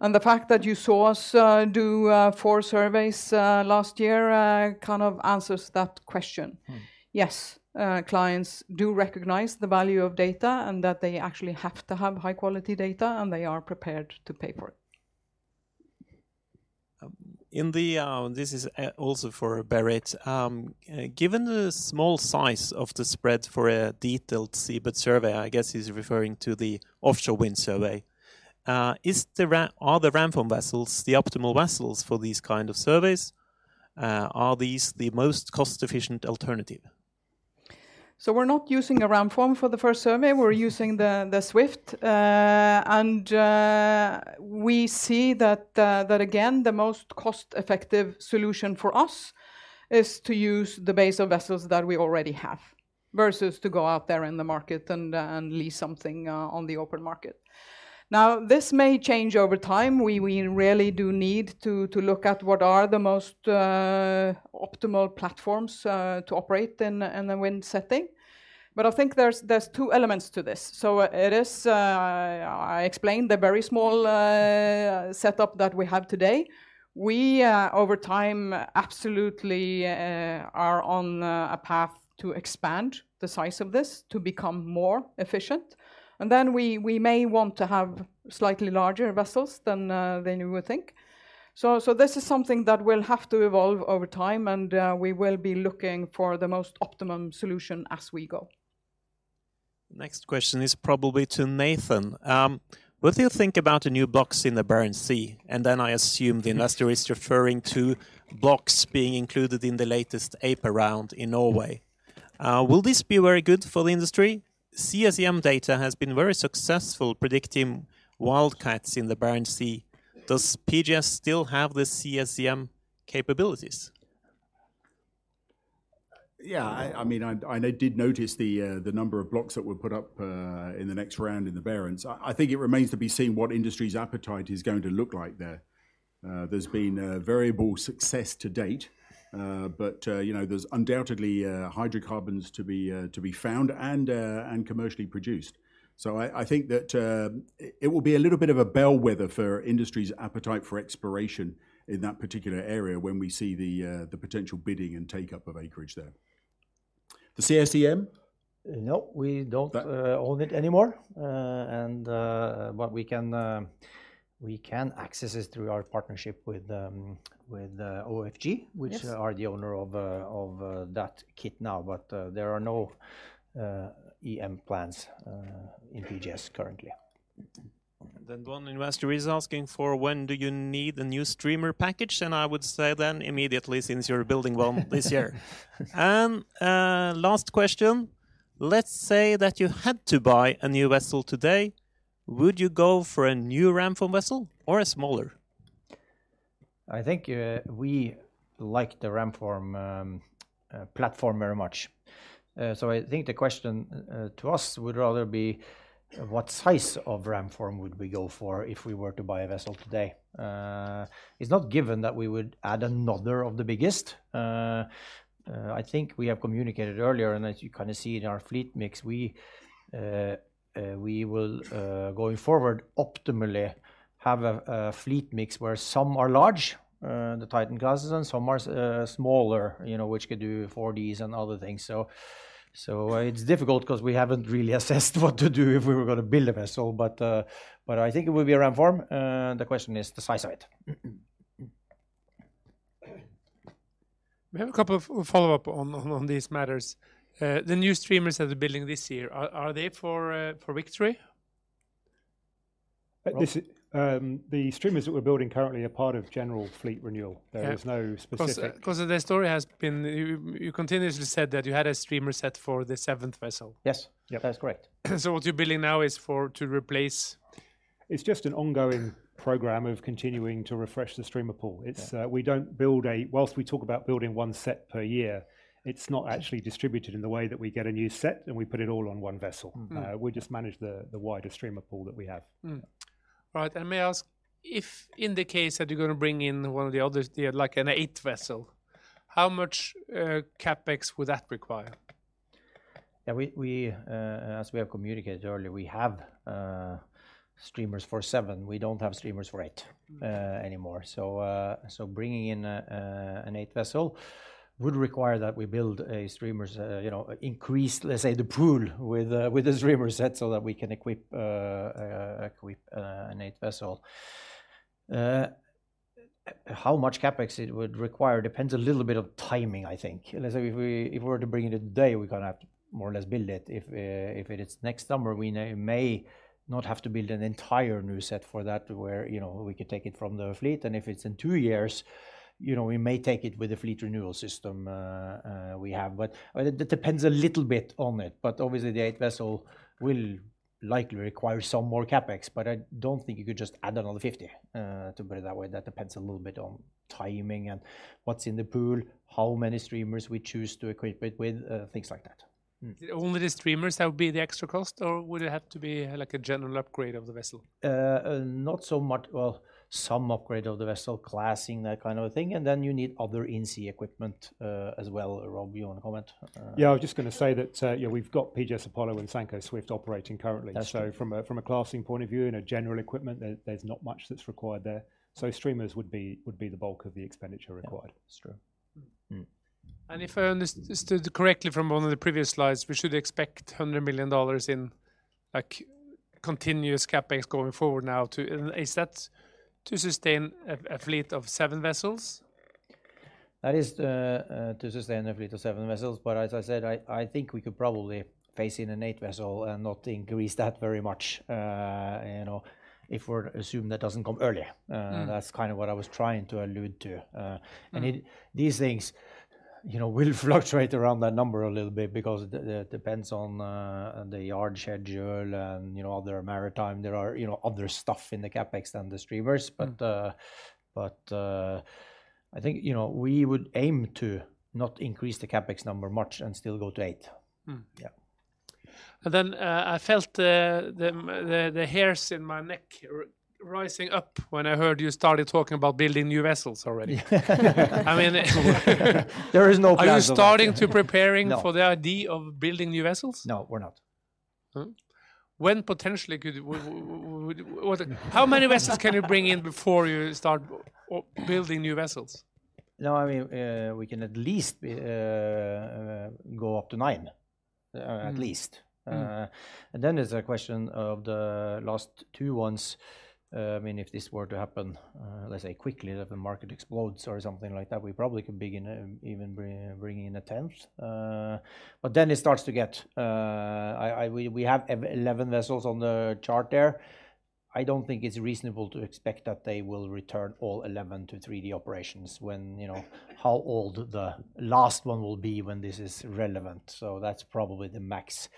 The fact that you saw us do 4 surveys last year kind of answers that question. Mm-hmm. Yes, clients do recognize the value of data and that they actually have to have high-quality data, and they are prepared to pay for it. In the, this is also for Berit. Given the small size of the spread for a detailed seabed survey, I guess he's referring to the offshore wind survey. Are the Ramform vessels the optimal vessels for these kind of surveys? Are these the most cost-efficient alternative? We're not using a Ramform for the first survey. We're using the Swift. We see that again, the most cost-effective solution for us is to use the base of vessels that we already have versus to go out there in the market and lease something on the open market. Now, this may change over time. We really do need to look at what are the most optimal platforms to operate in the wind setting. I think there's two elements to this. It is I explained the very small setup that we have today. Over time absolutely are on a path to expand the size of this to become more efficient. We may want to have slightly larger vessels than you would think. This is something that will have to evolve over time, and we will be looking for the most optimum solution as we go. Next question is probably to Nathan. What do you think about the new blocks in the Barents Sea? I assume the investor is referring to blocks being included in the latest APA round in Norway. Will this be very good for the industry? CSEM data has been very successful predicting wildcats in the Barents Sea. Does PGS still have the CSEM capabilities? Yeah. I mean, I did notice the number of blocks that were put up in the next round in the Barents. I think it remains to be seen what industry's appetite is going to look like there. There's been variable success to date. You know, there's undoubtedly hydrocarbons to be found and commercially produced. I think that it will be a little bit of a bellwether for industry's appetite for exploration in that particular area when we see the potential bidding and take-up of acreage there. The CSEM? No, we don't. That-... own it anymore. We can access it through our partnership with OFG. Yes... which are the owner of, that kit now. There are no, EM plans, in PGS currently. One investor is asking for when do you need a new streamer package? I would say then immediately since you're building one this year. Last question: let's say that you had to buy a new vessel today, would you go for a new Ramform vessel or a smaller? I think we like the Ramform platform very much. I think the question to us would rather be what size of Ramform would we go for if we were to buy a vessel today? It's not given that we would add another of the biggest. I think we have communicated earlier, and as you kinda see in our fleet mix, we will going forward optimally have a fleet mix where some are large, the Titan-class Gazes, and some are smaller, you know, which could do 4Ds and other things. So, it's difficult 'cause we haven't really assessed what to do if we were gonna build a vessel. I think it would be a Ramform, and the question is the size of it. We have a couple follow-up on these matters. The new streamers that are building this year, are they for Victory? The streamers that we're building currently are part of general fleet renewal. Yeah. There is no 'Cause the story has been you continuously said that you had a streamer set for the seventh vessel. Yes. Yeah. That is correct. What you're building now is for to replace? It's just an ongoing program of continuing to refresh the streamer pool. Yeah. It's, Whilst we talk about building one set per year, it's not actually distributed in the way that we get a new set and we put it all on one vessel. Mm-hmm. We just manage the wider streamer pool that we have. Mm-hmm. Right. May I ask if in the case that you're gonna bring in one of the others, the, like, an eight vessel, how much CapEx would that require? Yeah. We, as we have communicated earlier, we have streamers for seven. We don't have streamers for eight anymore. Bringing in an eighth vessel would require that we build a streamers, you know, increase, let's say, the pool with the streamer set so that we can equip an eighth vessel. How much CapEx it would require depends a little bit of timing, I think. Let's say if we were to bring it today, we're gonna have to more or less build it. If it is next summer, we may not have to build an entire new set for that to where, you know, we could take it from the fleet. If it's in two years, you know, we may take it with the fleet renewal system, we have. It depends a little bit on it. Obviously the eighth vessel will likely require some more CapEx. I don't think you could just add another $50, to put it that way. That depends a little bit on timing and what's in the pool, how many streamers we choose to equip it with, things like that. Mm-hmm. Only the streamers that would be the extra cost, or would it have to be like a general upgrade of the vessel? Not so much. Some upgrade of the vessel, classing, that kind of a thing, and then you need other in-sea equipment, as well. Rob, you wanna comment? I was just gonna say that, yeah, we've got PGS Apollo and Sanco Swift operating currently. That's true. From a classing point of view and a general equipment, there's not much that's required there. Streamers would be the bulk of the expenditure required. Yeah. That's true. Mm-hmm. Mm-hmm. If I understood correctly from one of the previous slides, we should expect $100 million in like continuous CapEx going forward. Is that to sustain a fleet of seven vessels? That is to sustain a fleet of seven vessels. As I said, I think we could probably phase in an 8th vessel and not increase that very much. You know, if we're to assume that doesn't come earlier. Mm-hmm. That's kind of what I was trying to allude to. Mm-hmm These things, you know, will fluctuate around that number a little bit because it depends on the yard schedule and, you know, other maritime. There are, you know, other stuff in the CapEx than the streamers. I think, you know, we would aim to not increase the CapEx number much and still go to eight. Mm-hmm. Yeah. I felt the hairs in my neck rising up when I heard you started talking about building new vessels already. I mean. There is no plans on that. Are you starting to? No... for the idea of building new vessels? No, we're not. When potentially could we How many vessels can you bring in before you start or building new vessels? No, I mean, we can at least go up to nine, at least. Mm-hmm. Then there's a question of the last two ones. I mean, if this were to happen, let's say quickly, that the market explodes or something like that, we probably can begin, even bringing in a tenth. Then it starts to get, we have 11 vessels on the chart there. I don't think it's reasonable to expect that they will return all 11-3D operations when, you know, how old the last one will be when this is relevant. That's probably the max.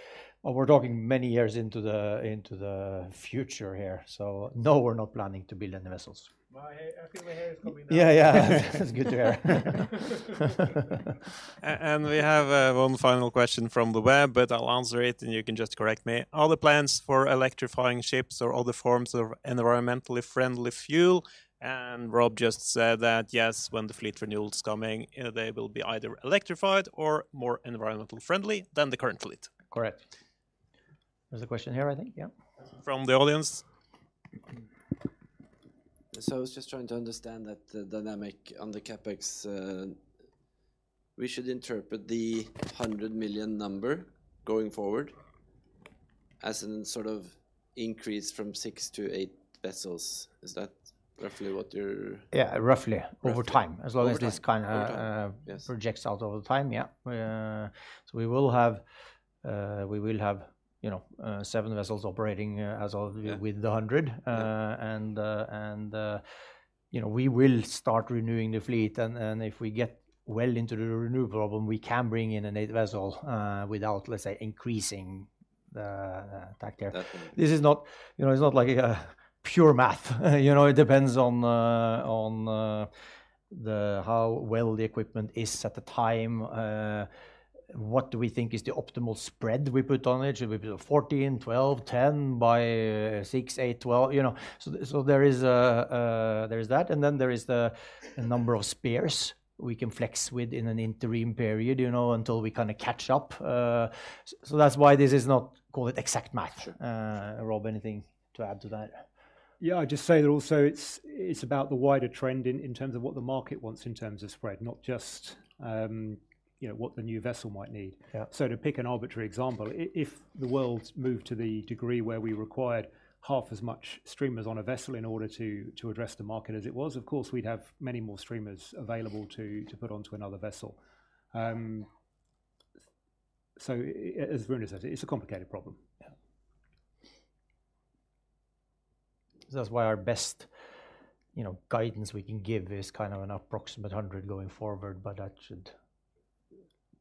We're talking many years into the future here. No, we're not planning to build any vessels. I feel my hair is coming down. Yeah, yeah. That's good to hear. We have one final question from the web, but I'll answer it, and you can just correct me. Are there plans for electrifying ships or other forms of environmentally friendly fuel? Rob just said that yes, when the fleet renewal is coming, you know, they will be either electrified or more environmentally friendly than the current fleet. Correct. There's a question here, I think. Yeah. From the audience. I was just trying to understand that the dynamic on the CapEx, we should interpret the $100 million number going forward as in sort of increase from six to eight vessels. Is that roughly? Yeah, roughly over time. Roughly. Over time. As long as this kinda- Yes... projects out over time, yeah. We will have, you know, seven vessels operating. Yeah... with the 100. Yeah. You know, we will start renewing the fleet and if we get well into the renewal problem, we can bring in an eighth vessel without, let's say, increasing the factor. Definitely. This is not, you know, it's not like a pure math. You know, it depends on how well the equipment is at the time. What do we think is the optimal spread we put on it? Should we put a 14, 12, 10 by 6, 8, 12? You know. There is that, and then there is the number of spares we can flex with in an interim period, you know, until we kinda catch up. That's why this is not call it exact math. Sure. Rob, anything to add to that? Yeah, I'd just say that also it's about the wider trend in terms of what the market wants in terms of spread, not just, you know, what the new vessel might need. Yeah. To pick an arbitrary example, if the world's moved to the degree where we required half as much streamers on a vessel in order to address the market as it was, of course, we'd have many more streamers available to put onto another vessel. As Rune said, it's a complicated problem. Yeah. That's why our best, you know, guidance we can give is kind of an approximate $100 going forward, but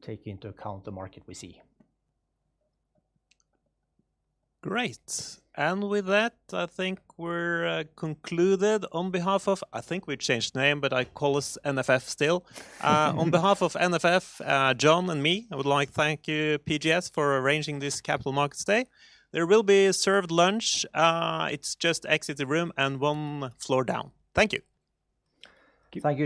that should take into account the market we see. Great. With that, I think we're concluded. On behalf of... I think we've changed name, but I call us NFF still. On behalf of NFF, John and me, I would like thank you PGS for arranging this Capital Markets Day. There will be served lunch. It's just exit the room and one floor down. Thank you. Thank you.